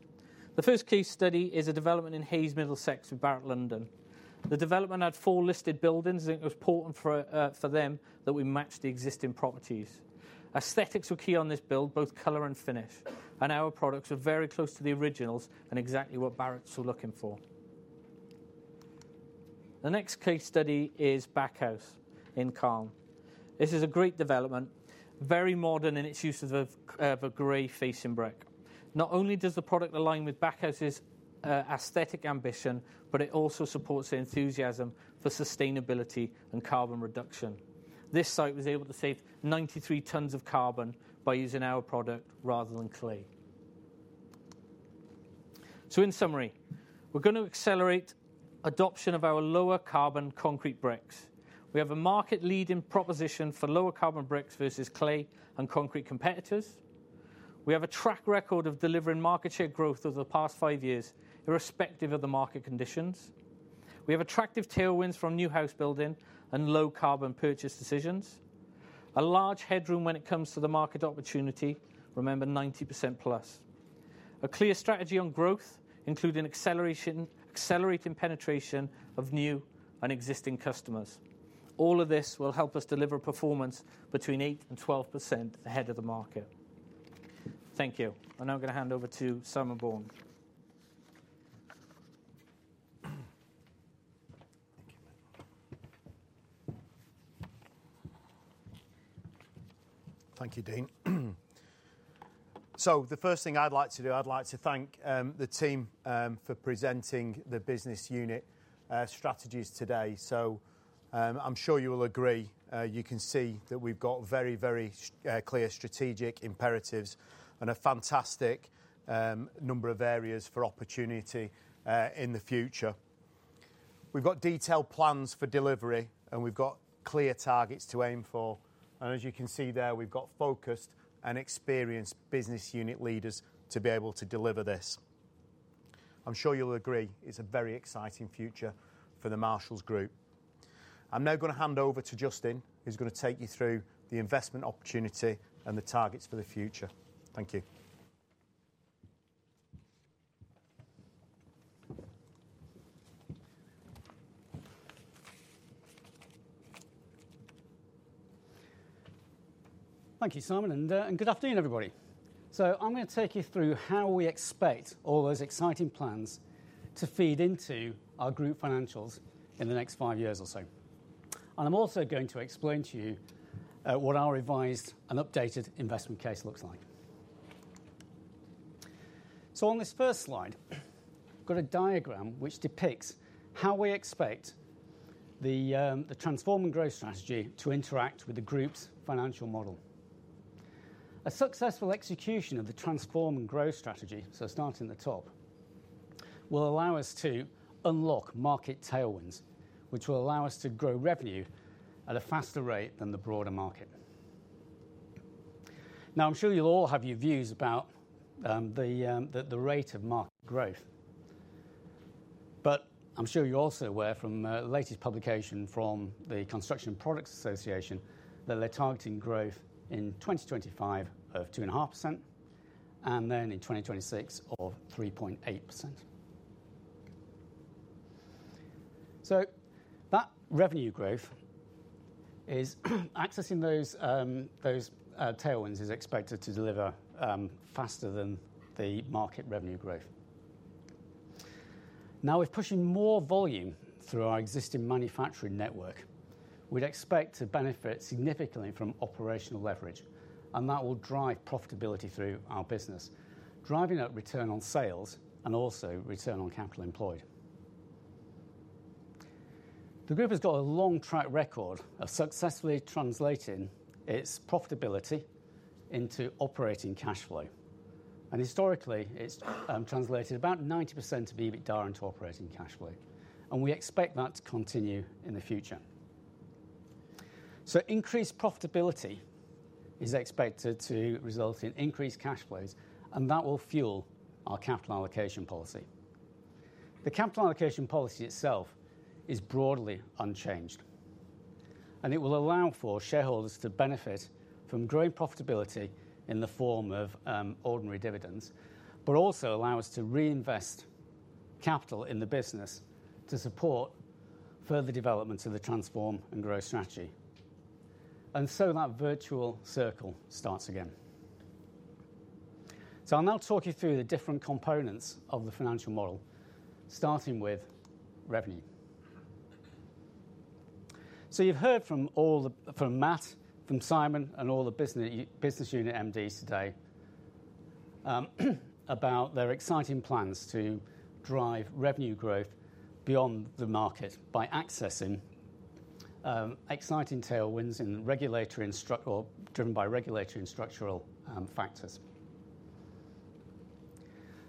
The first case study is a development in Hayes, Middlesex in Barratt London. The development had four listed buildings. I think it was important for them that we matched the existing properties. Aesthetics were key on this build, both color and finish. And our products were very close to the originals and exactly what Barratt's were looking for. The next case study is Backhouse in Calne. This is a great development, very modern in its use of a gray facing brick. Not only does the product align with Backhouse's aesthetic ambition, but it also supports enthusiasm for sustainability and carbon reduction. This site was able to save 93 tons of carbon by using our product rather than clay. So in summary, we're going to accelerate adoption of our lower carbon concrete bricks. We have a market leading proposition for lower carbon bricks versus clay and concrete competitors. We have a track record of delivering market share growth over the past five years, irrespective of the market conditions. We have attractive tailwinds from new house building and low carbon purchase decisions. A large headroom when it comes to the market opportunity. Remember, 90% plus. A clear strategy on growth, including accelerating penetration of new and existing customers. All of this will help us deliver performance between 8% and 12% ahead of the market. Thank you. I'm now going to hand over to Simon Bourne.
Thank you, Dean. So the first thing I'd like to do, I'd like to thank the team for presenting the business unit strategies today. So I'm sure you will agree. You can see that we've got very, very clear strategic imperatives and a fantastic number of areas for opportunity in the future. We've got detailed plans for delivery, and we've got clear targets to aim for. And as you can see there, we've got focused and experienced business unit leaders to be able to deliver this. I'm sure you'll agree it's a very exciting future for the Marshalls Group. I'm now going to hand over to Justin, who's going to take you through the investment opportunity and the targets for the future. Thank you.
Thank you, Simon. And good afternoon, everybody. So I'm going to take you through how we expect all those exciting plans to feed into our group financials in the next five years or so. And I'm also going to explain to you what our revised and updated investment case looks like. So on this first slide, we've got a diagram which depicts how we expect the Transform and Grow strategy to interact with the group's financial model. A successful execution of the Transform and Grow strategy, so starting at the top, will allow us to unlock market tailwinds, which will allow us to grow revenue at a faster rate than the broader market. Now, I'm sure you'll all have your views about the rate of market growth. But I'm sure you're also aware from the latest publication from the Construction Products Association that they're targeting growth in 2025 of 2.5% and then in 2026 of 3.8%. That revenue growth is accessing those tailwinds is expected to deliver faster than the market revenue growth. Now, with pushing more volume through our existing manufacturing network, we'd expect to benefit significantly from operational leverage. That will drive profitability through our business, driving up return on sales and also return on capital employed. The group has got a long track record of successfully translating its profitability into operating cash flow. Historically, it's translated about 90% of EBITDA into operating cash flow. We expect that to continue in the future. Increased profitability is expected to result in increased cash flows. That will fuel our capital allocation policy. The capital allocation policy itself is broadly unchanged. And it will allow for shareholders to benefit from growing profitability in the form of ordinary dividends, but also allow us to reinvest capital in the business to support further development of the transform and growth strategy. And so that virtual circle starts again. So I'll now talk you through the different components of the financial model, starting with revenue. So you've heard from Matt, from Simon, and all the business unit MDs today about their exciting plans to drive revenue growth beyond the market by accessing exciting tailwinds driven by regulatory and structural factors.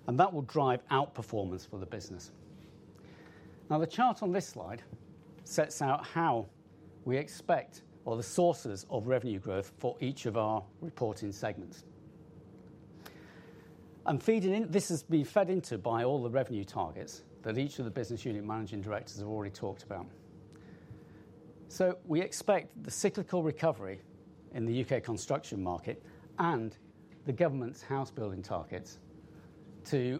And that will drive outperformance for the business. Now, the chart on this slide sets out how we expect, or the sources of revenue growth for each of our reporting segments. And this has been fed into by all the revenue targets that each of the business unit Managing Directors have already talked about. So we expect the cyclical recovery in the U.K. construction market and the government's house building targets to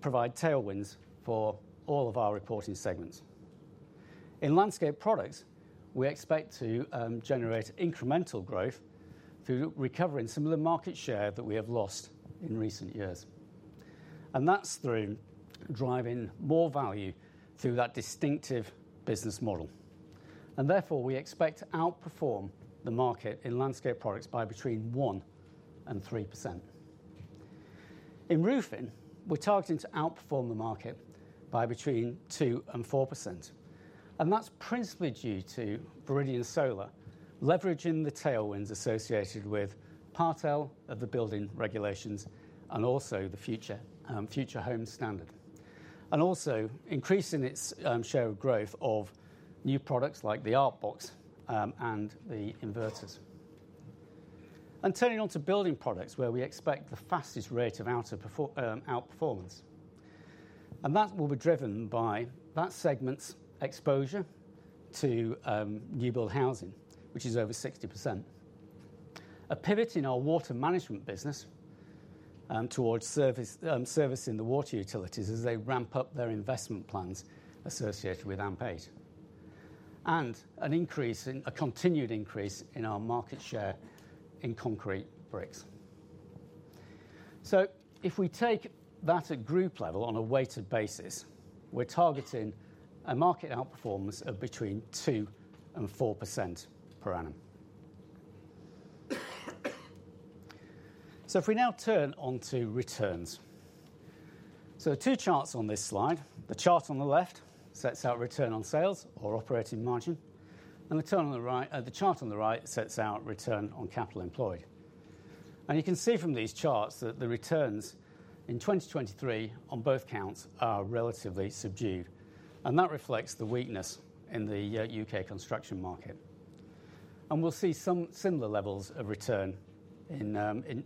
provide tailwinds for all of our reporting segments. In Landscaping Products, we expect to generate incremental growth through recovering some of the market share that we have lost in recent years. And that's through driving more value through that distinctive business model. And therefore, we expect to outperform the market in Landscaping Products by between 1% and 3%. In Roofing, we're targeting to outperform the market by between 2% and 4%. And that's principally due to Viridian Solar leveraging the tailwinds associated with Part L of the building regulations and also the Future Homes Standard. And also increasing its share of growth of new products like the ArcBox and the inverters. And turning on to Building Products, where we expect the fastest rate of outperformance. And that will be driven by that segment's exposure to new build housing, which is over 60%. A pivot in our Water Management business towards servicing the water utilities as they ramp up their investment plans associated with AMP8. And a continued increase in our market share in concrete bricks. So if we take that at group level on a weighted basis, we're targeting a market outperformance of between 2% and 4% per annum. So if we now turn to returns. So the two charts on this slide, the chart on the left sets out return on sales or operating margin. And the chart on the right sets out return on capital employed. And you can see from these charts that the returns in 2023 on both counts are relatively subdued. And that reflects the weakness in the U.K. construction market. And we'll see some similar levels of returns in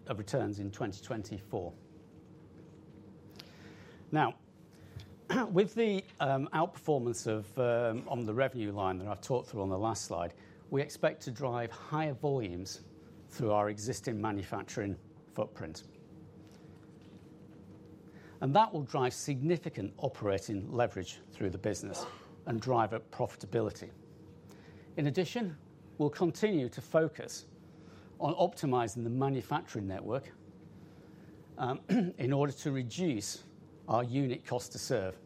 2024. Now, with the outperformance on the revenue line that I've talked through on the last slide, we expect to drive higher volumes through our existing manufacturing footprint. And that will drive significant operating leverage through the business and drive up profitability. In addition, we'll continue to focus on optimizing the manufacturing network in order to reduce our unit cost to serve.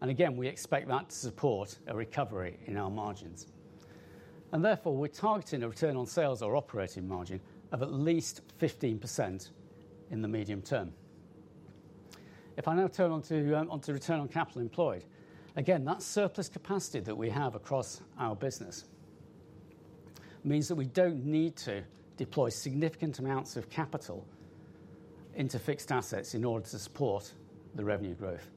And again, we expect that to support a recovery in our margins. And therefore, we're targeting a return on sales or operating margin of at least 15% in the medium term. If I now turn on to return on capital employed, again, that surplus capacity that we have across our business means that we don't need to deploy significant amounts of capital into fixed assets in order to support the revenue growth.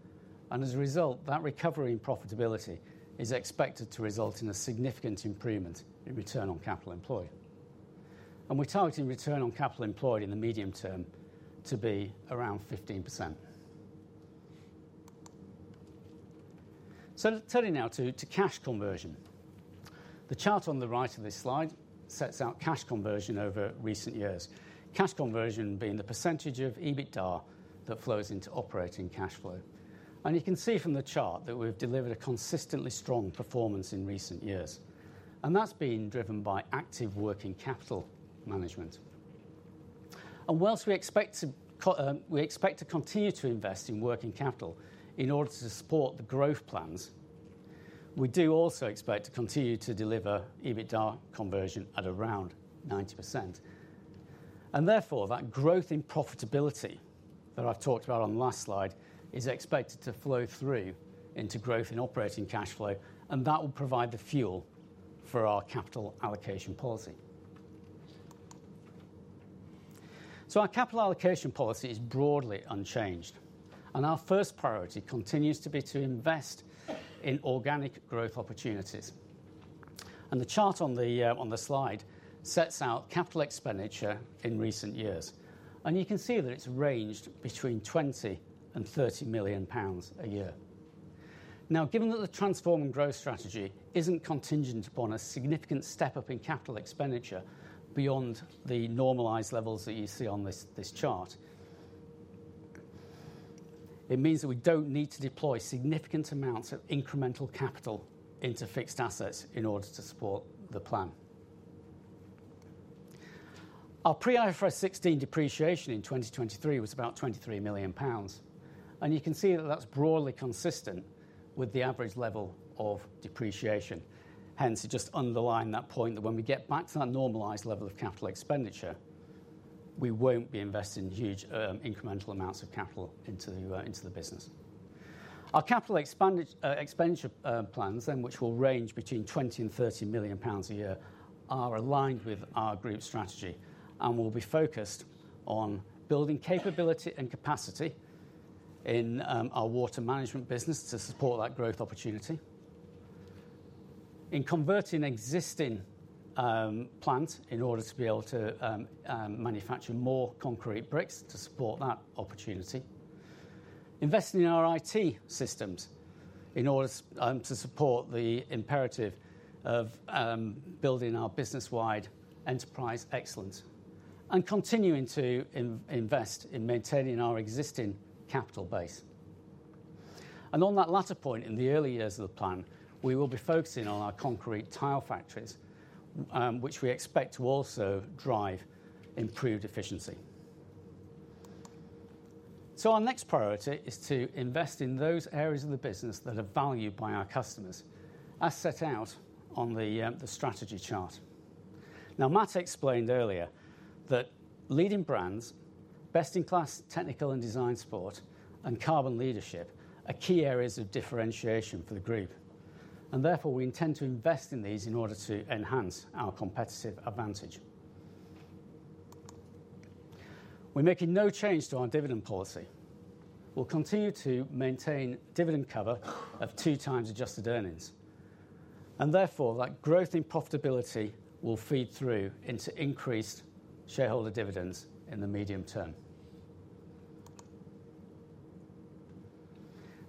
As a result, that recovery in profitability is expected to result in a significant improvement in return on capital employed. We're targeting return on capital employed in the medium term to be around 15%. Turning now to cash conversion. The chart on the right of this slide sets out cash conversion over recent years, cash conversion being the percentage of EBITDA that flows into operating cash flow. You can see from the chart that we've delivered a consistently strong performance in recent years. That's been driven by active working capital management. While we expect to continue to invest in working capital in order to support the growth plans, we do also expect to continue to deliver EBITDA conversion at around 90%. Therefore, that growth in profitability that I've talked about on the last slide is expected to flow through into growth in operating cash flow. That will provide the fuel for our capital allocation policy. Our capital allocation policy is broadly unchanged. Our first priority continues to be to invest in organic growth opportunities. The chart on the slide sets out capital expenditure in recent years. You can see that it's ranged between 20 million and 30 million pounds a year. Now, given that the transform and growth strategy isn't contingent upon a significant step up in capital expenditure beyond the normalized levels that you see on this chart, it means that we don't need to deploy significant amounts of incremental capital into fixed assets in order to support the plan. Our pre-IFRS 16 depreciation in 2023 was about 23 million pounds. And you can see that that's broadly consistent with the average level of depreciation. Hence, it just underlined that point that when we get back to that normalized level of capital expenditure, we won't be investing huge incremental amounts of capital into the business. Our capital expenditure plans, which will range between 20 million and 30 million pounds a year, are aligned with our group strategy. And we'll be focused on building capability and capacity in our Water Management business to support that growth opportunity, in converting existing plants in order to be able to manufacture more concrete bricks to support that opportunity, investing in our IT systems in order to support the imperative of building our business-wide enterprise excellence, and continuing to invest in maintaining our existing capital base. On that latter point, in the early years of the plan, we will be focusing on our concrete tile factories, which we expect to also drive improved efficiency. Our next priority is to invest in those areas of the business that are valued by our customers, as set out on the strategy chart. Now, Matt explained earlier that leading brands, best-in-class technical and design support, and carbon leadership are key areas of differentiation for the group. And therefore, we intend to invest in these in order to enhance our competitive advantage. We're making no change to our dividend policy. We'll continue to maintain dividend cover of two times adjusted earnings. And therefore, that growth in profitability will feed through into increased shareholder dividends in the medium term.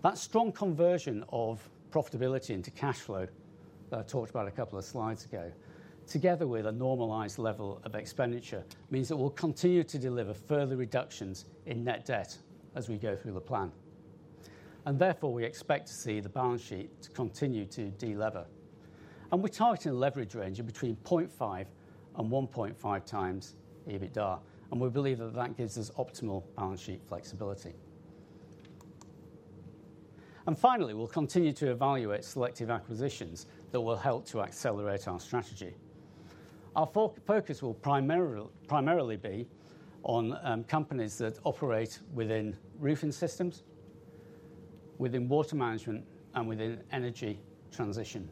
That strong conversion of profitability into cash flow that I talked about a couple of slides ago, together with a normalized level of expenditure, means that we'll continue to deliver further reductions in net debt as we go through the plan, and therefore we expect to see the balance sheet continue to delever, and we're targeting a leverage range of between 0.5 and 1.5 times EBITDA, and we believe that that gives us optimal balance sheet flexibility, and finally we'll continue to evaluate selective acquisitions that will help to accelerate our strategy. Our focus will primarily be on companies that operate within roofing systems, within Water Management, and within energy transition,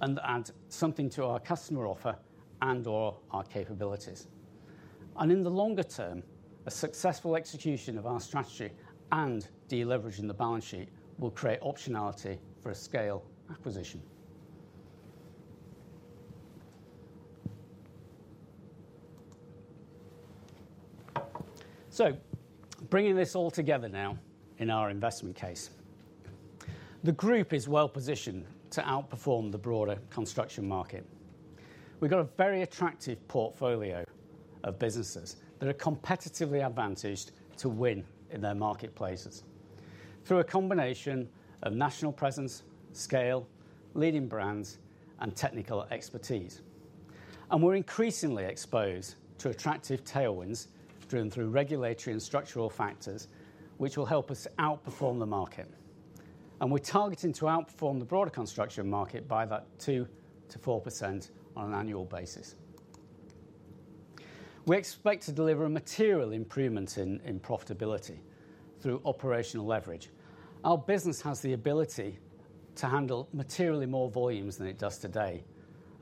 and add something to our customer offer and/or our capabilities, and in the longer term a successful execution of our strategy and deleveraging the balance sheet will create optionality for a scale acquisition. Bringing this all together now in our investment case, the group is well positioned to outperform the broader construction market. We've got a very attractive portfolio of businesses that are competitively advantaged to win in their marketplaces through a combination of national presence, scale, leading brands, and technical expertise. And we're increasingly exposed to attractive tailwinds driven through regulatory and structural factors, which will help us outperform the market. And we're targeting to outperform the broader construction market by 2%-4% on an annual basis. We expect to deliver a material improvement in profitability through operational leverage. Our business has the ability to handle materially more volumes than it does today.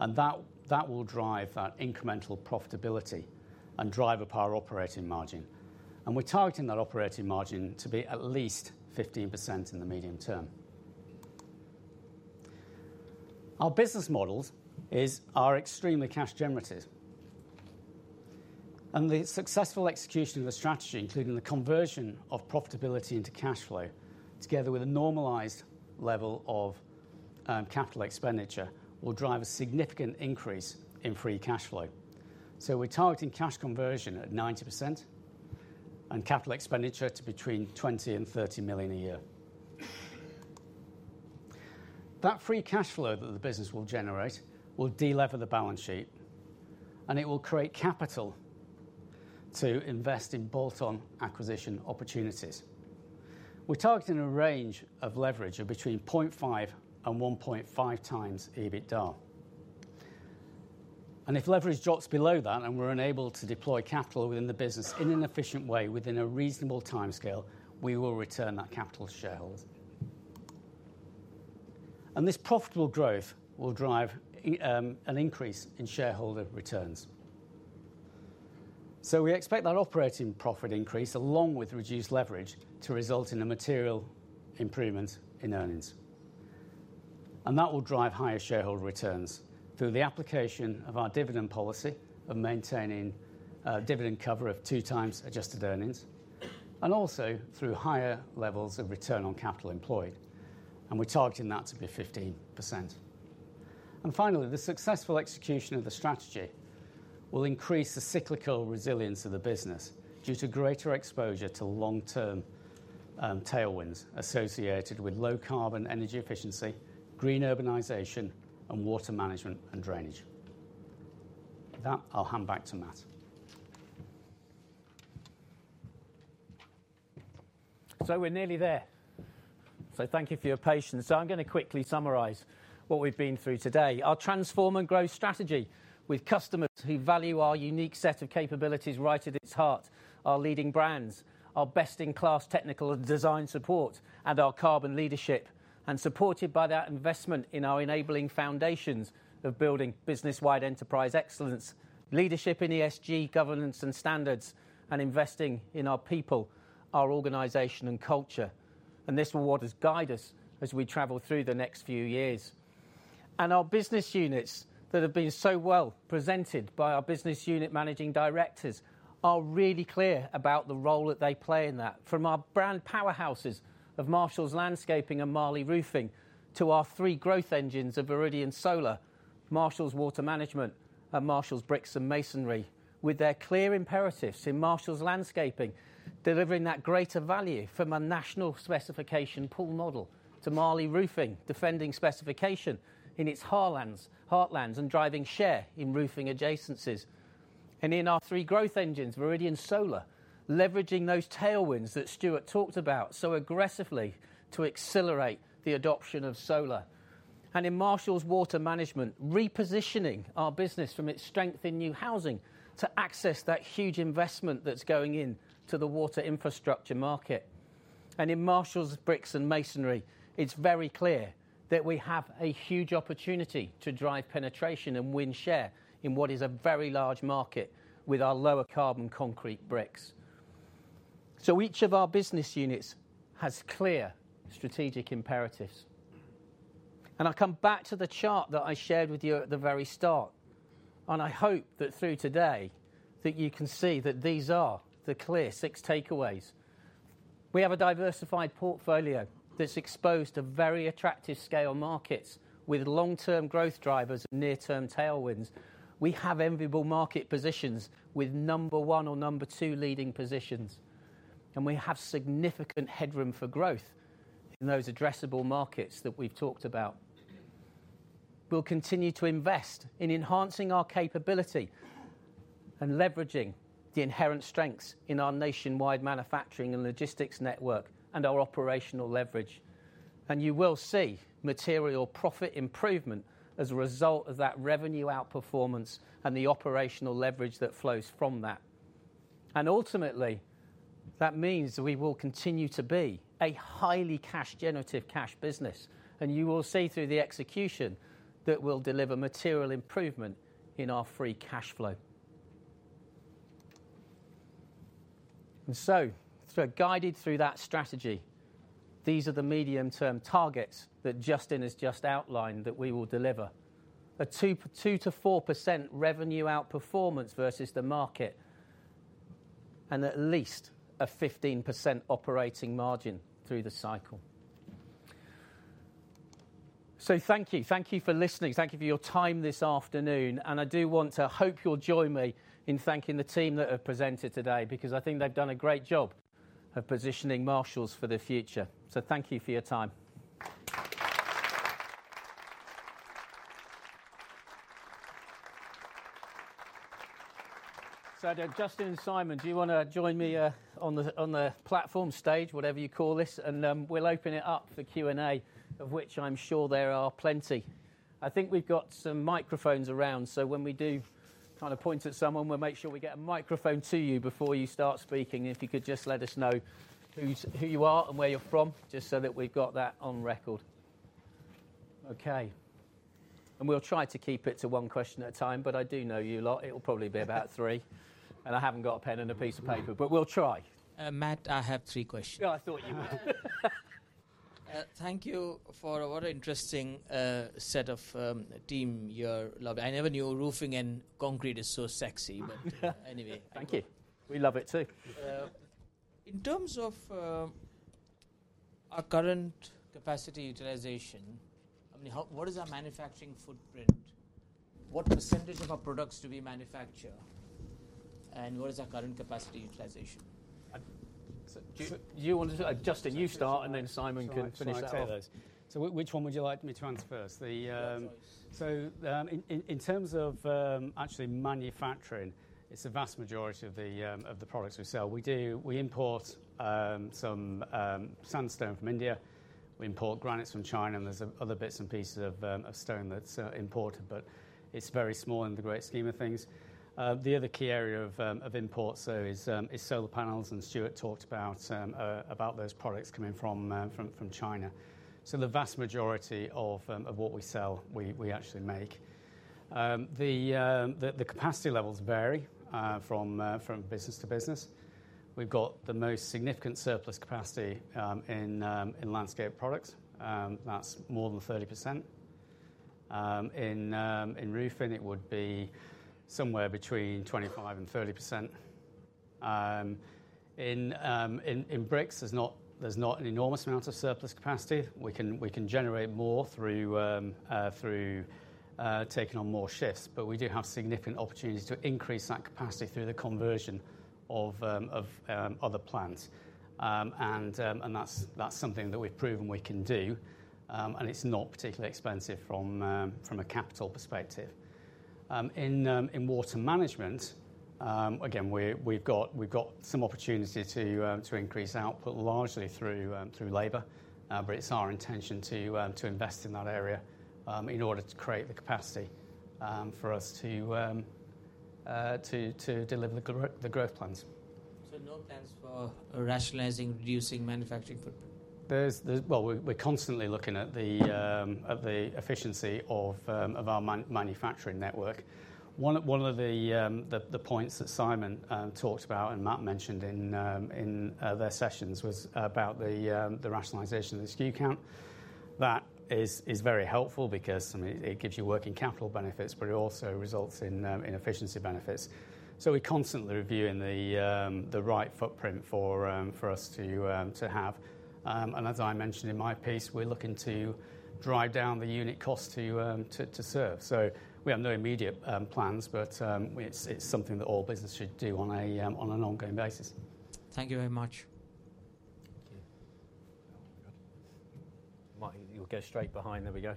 And that will drive that incremental profitability and drive up our operating margin. And we're targeting that operating margin to be at least 15% in the medium term. Our business models are extremely cash-generative. The successful execution of the strategy, including the conversion of profitability into cash flow, together with a normalized level of capital expenditure, will drive a significant increase in free cash flow. So we're targeting cash conversion at 90% and capital expenditure to between 20 million and 30 million a year. That free cash flow that the business will generate will delever the balance sheet. And it will create capital to invest in bolt-on acquisition opportunities. We're targeting a range of leverage of between 0.5 and 1.5 times EBITDA. And if leverage drops below that and we're unable to deploy capital within the business in an efficient way within a reasonable timescale, we will return that capital to shareholders. And this profitable growth will drive an increase in shareholder returns. So we expect that operating profit increase along with reduced leverage to result in a material improvement in earnings. And that will drive higher shareholder returns through the application of our dividend policy of maintaining dividend cover of two times adjusted earnings, and also through higher levels of return on capital employed. And we're targeting that to be 15%. And finally, the successful execution of the strategy will increase the cyclical resilience of the business due to greater exposure to long-term tailwinds associated with low carbon energy efficiency, green urbanization, and Water Management and drainage. That, I'll hand back to Matt. So we're nearly there. So thank you for your patience. So I'm going to quickly summarize what we've been through today. Our transform and growth strategy with customers who value our unique set of capabilities right at its heart, our leading brands, our best-in-class technical and design support, and our carbon leadership, and supported by that investment in our enabling foundations of building business-wide enterprise excellence, leadership in ESG governance and standards, and investing in our people, our organization, and culture. And this will guide us as we travel through the next few years. And our business units that have been so well presented by our business unit Managing Directors are really clear about the role that they play in that. From our brand powerhouses of Marshalls Landscaping and Marley Roofing to our three growth engines of Viridian Solar, Marshalls Water Management, and Marshalls Bricks and Masonry, with their clear imperatives in Marshalls Landscaping, delivering that greater value from a national specification pool model to Marley Roofing defending specification in its heartlands and driving share in roofing adjacencies. And in our three growth engines, Viridian Solar, leveraging those tailwinds that Stuart talked about so aggressively to accelerate the adoption of solar. And in Marshalls Water Management, repositioning our business from its strength in new housing to access that huge investment that's going into the water infrastructure market. And in Marshalls Bricks and Masonry, it's very clear that we have a huge opportunity to drive penetration and win share in what is a very large market with our lower carbon concrete bricks. So each of our business units has clear strategic imperatives. I'll come back to the chart that I shared with you at the very start. I hope that through today, that you can see that these are the clear six takeaways. We have a diversified portfolio that's exposed to very attractive scale markets with long-term growth drivers and near-term tailwinds. We have enviable market positions with number one or number two leading positions. We have significant headroom for growth in those addressable markets that we've talked about. We'll continue to invest in enhancing our capability and leveraging the inherent strengths in our nationwide manufacturing and logistics network and our operational leverage. You will see material profit improvement as a result of that revenue outperformance and the operational leverage that flows from that. Ultimately, that means we will continue to be a highly cash-generative cash business. And you will see through the execution that we'll deliver material improvement in our free cash flow. And so guided through that strategy, these are the medium-term targets that Justin has just outlined that we will deliver: a 2%-4% revenue outperformance versus the market, and at least a 15% operating margin through the cycle. So thank you. Thank you for listening. Thank you for your time this afternoon. And I do want to hope you'll join me in thanking the team that have presented today because I think they've done a great job of positioning Marshalls for the future. So thank you for your time.
So Justin and Simon, do you want to join me on the platform stage, whatever you call this? And we'll open it up for Q&A, of which I'm sure there are plenty. I think we've got some microphones around. So, when we do kind of point at someone, we'll make sure we get a microphone to you before you start speaking. And if you could just let us know who you are and where you're from, just so that we've got that on record. Okay. And we'll try to keep it to one question at a time. But I do know you lot. It'll probably be about three. And I haven't got a pen and a piece of paper. But we'll try.
Matt, I have three questions.
Yeah, I thought you would.
Thank you for a very interesting set of teams. I never knew roofing and concrete is so sexy. But anyway.
Thank you. We love it too. In terms of our current capacity utilization, what is our manufacturing footprint? What percentage of our products do we manufacture? And what is our current capacity utilization? Do you want to do it? Justin, you start, and then Simon can finish.
I'll try those. So which one would you like me to answer first?
Both of those.
In terms of actually manufacturing, it's a vast majority of the products we sell. We import some sandstone from India. We import granites from China. And there's other bits and pieces of stone that's imported. But it's very small in the great scheme of things. The other key area of import, though, is solar panels. And Stuart talked about those products coming from China. The vast majority of what we sell, we actually make. The capacity levels vary from business to business. We've got the most significant surplus capacity in landscape products. That's more than 30%. In roofing, it would be somewhere between 25% and 30%. In bricks, there's not an enormous amount of surplus capacity. We can generate more through taking on more shifts. But we do have significant opportunities to increase that capacity through the conversion of other plants. And that's something that we've proven we can do. And it's not particularly expensive from a capital perspective. In Water Management, again, we've got some opportunity to increase output largely through labor. But it's our intention to invest in that area in order to create the capacity for us to deliver the growth plans.
So no plans for rationalizing reducing manufacturing footprint?
We're constantly looking at the efficiency of our manufacturing network. One of the points that Simon talked about and Matt mentioned in their sessions was about the rationalization of the SKU count. That is very helpful because it gives you working capital benefits, but it also results in efficiency benefits. We're constantly reviewing the right footprint for us to have. And as I mentioned in my piece, we're looking to drive down the unit cost to serve. We have no immediate plans, but it's something that all business should do on an ongoing basis.
Thank you very much.
You'll go straight behind. There we go.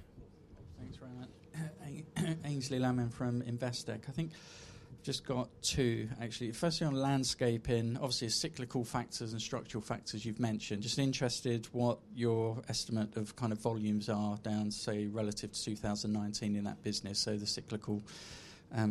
Thanks very much. Aynsley Lammin from Investec. I think I've just got two, actually. Firstly, on landscaping, obviously cyclical factors and structural factors you've mentioned. Just interested what your estimate of kind of volumes are down, say, relative to 2019 in that business, so the cyclical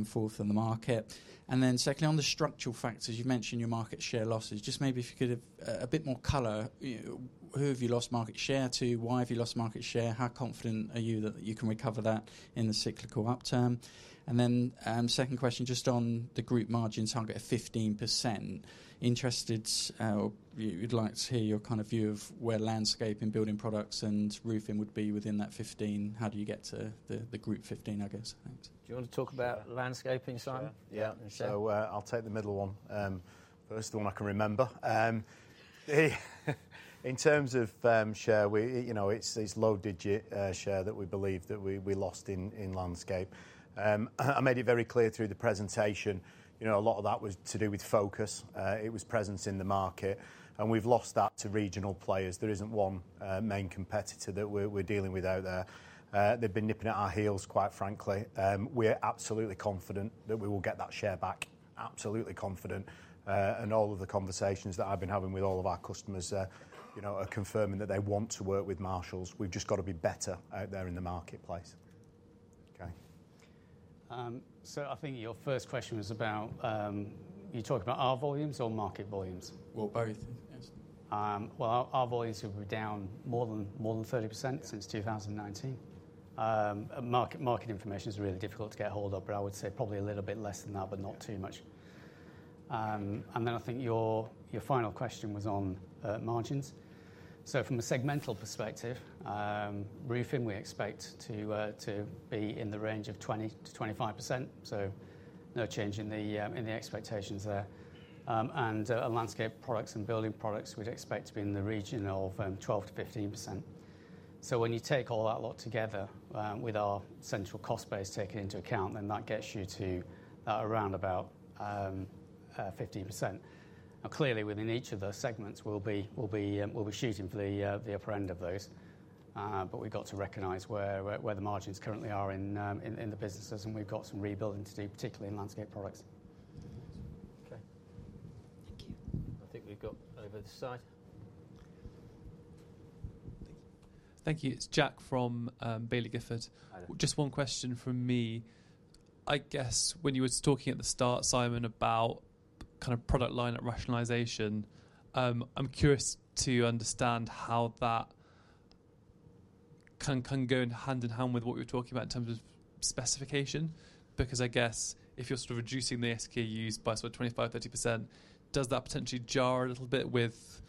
force in the market. And then secondly, on the structural factors, you've mentioned your market share losses. Just maybe if you could have a bit more color, who have you lost market share to? Why have you lost market share? How confident are you that you can recover that in the cyclical upturn? And then second question, just on the group margin target of 15%, interested or you'd like to hear your kind of view of where landscaping, building products, and roofing would be within that 15%. How do you get to the group 15%, I guess?
Do you want to talk about landscaping, Simon?
Yeah. Yeah. So I'll take the middle one. But it's the one I can remember. In terms of share, it's low-digit share that we believe that we lost in landscape. I made it very clear through the presentation. A lot of that was to do with focus. It was presence in the market. And we've lost that to regional players. There isn't one main competitor that we're dealing with out there. They've been nipping at our heels, quite frankly. We're absolutely confident that we will get that share back, absolutely confident. And all of the conversations that I've been having with all of our customers are confirming that they want to work with Marshalls. We've just got to be better out there in the marketplace. Okay.
So I think your first question was about you talking about our volumes or market volumes?
Well, both.
Our volumes have been down more than 30% since 2019. Market information is really difficult to get hold of, but I would say probably a little bit less than that, but not too much. I think your final question was on margins. From a segmental perspective, roofing, we expect to be in the range of 20%-25%. No change in the expectations there. Landscape products and building products, we'd expect to be in the region of 12%-15%. When you take all that together with our central cost base taken into account, then that gets you to around about 15%. Now, clearly, within each of those segments, we'll be shooting for the upper end of those. We've got to recognize where the margins currently are in the businesses. We've got some rebuilding to do, particularly in landscape products.
Okay. Thank you.
I think we've got over to the side.
Thank you. It's Jack from Baillie Gifford. Just one question from me. I guess when you were talking at the start, Simon, about kind of product line rationalization, I'm curious to understand how that can go hand in hand with what you're talking about in terms of specification. Because I guess if you're sort of reducing the SKUs by sort of 25%, 30%, does that potentially jar a little bit with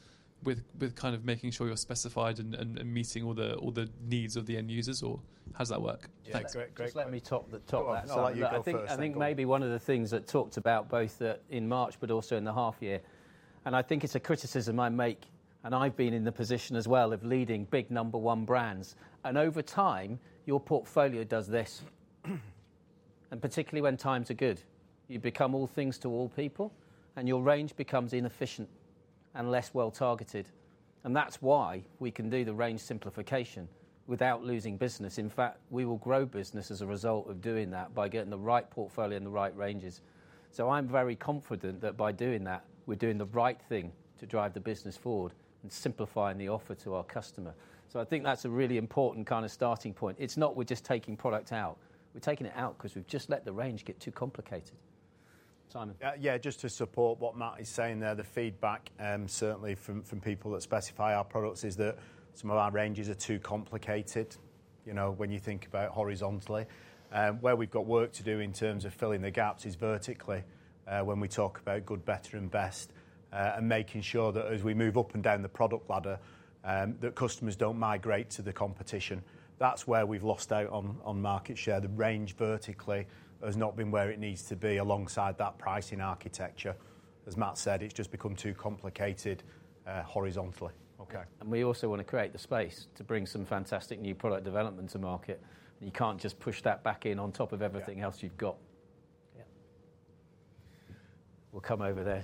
kind of making sure you're specified and meeting all the needs of the end users? Or how does that work?
Yeah. Great. Let me top that. I think maybe one of the things that talked about both in March, but also in the half year. And I think it's a criticism I make. And I've been in the position as well of leading big number one brands. And over time, your portfolio does this. And particularly when times are good, you become all things to all people. And your range becomes inefficient and less well-targeted. And that's why we can do the range simplification without losing business. In fact, we will grow business as a result of doing that by getting the right portfolio and the right ranges. So I'm very confident that by doing that, we're doing the right thing to drive the business forward and simplifying the offer to our customer. So I think that's a really important kind of starting point. It's not we're just taking product out. We're taking it out because we've just let the range get too complicated. Simon.
Yeah, just to support what Matt is saying there, the feedback certainly from people that specify our products is that some of our ranges are too complicated when you think about horizontally. Where we've got work to do in terms of filling the gaps is vertically when we talk about good, better, and best. And making sure that as we move up and down the product ladder, that customers don't migrate to the competition. That's where we've lost out on market share. The range vertically has not been where it needs to be alongside that pricing architecture. As Matt said, it's just become too complicated horizontally.
Okay. And we also want to create the space to bring some fantastic new product development to market. And you can't just push that back in on top of everything else you've got.
Yeah.
We'll come over there.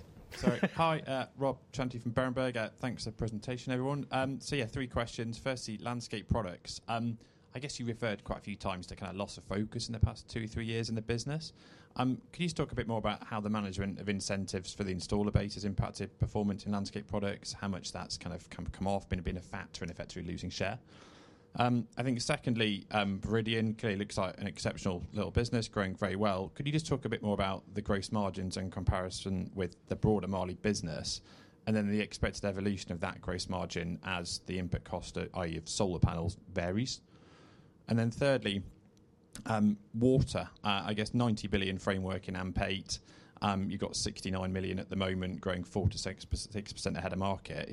Hi, Rob Chantry from Berenberg. Thanks for the presentation, everyone. So yeah, three questions. Firstly, landscape products. I guess you referred quite a few times to kind of loss of focus in the past two or three years in the business. Could you just talk a bit more about how the management of incentives for the installer base has impacted performance in landscape products, how much that's kind of come off, been a factor, and effectively losing share? I think secondly, Viridian clearly looks like an exceptional little business, growing very well. Could you just talk a bit more about the gross margins in comparison with the broader Marley business? And then the expected evolution of that gross margin as the input cost, i.e., of solar panels, varies. And then thirdly, water, I guess 90 billion framework in AMP8. You've got 69 million at the moment, growing 4%-6% ahead of market.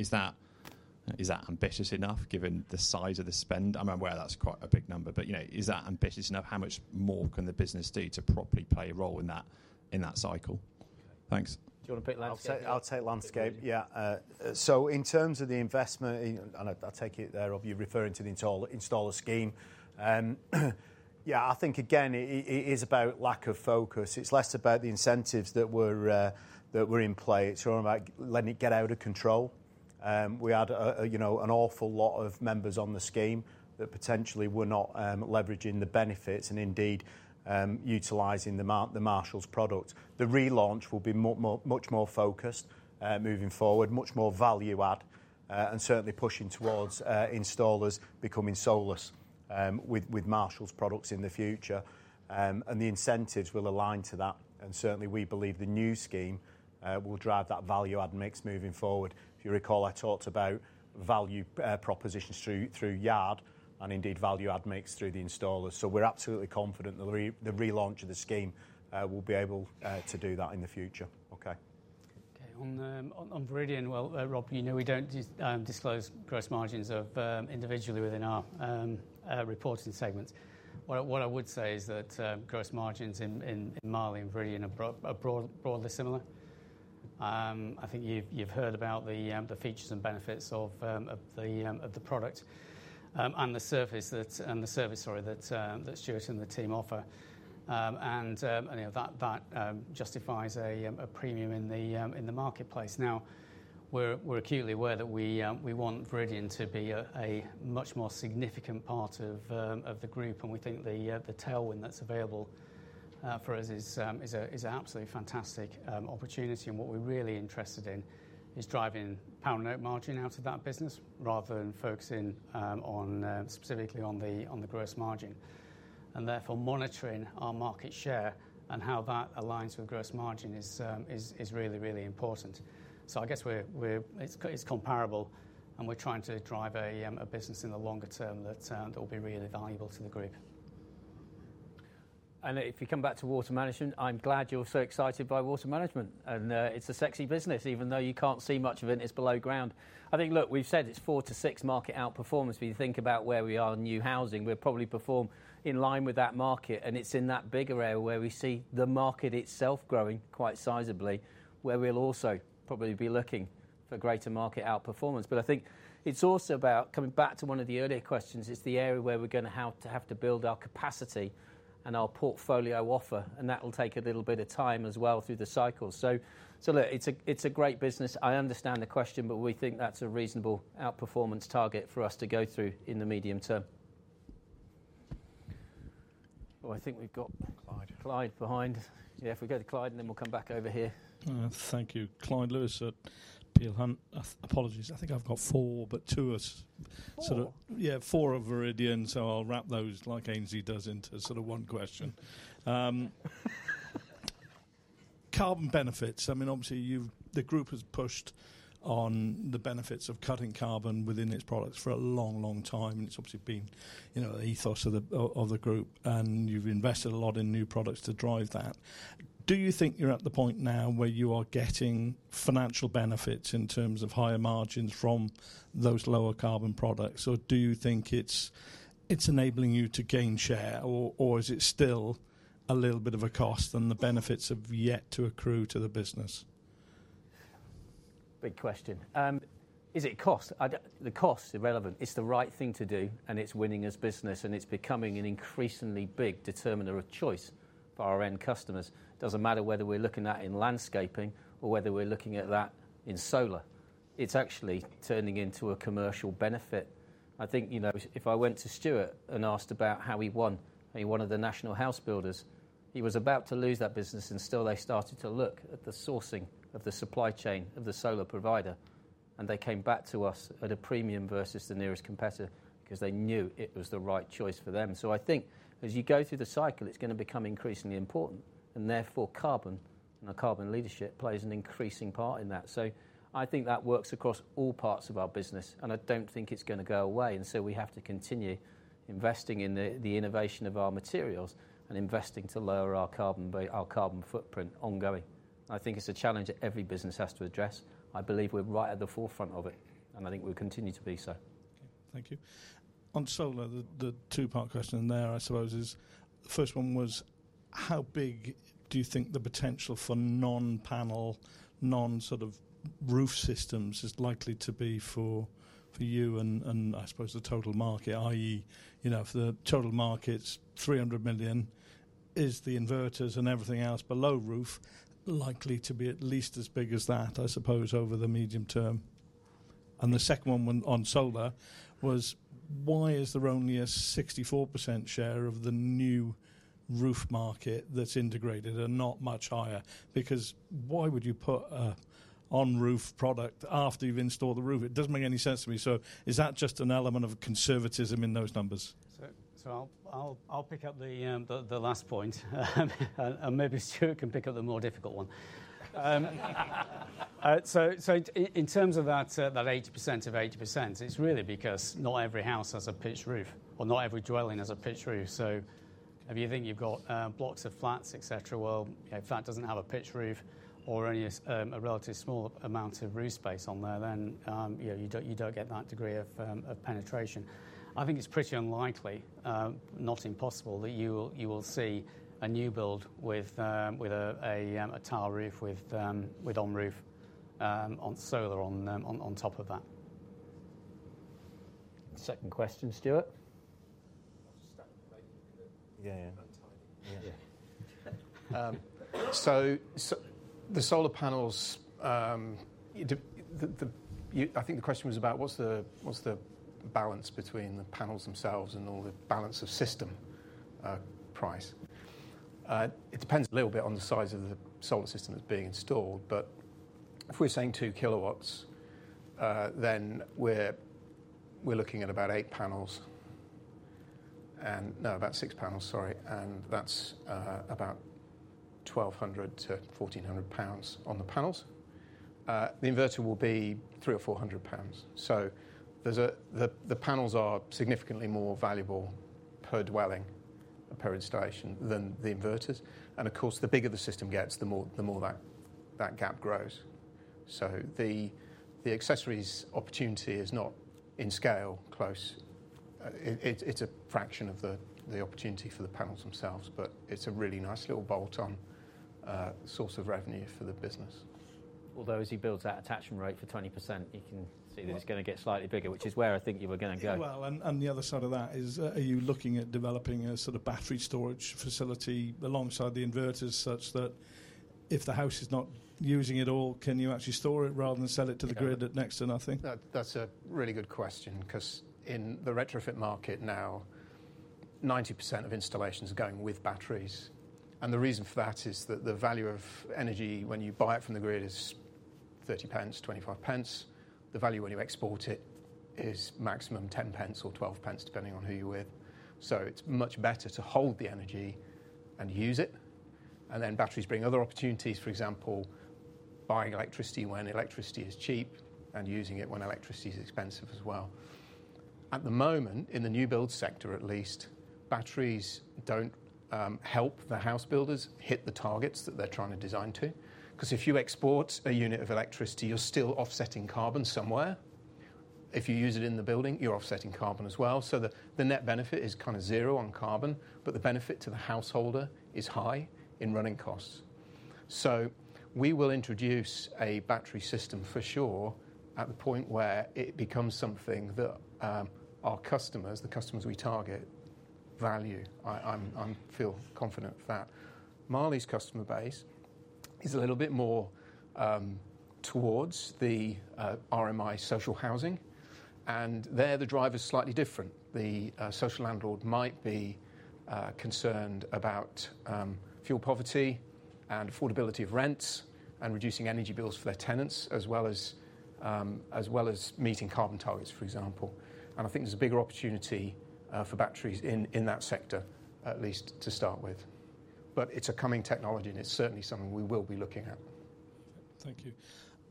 Is that ambitious enough given the size of the spend? I'm aware that's quite a big number. But is that ambitious enough? How much more can the business do to properly play a role in that cycle? Thanks.
Do you want to pick landscape?
I'll take landscape. Yeah. So, in terms of the investment, and I'll take it there, of you referring to the installer scheme. Yeah, I think, again, it is about lack of focus. It's less about the incentives that were in play. It's more about letting it get out of control. We had an awful lot of members on the scheme that potentially were not leveraging the benefits and indeed utilizing the Marshalls products. The relaunch will be much more focused moving forward, much more value-add, and certainly pushing towards installers becoming seamless with Marshalls products in the future. And the incentives will align to that. And certainly, we believe the new scheme will drive that value-add mix moving forward. If you recall, I talked about value propositions through yard and indeed value-add mix through the installers. So we're absolutely confident the relaunch of the scheme will be able to do that in the future. Okay.
Okay. On Viridian, well, Rob, you know we don't disclose gross margins individually within our reporting segments. What I would say is that gross margins in Marley and Viridian are broadly similar. I think you've heard about the features and benefits of the product and the service that Stuart and the team offer. And that justifies a premium in the marketplace. Now, we're acutely aware that we want Viridian to be a much more significant part of the group. And we think the tailwind that's available for us is an absolutely fantastic opportunity. And what we're really interested in is driving parent net margin out of that business rather than focusing specifically on the gross margin. And therefore, monitoring our market share and how that aligns with gross margin is really, really important. So I guess it's comparable.
We're trying to drive a business in the longer term that will be really valuable to the group.
If we come back to Water Management, I'm glad you're so excited by Water Management. It's a sexy business, even though you can't see much of it. It's below ground. I think, look, we've said it's four to six market outperformance. If you think about where we are in new housing, we'll probably perform in line with that market. It's in that bigger area where we see the market itself growing quite sizably, where we'll also probably be looking for greater market outperformance. But I think it's also about coming back to one of the earlier questions. It's the area where we're going to have to build our capacity and our portfolio offer. That will take a little bit of time as well through the cycle. Look, it's a great business. I understand the question, but we think that's a reasonable outperformance target for us to go through in the medium term. Oh, I think we've got Clyde behind. Yeah, if we go to Clyde, and then we'll come back over here.
Thank you. Clyde Lewis at Peel Hunt. Apologies. I think I've got four, but two are sort of, yeah, four of Viridian. So I'll wrap those like Aynsley does into sort of one question. Carbon benefits. I mean, obviously, the group has pushed on the benefits of cutting carbon within its products for a long, long time. And it's obviously been an ethos of the group. And you've invested a lot in new products to drive that. Do you think you're at the point now where you are getting financial benefits in terms of higher margins from those lower carbon products? Or do you think it's enabling you to gain share? Or is it still a little bit of a cost and the benefits have yet to accrue to the business?
Big question. Is it cost? The cost is irrelevant. It's the right thing to do. And it's winning as business. And it's becoming an increasingly big determiner of choice for our end customers. It doesn't matter whether we're looking at it in landscaping or whether we're looking at that in solar. It's actually turning into a commercial benefit. I think if I went to Stuart and asked about how he won at the National House Building Council, he was about to lose that business. And still, they started to look at the sourcing of the supply chain of the solar provider. And they came back to us at a premium versus the nearest competitor because they knew it was the right choice for them. So I think as you go through the cycle, it's going to become increasingly important. And therefore, carbon and our carbon leadership plays an increasing part in that. So I think that works across all parts of our business. And I don't think it's going to go away. And so we have to continue investing in the innovation of our materials and investing to lower our carbon footprint ongoing. I think it's a challenge that every business has to address. I believe we're right at the forefront of it. And I think we'll continue to be so.
Thank you. On solar, the two-part question there, I suppose, is the first one was how big do you think the potential for non-panel, non-sort of roof systems is likely to be for you and, I suppose, the total market, i.e., if the total market's 300 million, is the inverters and everything else below roof likely to be at least as big as that, I suppose, over the medium term? And the second one on solar was why is there only a 64% share of the new roof market that's integrated and not much higher? Because why would you put an on-roof product after you've installed the roof? It doesn't make any sense to me. So is that just an element of conservatism in those numbers?
So I'll pick up the last point. And maybe Stuart can pick up the more difficult one. So in terms of that 80% of 80%, it's really because not every house has a pitched roof or not every dwelling has a pitched roof. So if you think you've got blocks of flats, etc., well, if that doesn't have a pitched roof or only a relatively small amount of roof space on there, then you don't get that degree of penetration. I think it's pretty unlikely, not impossible, that you will see a new build with a tile roof with on-roof solar on top of that. Second question, Stuart.
Yeah, yeah. So the solar panels, I think the question was about what's the balance between the panels themselves and all the balance of system price. It depends a little bit on the size of the solar system that's being installed. But if we're saying two kilowatts, then we're looking at about eight panels. No, about six panels, sorry. And that's about 1,200-1,400 pounds on the panels. The inverter will be 300 or 400 pounds. So the panels are significantly more valuable per dwelling, per installation, than the inverters. And of course, the bigger the system gets, the more that gap grows. So the accessories opportunity is not in scale close. It's a fraction of the opportunity for the panels themselves. But it's a really nice little bolt-on source of revenue for the business.
Although as you build that attachment rate for 20%, you can see that it's going to get slightly bigger, which is where I think you were going to go.
Well, and the other side of that is, are you looking at developing a sort of battery storage facility alongside the inverters such that if the house is not using it all, can you actually store it rather than sell it to the grid next to nothing?
That's a really good question because in the retrofit market now, 90% of installations are going with batteries. And the reason for that is that the value of energy when you buy it from the grid is 0.30, 0.25. The value when you export it is maximum 0.10 or 0.12, depending on who you're with. So it's much better to hold the energy and use it. And then batteries bring other opportunities, for example, buying electricity when electricity is cheap and using it when electricity is expensive as well. At the moment, in the new build sector at least, batteries don't help the house builders hit the targets that they're trying to design to. Because if you export a unit of electricity, you're still offsetting carbon somewhere. If you use it in the building, you're offsetting carbon as well. So the net benefit is kind of zero on carbon. But the benefit to the householder is high in running costs. So we will introduce a battery system for sure at the point where it becomes something that our customers, the customers we target, value. I feel confident of that. Marley's customer base is a little bit more towards the RMI social housing. And there, the drive is slightly different. The social landlord might be concerned about fuel poverty and affordability of rents and reducing energy bills for their tenants, as well as meeting carbon targets, for example. And I think there's a bigger opportunity for batteries in that sector, at least to start with. But it's a coming technology. And it's certainly something we will be looking at.
Thank you,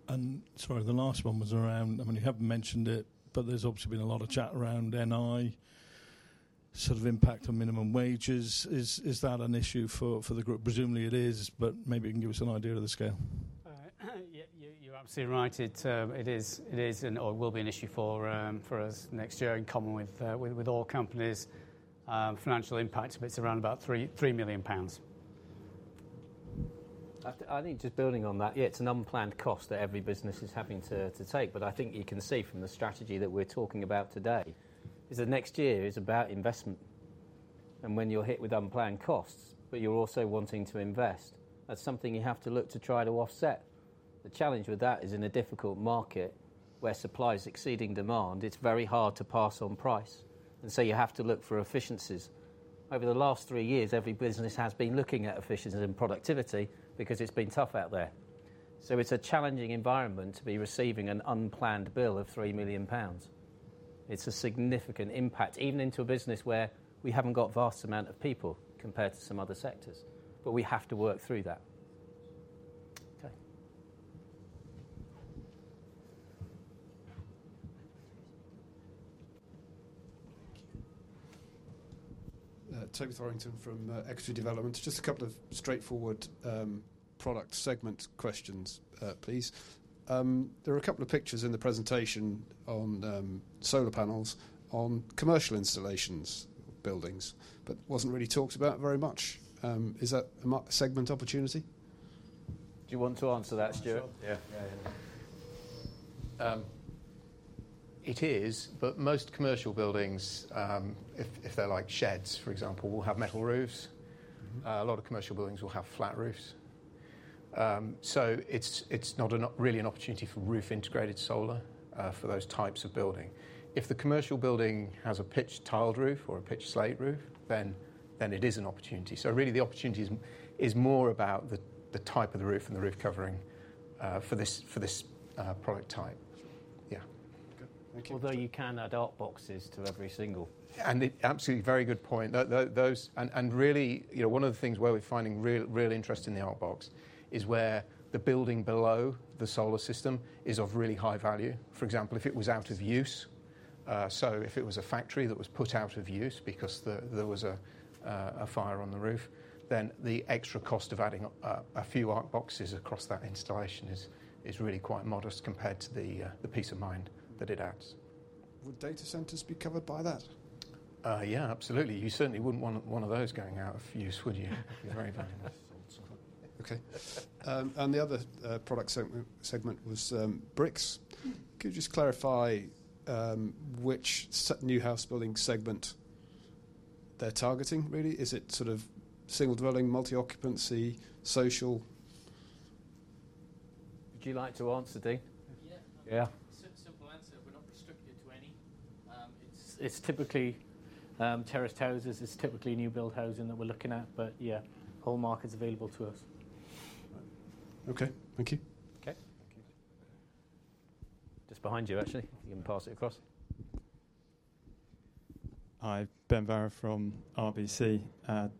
and sorry, the last one was around, I mean, you haven't mentioned it, but there's obviously been a lot of chat around NI, sort of impact on minimum wages. Is that an issue for the group? Presumably, it is. But maybe you can give us an idea of the scale.
You're absolutely right. It is and will be an issue for us next year, in common with all companies. Financial impact: it's around about 3 million pounds. I think just building on that, yeah, it's an unplanned cost that every business is having to take, but I think you can see from the strategy that we're talking about today is that next year is about investment, and when you're hit with unplanned costs, but you're also wanting to invest, that's something you have to look to try to offset. The challenge with that is in a difficult market where supply is exceeding demand, it's very hard to pass on price, and so you have to look for efficiencies. Over the last three years, every business has been looking at efficiency and productivity because it's been tough out there. So it's a challenging environment to be receiving an unplanned bill of 3 million pounds. It's a significant impact, even into a business where we haven't got a vast amount of people compared to some other sectors. But we have to work through that. Okay.
Toby Thorrington from Exane BNP Paribas. Just a couple of straightforward product segment questions, please. There are a couple of pictures in the presentation on solar panels on commercial installations, buildings. But it wasn't really talked about very much. Is that a segment opportunity?
Do you want to answer that, Stuart?
Yeah. Yeah, yeah. It is. But most commercial buildings, if they're like sheds, for example, will have metal roofs. A lot of commercial buildings will have flat roofs. So it's not really an opportunity for roof-integrated solar for those types of building. If the commercial building has a pitched tiled roof or a pitched slate roof, then it is an opportunity. So really, the opportunity is more about the type of the roof and the roof covering for this product type. Yeah.
Although you can add ArcBox to every single.
Absolutely very good point. Really, one of the things where we're finding real interest in the ArcBox is where the building below the solar system is of really high value. For example, if it was out of use, so if it was a factory that was put out of use because there was a fire on the roof, then the extra cost of adding a few ArcBoxes across that installation is really quite modest compared to the peace of mind that it adds.
Would data centers be covered by that?
Yeah, absolutely. You certainly wouldn't want one of those going out of use, would you? Very valuable.
Okay. And the other product segment was bricks. Could you just clarify which new house building segment they're targeting, really? Is it sort of single dwelling, multi-occupancy, social?
Would you like to answer, Dean?
Yeah. Simple answer. We're not restricted to any. It's typically terraced houses. It's typically new build housing that we're looking at. But yeah, whole market's available to us.
Okay. Thank you.
Okay. Just behind you, actually. You can pass it across.
Hi. Ben Barrow from RBC.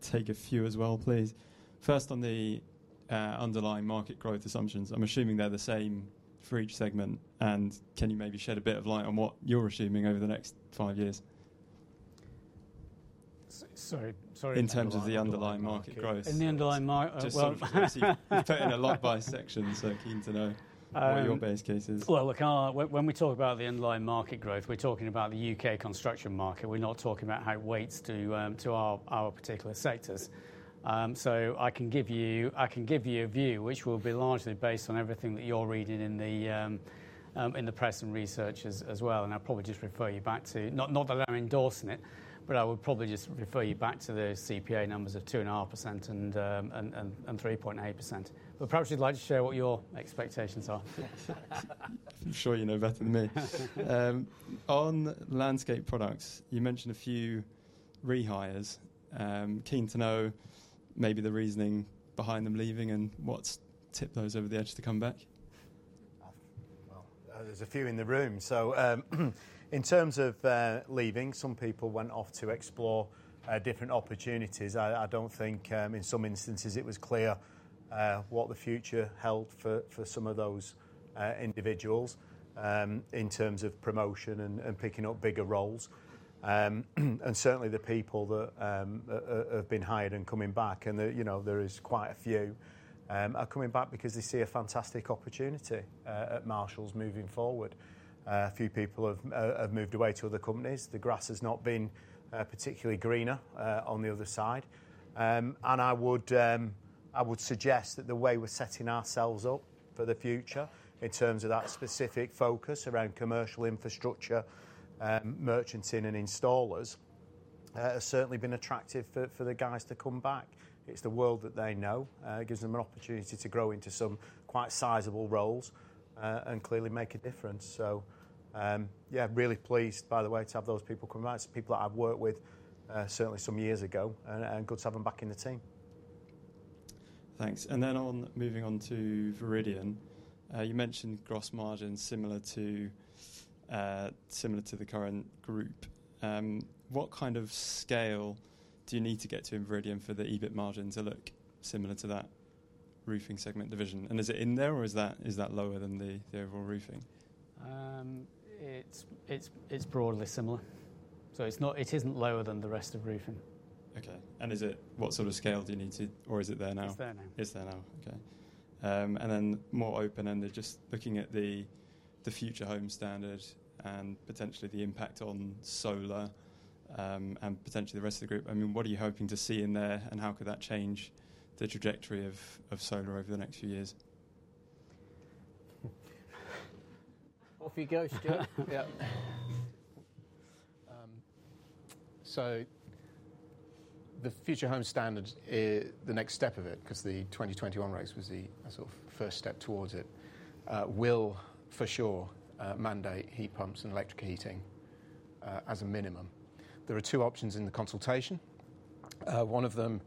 Take a few as well, please. First, on the underlying market growth assumptions, I'm assuming they're the same for each segment. And can you maybe shed a bit of light on what you're assuming over the next five years?
Sorry. Sorry.
In terms of the underlying market growth.
In the underlying market.
Obviously, you've put in a lot by section. Keen to know what your base case is.
Look, when we talk about the underlying market growth, we're talking about the U.K. construction market. We're not talking about how it weights to our particular sectors. I can give you a view, which will be largely based on everything that you're reading in the press and research as well. I'll probably just refer you back to not that I'm endorsing it, but I would probably just refer you back to the CPA numbers of 2.5% and 3.8%. Perhaps you'd like to share what your expectations are.
I'm sure you know better than me. On landscape products, you mentioned a few rehires. Keen to know maybe the reasoning behind them leaving and what's tipped those over the edge to come back.
There's a few in the room. In terms of leaving, some people went off to explore different opportunities. I don't think in some instances it was clear what the future held for some of those individuals in terms of promotion and picking up bigger roles. Certainly, the people that have been hired and coming back, and there is quite a few, are coming back because they see a fantastic opportunity at Marshalls moving forward. A few people have moved away to other companies. The grass has not been particularly greener on the other side. I would suggest that the way we're setting ourselves up for the future in terms of that specific focus around commercial infrastructure, merchants, and installers has certainly been attractive for the guys to come back. It's the world that they know. It gives them an opportunity to grow into some quite sizable roles and clearly make a difference, so yeah, really pleased, by the way, to have those people come back. It's people that I've worked with certainly some years ago, and good to have them back in the team.
Thanks. And then moving on to Viridian, you mentioned gross margin similar to the current group. What kind of scale do you need to get to in Viridian for the EBIT margin to look similar to that roofing segment division? And is it in there, or is that lower than the overall roofing?
It's broadly similar. So it isn't lower than the rest of roofing.
Okay. And what sort of scale do you need to, or is it there now?
It's there now.
It's there now. Okay. And then more open-ended, just looking at the Future Homes Standard and potentially the impact on solar and potentially the rest of the group. I mean, what are you hoping to see in there, and how could that change the trajectory of solar over the next few years?
Off you go, Stuart. Yeah.
So the Future Homes Standard, the next step of it, because the 2021 regs was the sort of first step towards it, will for sure mandate heat pumps and electric heating as a minimum. There are two options in the consultation. One of them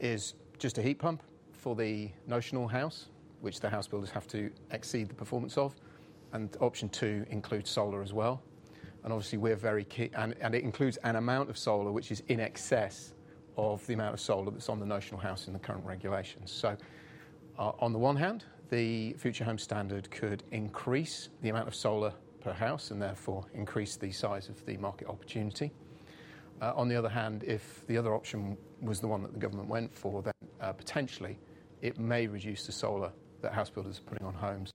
is just a heat pump for the notional house, which the house builders have to exceed the performance of. And option two includes solar as well. And obviously, we're very keen, and it includes an amount of solar which is in excess of the amount of solar that's on the notional house in the current regulations. So on the one hand, the Future Homes Standard could increase the amount of solar per house and therefore increase the size of the market opportunity. On the other hand, if the other option was the one that the government went for, then potentially it may reduce the solar that house builders are putting on homes.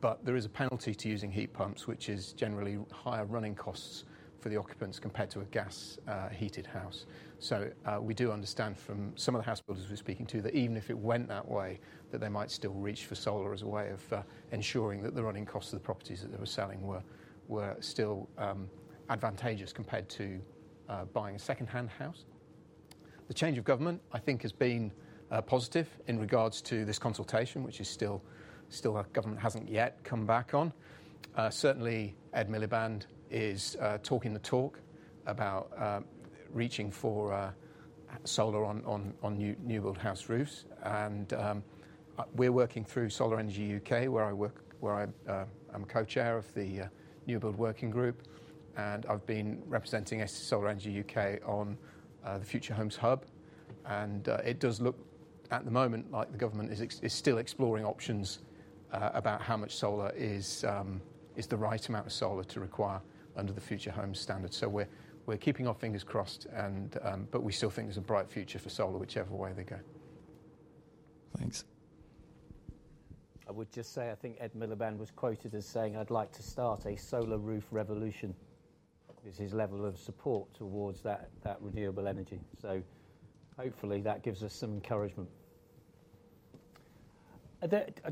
But there is a penalty to using heat pumps, which is generally higher running costs for the occupants compared to a gas-heated house. So we do understand from some of the house builders we're speaking to that even if it went that way, that they might still reach for solar as a way of ensuring that the running costs of the properties that they were selling were still advantageous compared to buying a secondhand house. The change of government, I think, has been positive in regards to this consultation, which is still the government hasn't yet come back on. Certainly, Ed Miliband is talking the talk about reaching for solar on new build house roofs. And we're working through Solar Energy U.K., where I'm co-chair of the new build working group. And I've been representing Solar Energy U.K. on the Future Homes Hub. And it does look at the moment like the government is still exploring options about how much solar is the right amount of solar to require under the Future Homes Standard. So we're keeping our fingers crossed. But we still think there's a bright future for solar, whichever way they go.
Thanks.
I would just say I think Ed Miliband was quoted as saying, "I'd like to start a solar roof revolution." This is his level of support towards that renewable energy. So hopefully, that gives us some encouragement.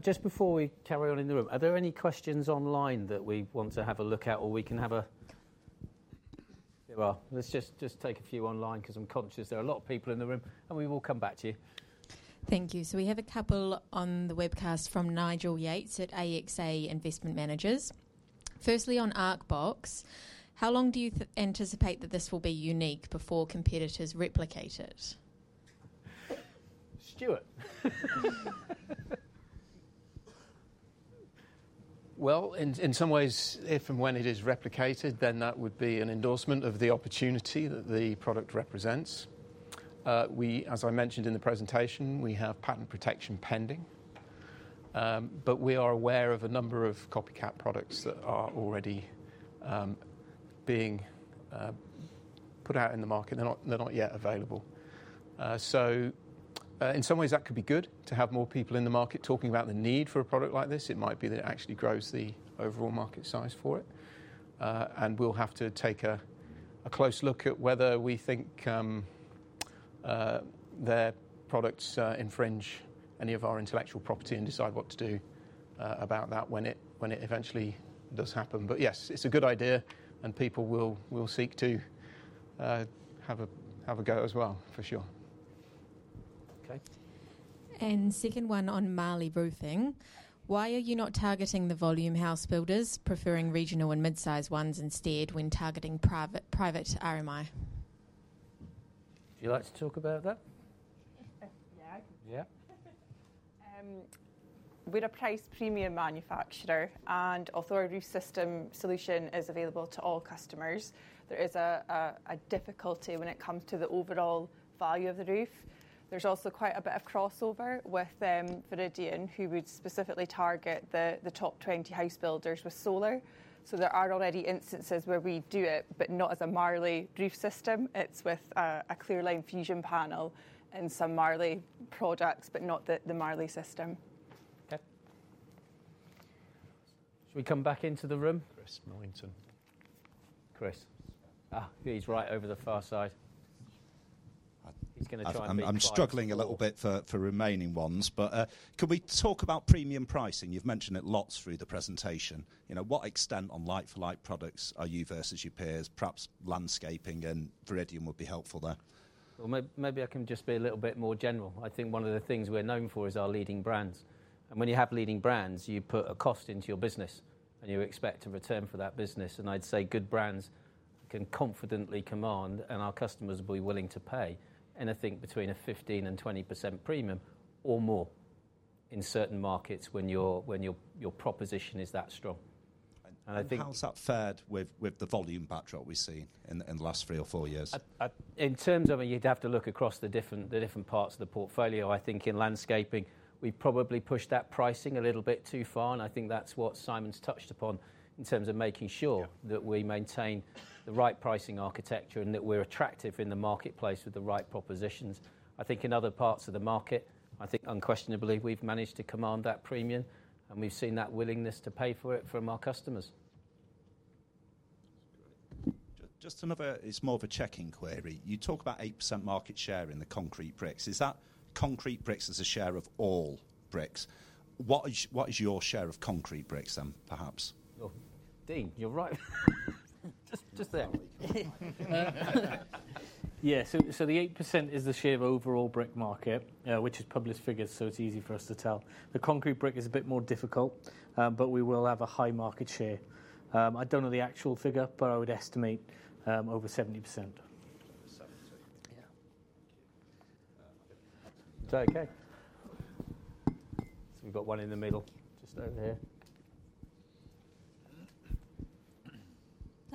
Just before we carry on in the room, are there any questions online that we want to have a look at, or we can have a? There are. Let's just take a few online because I'm conscious there are a lot of people in the room, and we will come back to you. Thank you. So we have a couple on the webcast from Nigel Yates at AXA Investment Managers. Firstly, on ArcBox, how long do you anticipate that this will be unique before competitors replicate it? Stuart.
In some ways, if and when it is replicated, then that would be an endorsement of the opportunity that the product represents. As I mentioned in the presentation, we have patent protection pending, but we are aware of a number of copycat products that are already being put out in the market. They're not yet available, so in some ways, that could be good to have more people in the market talking about the need for a product like this. It might be that it actually grows the overall market size for it. We'll have to take a close look at whether we think their products infringe any of our intellectual property and decide what to do about that when it eventually does happen. Yes, it's a good idea, and people will seek to have a go as well, for sure.
Okay. And second one on Marley Roofing. Why are you not targeting the volume house builders, preferring regional and mid-size ones instead when targeting private RMI? Would you like to talk about that?
Yeah.
Yeah. We're a priced premium manufacturer, and although our roof system solution is available to all customers, there is a difficulty when it comes to the overall value of the roof. There's also quite a bit of crossover with Viridian, who would specifically target the top 20 house builders with solar, so there are already instances where we do it, but not as a Marley roof system. It's with a Clearline Fusion panel and some Marley products, but not the Marley system. Okay. Shall we come back into the room? Chris Millington. Chris. He's right over the far side. He's going to try and be quiet.
I'm struggling a little bit for remaining ones. But could we talk about premium pricing? You've mentioned it lots through the presentation. What extent on like-for-like products are you versus your peers? Perhaps landscaping and Viridian would be helpful there.
Maybe I can just be a little bit more general. I think one of the things we're known for is our leading brands. And when you have leading brands, you put a cost into your business. And you expect a return for that business. And I'd say good brands can confidently command, and our customers will be willing to pay anything between a 15%-20% premium or more in certain markets when your proposition is that strong.
How's that fared with the volume backdrop we've seen in the last three or four years?
In terms of, I mean, you'd have to look across the different parts of the portfolio. I think in landscaping, we probably pushed that pricing a little bit too far, and I think that's what Simon's touched upon in terms of making sure that we maintain the right pricing architecture and that we're attractive in the marketplace with the right propositions. I think in other parts of the market, I think unquestionably we've managed to command that premium, and we've seen that willingness to pay for it from our customers.
Just another. It's more of a checking query. You talk about 8% market share in the concrete bricks. Is that concrete bricks as a share of all bricks? What is your share of concrete bricks then, perhaps?
Dean, you're right. Just there.
Yeah. So the 8% is the share of overall brick market, which is published figures, so it's easy for us to tell. The concrete brick is a bit more difficult, but we will have a high market share. I don't know the actual figure, but I would estimate over 70%. Yeah.
Is that okay? So we've got one in the middle just over here.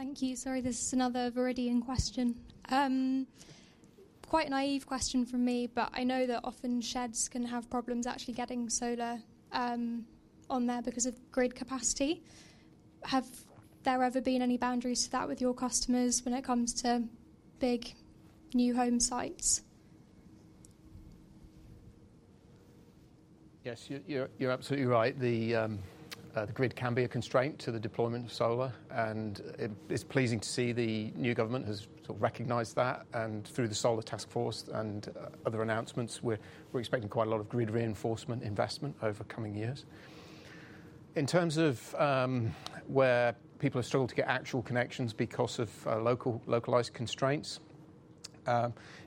Thank you. Sorry, this is another Viridian question. Quite a naive question for me, but I know that often sheds can have problems actually getting solar on there because of grid capacity. Have there ever been any boundaries to that with your customers when it comes to big new home sites?
Yes, you're absolutely right. The grid can be a constraint to the deployment of solar. And it's pleasing to see the new government has sort of recognized that. And through the Solar Task Force and other announcements, we're expecting quite a lot of grid reinforcement investment over coming years. In terms of where people have struggled to get actual connections because of localized constraints,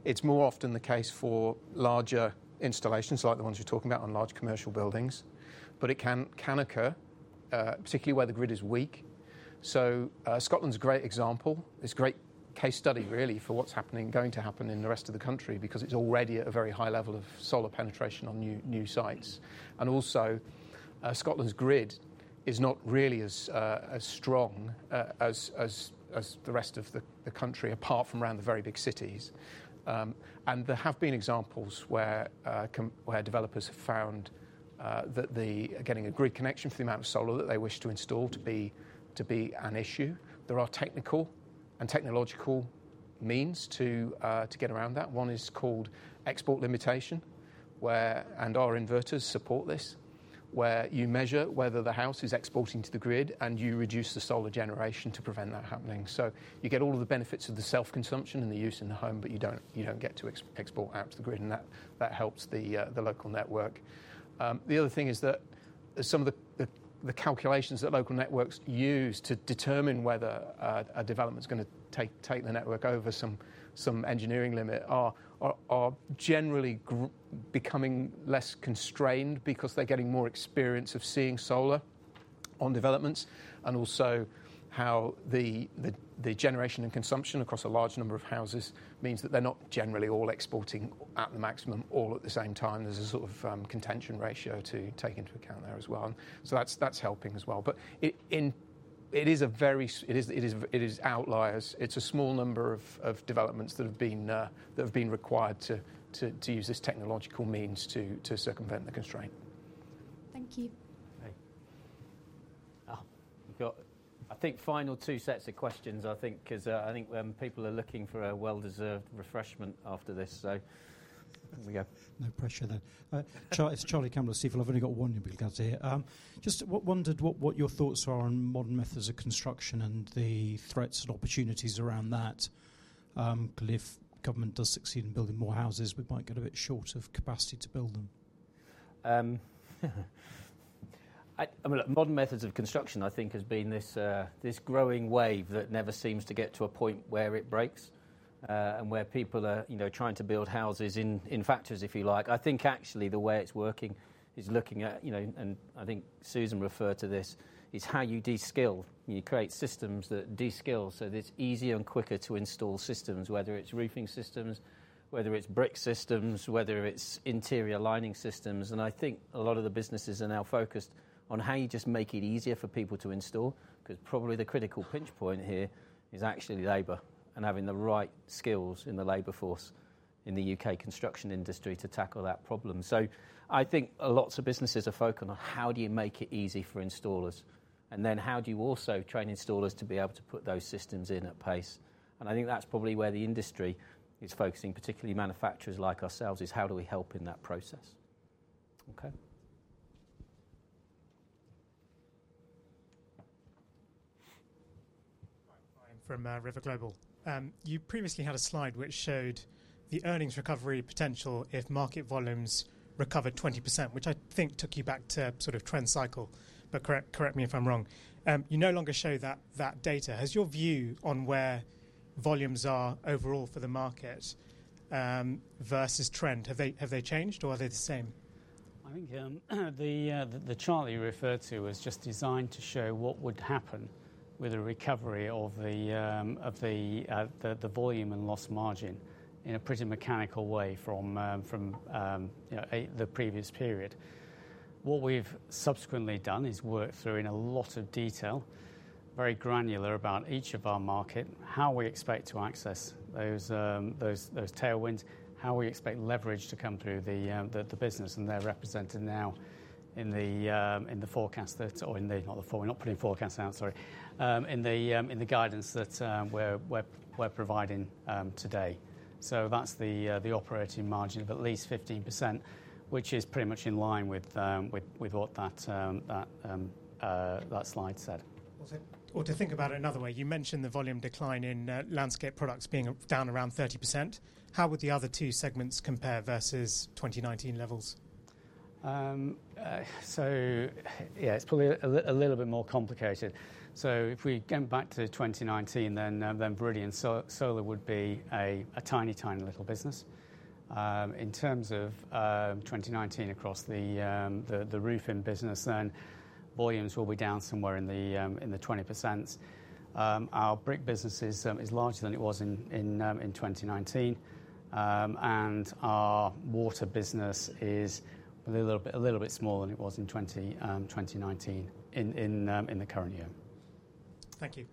it's more often the case for larger installations like the ones you're talking about on large commercial buildings. But it can occur, particularly where the grid is weak. So Scotland's a great example. It's a great case study, really, for what's happening and going to happen in the rest of the country because it's already at a very high level of solar penetration on new sites. And also, Scotland's grid is not really as strong as the rest of the country, apart from around the very big cities. And there have been examples where developers have found that getting a grid connection for the amount of solar that they wish to install to be an issue. There are technical and technological means to get around that. One is called export limitation, and our inverters support this, where you measure whether the house is exporting to the grid, and you reduce the solar generation to prevent that happening. So you get all of the benefits of the self-consumption and the use in the home, but you don't get to export out to the grid. And that helps the local network. The other thing is that some of the calculations that local networks use to determine whether a development's going to take the network over some engineering limit are generally becoming less constrained because they're getting more experience of seeing solar on developments, and also how the generation and consumption across a large number of houses means that they're not generally all exporting at the maximum all at the same time. There's a sort of contention ratio to take into account there as well, and so that's helping as well. But it is a very, it is outliers. It's a small number of developments that have been required to use this technological means to circumvent the constraint.
Thank you.
Hey. I think final two sets of questions, I think, because I think people are looking for a well-deserved refreshment after this. So there we go.
No pressure there. It's Charlie Campbell at Canaccord Genuity. I've only got one in regards to here. Just wondered what your thoughts are on modern methods of construction and the threats and opportunities around that. If government does succeed in building more houses, we might get a bit short of capacity to build them.
I mean, modern methods of construction, I think, has been this growing wave that never seems to get to a point where it breaks and where people are trying to build houses in factories, if you like. I think actually the way it's working is looking at, and I think Susan referred to this, is how you deskill. You create systems that deskill. So it's easier and quicker to install systems, whether it's roofing systems, whether it's brick systems, whether it's interior lining systems, and I think a lot of the businesses are now focused on how you just make it easier for people to install because probably the critical pinch point here is actually labor and having the right skills in the labor force in the U.K. construction industry to tackle that problem. So, I think lots of businesses are focused on how do you make it easy for installers. And then how do you also train installers to be able to put those systems in at pace. And I think that's probably where the industry is focusing, particularly manufacturers like ourselves, is how do we help in that process. Okay. I'm from River Global. You previously had a slide which showed the earnings recovery potential if market volumes recovered 20%, which I think took you back to sort of trend cycle. But correct me if I'm wrong. You no longer show that data. Has your view on where volumes are overall for the market versus trend, have they changed or are they the same? I think the chart you referred to was just designed to show what would happen with a recovery of the volume and lost margin in a pretty mechanical way from the previous period. What we've subsequently done is worked through in a lot of detail, very granular about each of our markets, how we expect to access those tailwinds, how we expect leverage to come through the business. And they're represented now in the forecast that, or in the, not the forecast, not putting forecasts out, sorry, in the guidance that we're providing today. So that's the operating margin of at least 15%, which is pretty much in line with what that slide said. Or to think about it another way, you mentioned the volume decline in landscape products being down around 30%. How would the other two segments compare versus 2019 levels? So yeah, it's probably a little bit more complicated. So if we go back to 2019, then Viridian Solar would be a tiny, tiny little business. In terms of 2019 across the roofing business, then volumes will be down somewhere in the 20%. Our brick business is larger than it was in 2019. And our water business is a little bit smaller than it was in 2019 in the current year.
Thank you.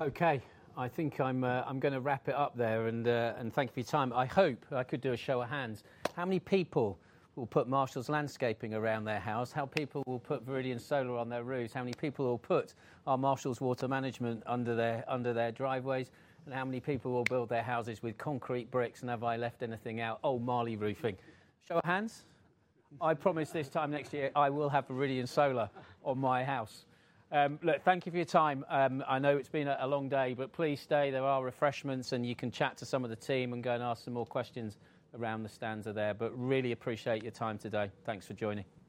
Okay. I think I'm going to wrap it up there and thank you for your time. I hope I could do a show of hands. How many people will put Marshalls Landscaping around their house? How many people will put Viridian Solar on their roofs? How many people will put our Marshalls Water Management under their driveways? And how many people will build their houses with concrete bricks? And have I left anything out? Oh, Marley Roofing. Show of hands. I promise this time next year, I will have Viridian Solar on my house. Look, thank you for your time. I know it's been a long day, but please stay. There are refreshments. And you can chat to some of the team and go and ask some more questions around the stands there. But really appreciate your time today. Thanks for joining.